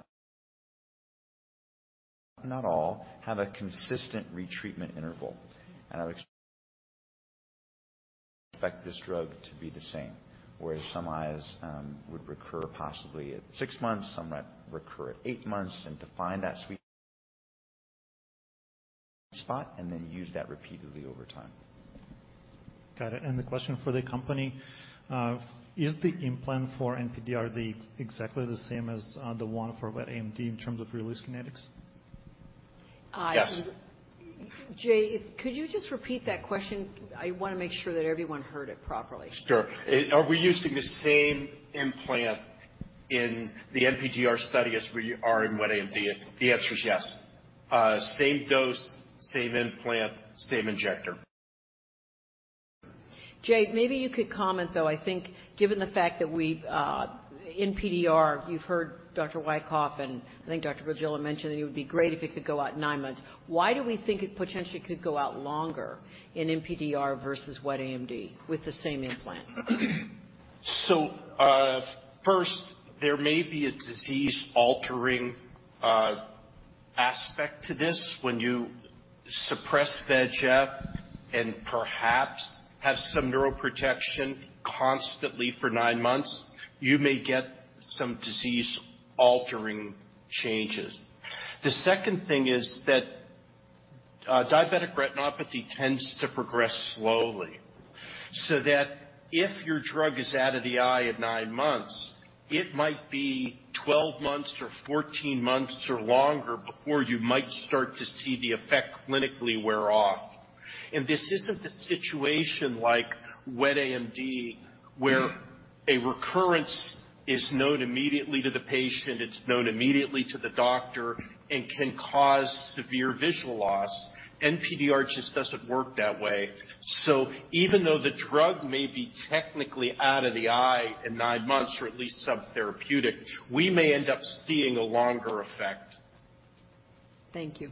not all, have a consistent retreatment interval. I would expect this drug to be the same, whereas some eyes would recur possibly at six months, some might recur at eight months, and to find that sweet spot and then use that repeatedly over time. Got it. The question for the company is the implant for NPDR exactly the same as the one for wet AMD in terms of release kinetics? Yes. Jay, could you just repeat that question? I wanna make sure that everyone heard it properly. Sure. Are we using the same implant in the NPDR study as we are in wet AMD? The answer is yes. Same dose, same implant, same injector. Jay, maybe you could comment, though. I think given the fact that we've NPDR, you've heard Dr. Wykoff, and I think Dr. Regillo mentioned that it would be great if it could go out nine months. Why do we think it potentially could go out longer in NPDR versus wet AMD with the same implant? First, there may be a disease altering aspect to this. When you suppress VEGF and perhaps have some neuroprotection constantly for nine months, you may get some disease altering changes. The second thing is that diabetic retinopathy tends to progress slowly, so that if your drug is out of the eye at nine months, it might be 12 months or 14 months or longer before you might start to see the effect clinically wear off. This isn't a situation like wet AMD, where a recurrence is known immediately to the patient, it's known immediately to the doctor, and can cause severe visual loss. NPDR just doesn't work that way. Even though the drug may be technically out of the eye in nine months or at least subtherapeutic, we may end up seeing a longer effect. Thank you.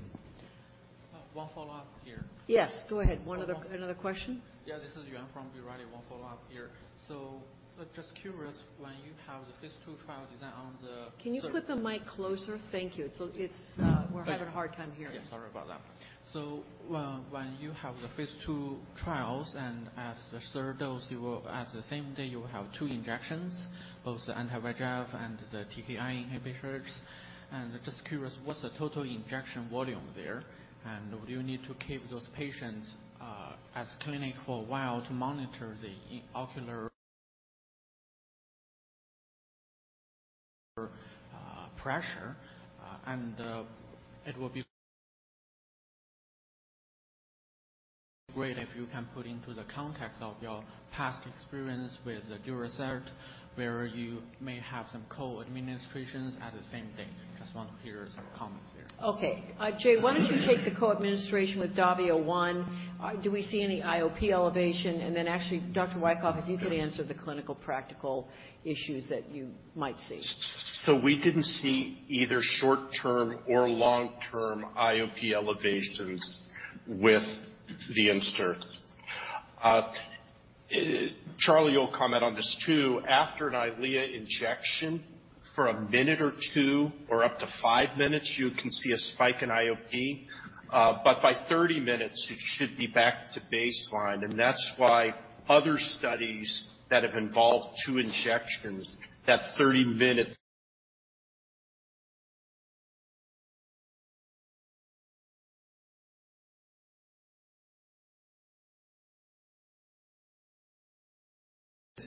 One follow-up here. Yes, go ahead. Another question. Yeah. This is Yuan from B. Riley. One follow-up here. Just curious, when you have the phase 2 trial design on the- Can you put the mic closer? Thank you. We're having a hard time hearing. Yes. Sorry about that. When you have the phase 2 trials and as the third dose, you will at the same day have two injections, both the anti-VEGF and the TKI inhibitors. Just curious, what's the total injection volume there? Do you need to keep those patients at clinic for a while to monitor the ocular pressure? It will be great if you can put into the context of your past experience with the Durasert, where you may have some co-administrations at the same thing. Just wanna hear some comments there. Okay. Jay, why don't you take the co-administration with DAVIO 1. Do we see any IOP elevation? Actually, Dr. Wykoff, if you could answer the clinical practical issues that you might see. We didn't see either short-term or long-term IOP elevations with the inserts. Charlie, you'll comment on this too. After an Eylea injection, for a minute or two or up to five minutes, you can see a spike in IOP, but by 30 minutes, it should be back to baseline. And that's why other studies that have involved two injections, that 30 minutes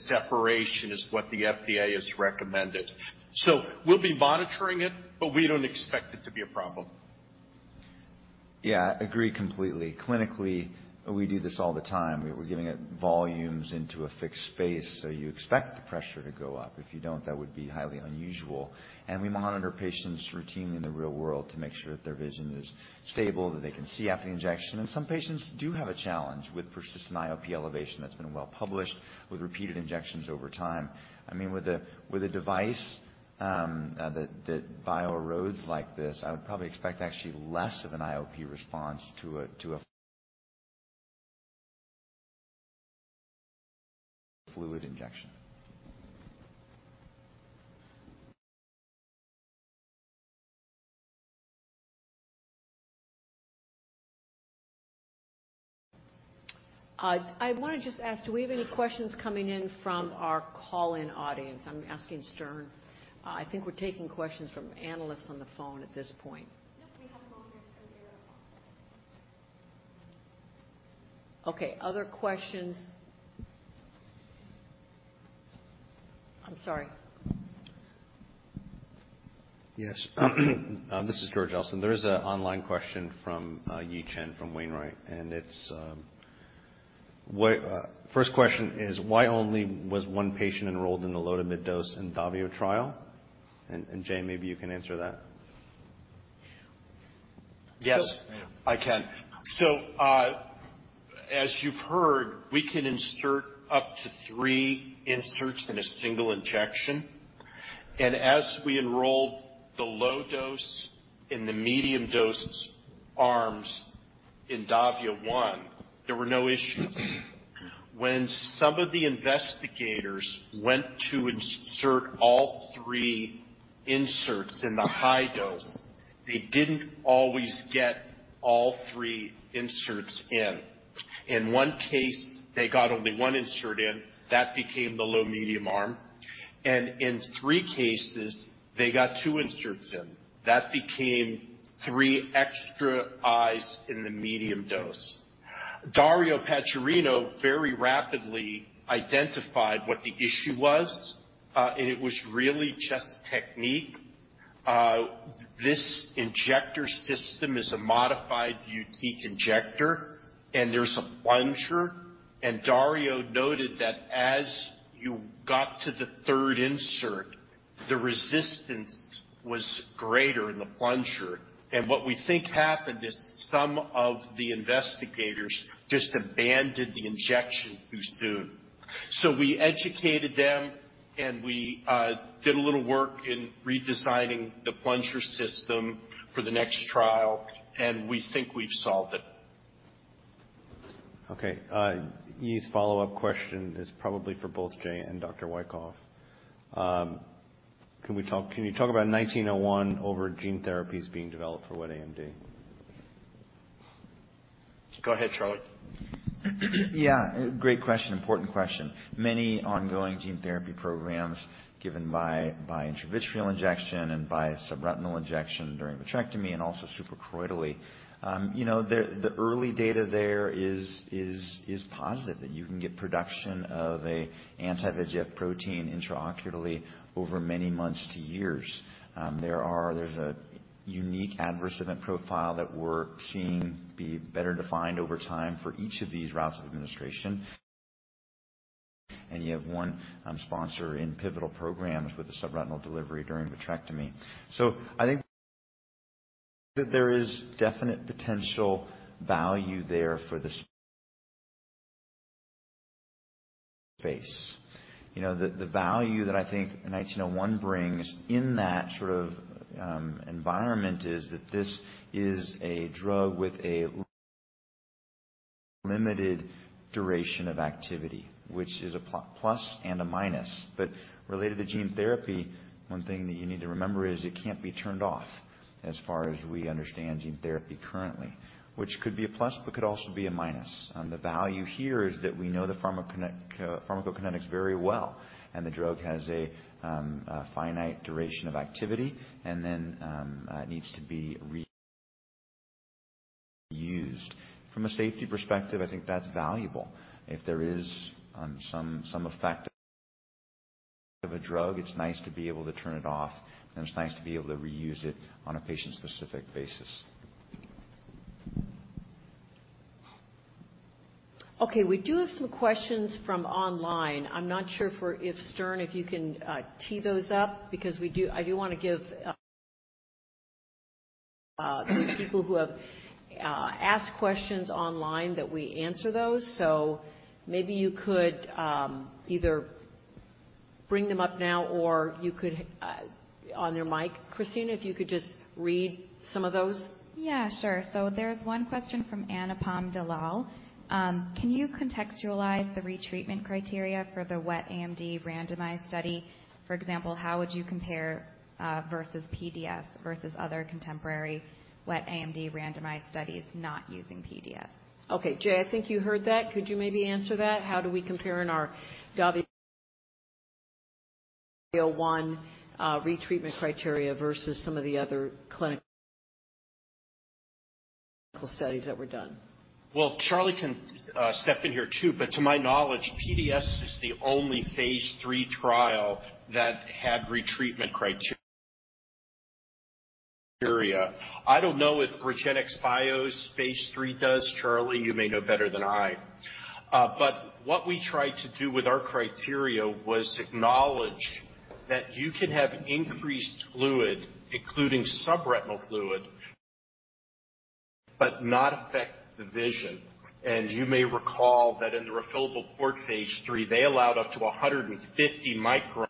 separation is what the FDA has recommended. We'll be monitoring it, but we don't expect it to be a problem. Yeah, I agree completely. Clinically, we do this all the time. We're giving it volumes into a fixed space, so you expect the pressure to go up. If you don't, that would be highly unusual. We monitor patients routinely in the real world to make sure that their vision is stable, that they can see after the injection. Some patients do have a challenge with persistent IOP elevation that's been well-published with repeated injections over time. I mean, with a device that bioerodes like this, I would probably expect actually less of an IOP response to a fluid injection. I wanna just ask, do we have any questions coming in from our call-in audience? I'm asking Stern. I think we're taking questions from analysts on the phone at this point. Yep, we have. Okay. Other questions? I'm sorry. Yes. This is George Elston. There is an online question from Yi Chen from H.C. Wainwright, and it's, First question is why only was one patient enrolled in the low to mid-dose in DAVIO trial? And Jay, maybe you can answer that. Yes, I can. As you've heard, we can insert up to three inserts in a single injection. As we enrolled the low dose and the medium dose arms in DAVIO 1, there were no issues. When some of the investigators went to insert all three inserts in the high dose, they didn't always get all three inserts in. In one case, they got only one insert in. That became the low, medium arm. In three cases, they got two inserts in. That became three extra eyes in the medium dose. Dario Paggiarino very rapidly identified what the issue was, and it was really just technique. This injector system is a modified YUTIQ injector, and there's a plunger. Dario noted that as you got to the third insert, the resistance was greater in the plunger. What we think happened is some of the investigators just abandoned the injection too soon. We educated them, and we did a little work in redesigning the plunger system for the next trial, and we think we've solved it. Yi's follow-up question is probably for both Jay and Dr. Wykoff. Can you talk about EYP-1901 over gene therapies being developed for wet AMD? Go ahead, Charlie. Yeah, great question. Important question. Many ongoing gene therapy programs given by intravitreal injection and by subretinal injection during vitrectomy and also suprachoroidally. The early data there is positive that you can get production of an anti-VEGF protein intraocularly over many months to years. There is a unique adverse event profile that we're seeing be better defined over time for each of these routes of administration. You have one sponsor in pivotal programs with the subretinal delivery during vitrectomy. I think that there is definite potential value there for the space. The value that I think EYP-1901 brings in that sort of environment is that this is a drug with a limited duration of activity, which is a plus and a minus. Related to gene therapy, one thing that you need to remember is it can't be turned off as far as we understand gene therapy currently, which could be a plus, but could also be a minus. The value here is that we know the pharmacokinetics very well, and the drug has a finite duration of activity, and then it needs to be reused. From a safety perspective, I think that's valuable. If there is some effect of a drug, it's nice to be able to turn it off, and it's nice to be able to reuse it on a patient-specific basis. Okay, we do have some questions from online. I'm not sure if, Stern, if you can tee those up because I do want to give the people who have asked questions online that we answer those. Maybe you could either bring them up now or you could on your mic. Christina, if you could just read some of those. Yeah, sure. There's one question from Anupam Dalal. Can you contextualize the retreatment criteria for the wet AMD randomized study? For example, how would you compare versus PDS versus other contemporary wet AMD randomized studies not using PDS? Okay. Jay, I think you heard that. Could you maybe answer that? How do we compare in our DAVIO 1 retreatment criteria versus some of the other clinical studies that were done? Well, Charlie can step in here too, but to my knowledge, PDS is the only phase 3 trial that had retreatment criteria. I don't know if Regenxbio's phase 3 does. Charlie, you may know better than I. What we tried to do with our criteria was acknowledge that you can have increased fluid, including subretinal fluid, but not affect the vision. You may recall that in the refillable port phase 3, they allowed up to 150 microns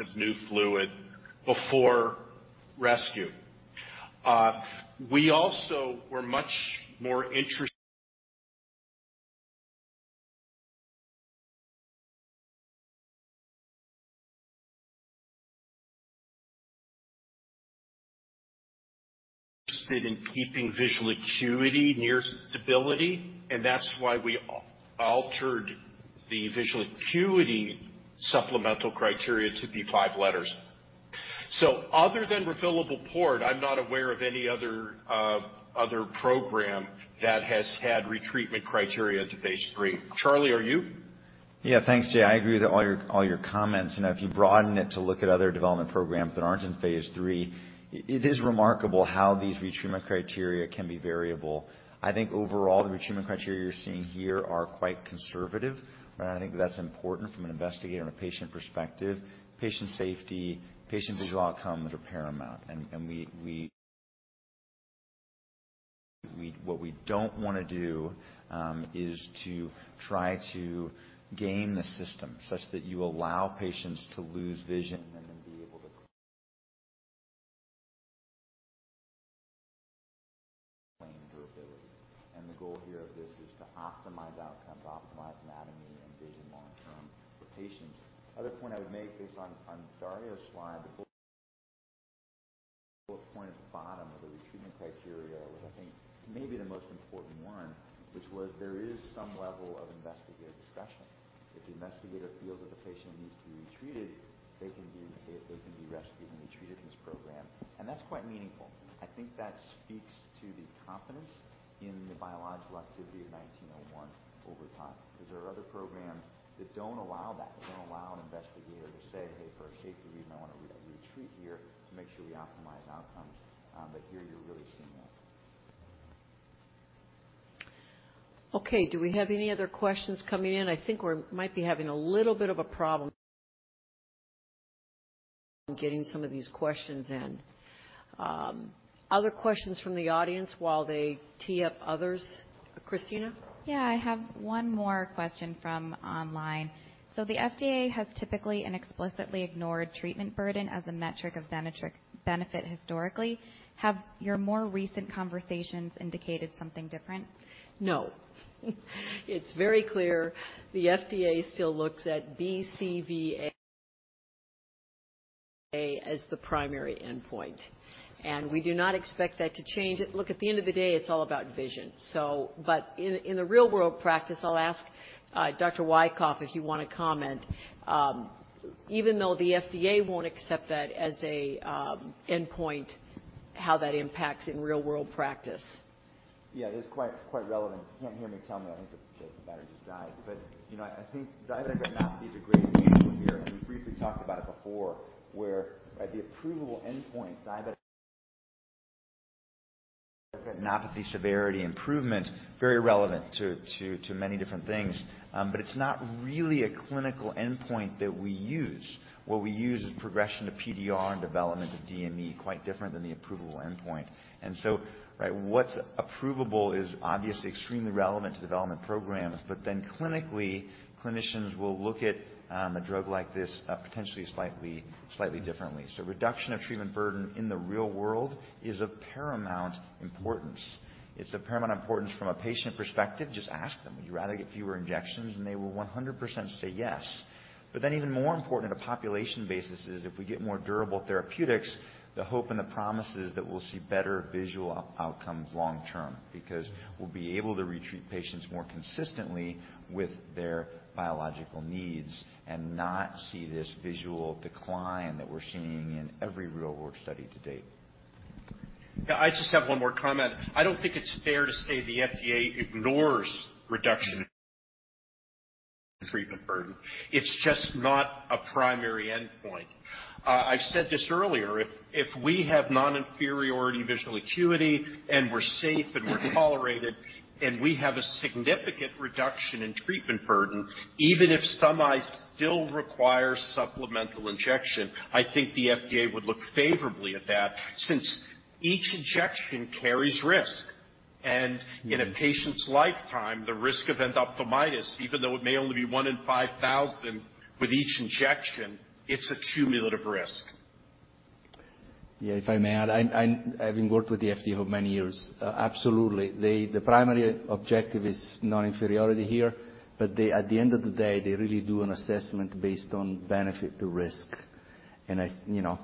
of new fluid before rescue. We also were much more interested in keeping visual acuity near stability, and that's why we altered the visual acuity supplemental criteria to be five letters. Other than refillable port, I'm not aware of any other program that has had retreatment criteria to phase 3. Charlie, are you? Yeah. Thanks, Jay. I agree with all your comments, and if you broaden it to look at other development programs that aren't in phase 3, it is remarkable how these retreatment criteria can be variable. I think overall, the retreatment criteria you're seeing here are quite conservative. I think that's important from an investigator and a patient perspective. Patient safety, patient visual outcome are paramount. What we don't wanna do is to try to game the system such that you allow patients to lose vision and then be able to claim durability. The goal here of this is to optimize outcomes, optimize anatomy and vision long term for patients. Other point I would make based on Dario's slide, the bullet point at the bottom of the retreatment criteria was, I think maybe the most important one, which was there is some level of investigator discretion. If the investigator feels that the patient needs to be retreated, they can be rescued and retreated in this program, and that's quite meaningful. I think that speaks to the confidence in the biological activity of 1901 over time 'cause there are other programs that don't allow that. They don't allow an investigator to say, "Hey, for a safety reason, I wanna re-retreat here to make sure we optimize outcomes." But here you're really seeing that. Okay. Do we have any other questions coming in? I think we might be having a little bit of a problem getting some of these questions in. Other questions from the audience while they tee up others. Christina? Yeah. I have one more question from online. The FDA has typically and explicitly ignored treatment burden as a metric of benefit historically. Have your more recent conversations indicated something different? No. It's very clear the FDA still looks at BCVA as the primary endpoint, and we do not expect that to change. Look, at the end of the day, it's all about vision. In the real world practice, I'll ask Dr. Wykoff if you wanna comment. Even though the FDA won't accept that as a endpoint, how that impacts in real world practice. Yeah. It is quite relevant. If you can't hear me, tell me. I think the battery just died. You know, I think diabetic retinopathy is a great example here, and we briefly talked about it before, where, right, the approvable endpoint diabetic retinopathy severity improvement, very relevant to many different things. But it's not really a clinical endpoint that we use. What we use is progression to PDR and development of DME, quite different than the approvable endpoint. Right, what's approvable is obviously extremely relevant to development programs. Clinically, clinicians will look at a drug like this, potentially slightly differently. Reduction of treatment burden in the real world is of paramount importance. It's of paramount importance from a patient perspective. Just ask them, "Would you rather get fewer injections?" They will 100% say yes. Even more important at a population basis is if we get more durable therapeutics, the hope and the promise is that we'll see better visual outcomes long term because we'll be able to retreat patients more consistently with their biological needs and not see this visual decline that we're seeing in every real-world study to date. Yeah. I just have one more comment. I don't think it's fair to say the FDA ignores reduction in treatment burden. It's just not a primary endpoint. I've said this earlier. If we have non-inferiority visual acuity and we're safe and we're tolerated, and we have a significant reduction in treatment burden, even if some eyes still require supplemental injection, I think the FDA would look favorably at that since each injection carries risk. In a patient's lifetime, the risk of endophthalmitis, even though it may only be 1 in 5,000 with each injection, it's a cumulative risk. Yeah. If I may add, I'm having worked with the FDA for many years, absolutely. The primary objective is non-inferiority here. At the end of the day, they really do an assessment based on benefit to risk. You know,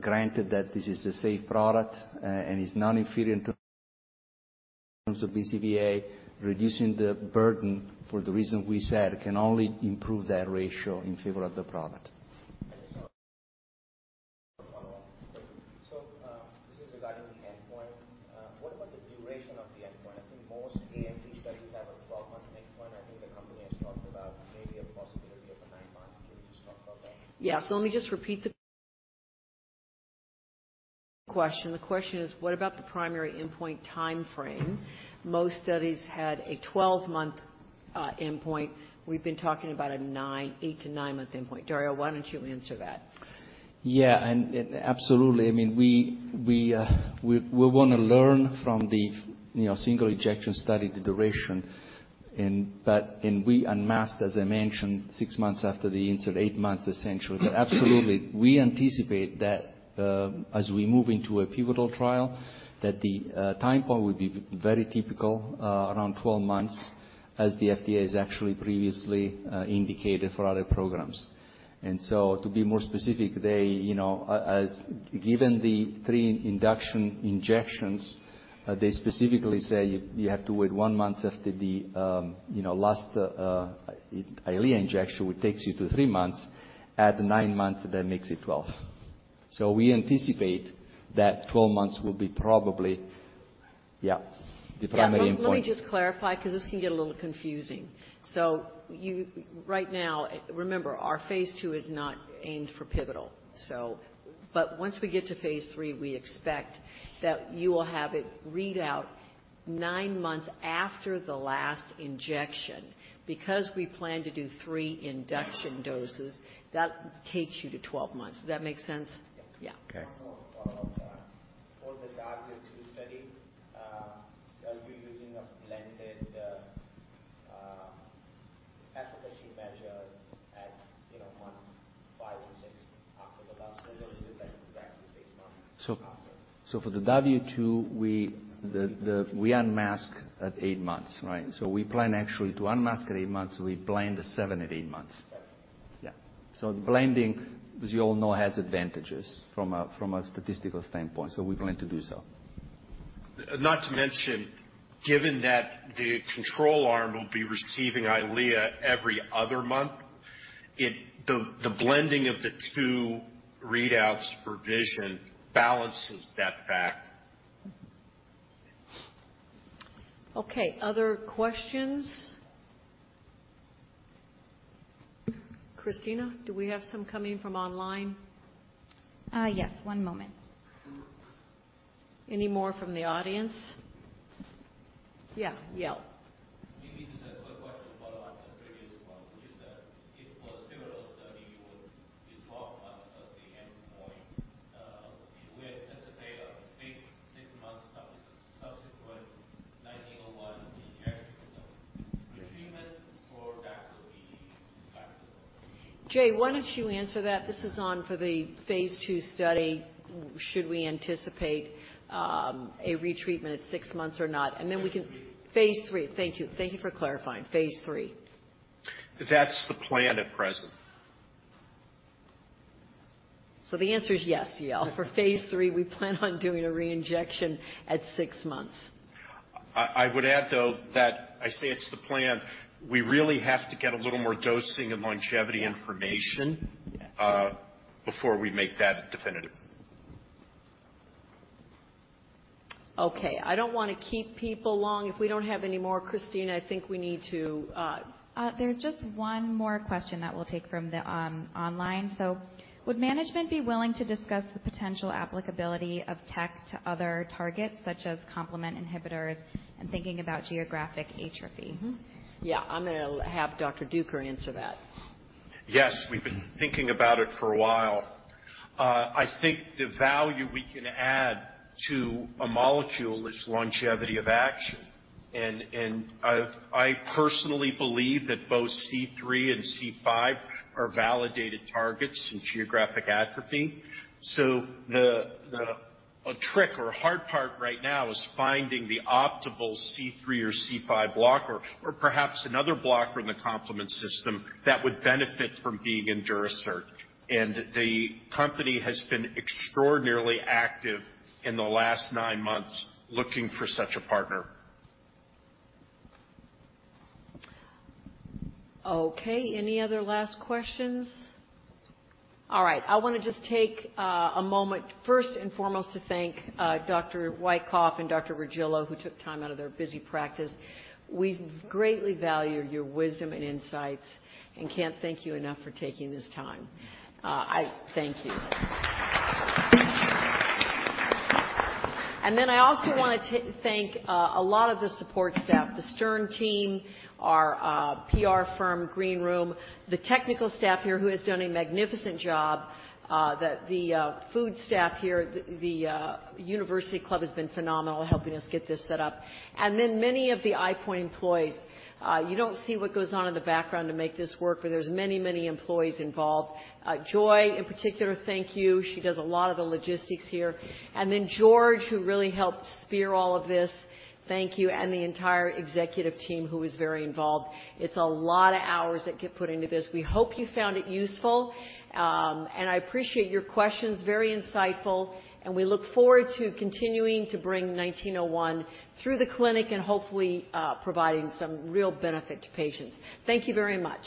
granted that this is a safe product, and is non-inferior in terms of BCVA, reducing the burden for the reason we said can only improve that ratio in favor of the product. I just want to follow up. This is regarding the endpoint. What about the duration of the endpoint? I think most AMD studies have a 12-month endpoint. I think the company has talked about maybe a possibility of a nine-month. Can you just talk about that? Yeah. Let me just repeat the question. The question is, what about the primary endpoint timeframe? Most studies had a 12-month endpoint. We've been talking about an eight to nine-month endpoint. Dario, why don't you answer that? Yeah. Absolutely, I mean, we want to learn from the, you know, single injection study, the duration. We unmasked, as I mentioned, six months after the insert, eight months, essentially. Absolutely, we anticipate that, as we move into a pivotal trial, that the time point would be very typical, around 12 months as the FDA has actually previously indicated for other programs. To be more specific, they, you know, given the three induction injections, they specifically say you have to wait 1 month after the last Eylea injection, which takes you to three months. Add nine months, that makes it 12. We anticipate that 12 months will be probably, yeah, the primary endpoint. Yeah. Let me just clarify, 'cause this can get a little confusing. Right now, remember, our phase 2 is not aimed for pivotal. Once we get to phase 3, we expect that you will have a readout nine months after the last injection. Because we plan to do three induction doses, that takes you to 12 months. Does that make sense? Yes. Yeah. Okay. One more follow-up. For the DAVIO 2 study, are you using a blended efficacy measure at, you know, month five to six after the last injection? Or are you doing exactly six months after? For the W2, we unmask at eight months, right? We plan actually to unmask at eight months, so we blind the seven and eight months. Seven. Yeah. The blinding, as you all know, has advantages from a statistical standpoint, so we plan to do so. Not to mention, given that the control arm will be receiving Eylea every other month, the blending of the two readouts for vision balances that fact. Okay. Other questions? Christina, do we have some coming from online? Yes, one moment. Any more from the audience? Yeah, Yale. Maybe just a quick question to follow on to the previous one, which is that if for the pivotal study you talk about as the endpoint, do you anticipate a fixed six months subsequent EYP-1901 injection or retreatment for DME? Jay, why don't you answer that? This is on for the phase 2 study. Should we anticipate a retreatment at six months or not? Then we can Phase 3. Phase 3. Thank you. Thank you for clarifying. Phase 3. That's the plan at present. The answer is yes, Yale. For phase 3, we plan on doing a re-injection at six months. I would add, though, that I say it's the plan. We really have to get a little more dosing and longevity information. Yes. Yes. Before we make that definitive. Okay. I don't wanna keep people long. If we don't have any more, Christina, I think we need to, There's just one more question that we'll take from the online. Would management be willing to discuss the potential applicability of tech to other targets such as complement inhibitors and thinking about geographic atrophy? Yeah. I'm gonna have Dr. Duker answer that. Yes. We've been thinking about it for a while. I think the value we can add to a molecule is longevity of action. I personally believe that both C3 and C5 are validated targets in geographic atrophy. So the tricky part right now is finding the optimal C3 or C5 blocker or perhaps another blocker in the complement system that would benefit from being in Durasert. The company has been extraordinarily active in the last nine months looking for such a partner. Okay. Any other last questions? All right. I wanna just take a moment first and foremost to thank Dr. Wykoff and Dr. Regillo, who took time out of their busy practice. We greatly value your wisdom and insights and can't thank you enough for taking this time. I thank you. I also wanna thank a lot of the support staff. The Stern team, our PR firm, Green Room, the technical staff here who has done a magnificent job, the food staff here. The University Club has been phenomenal helping us get this set up. Many of the EyePoint employees. You don't see what goes on in the background to make this work, but there's many, many employees involved. Joy, in particular, thank you. She does a lot of the logistics here. Then George Elston, who really helped spearhead all of this, thank you, and the entire executive team who was very involved. It's a lot of hours that get put into this. We hope you found it useful. I appreciate your questions. Very insightful. We look forward to continuing to bring EYP-1901 through the clinic and hopefully, providing some real benefit to patients. Thank you very much.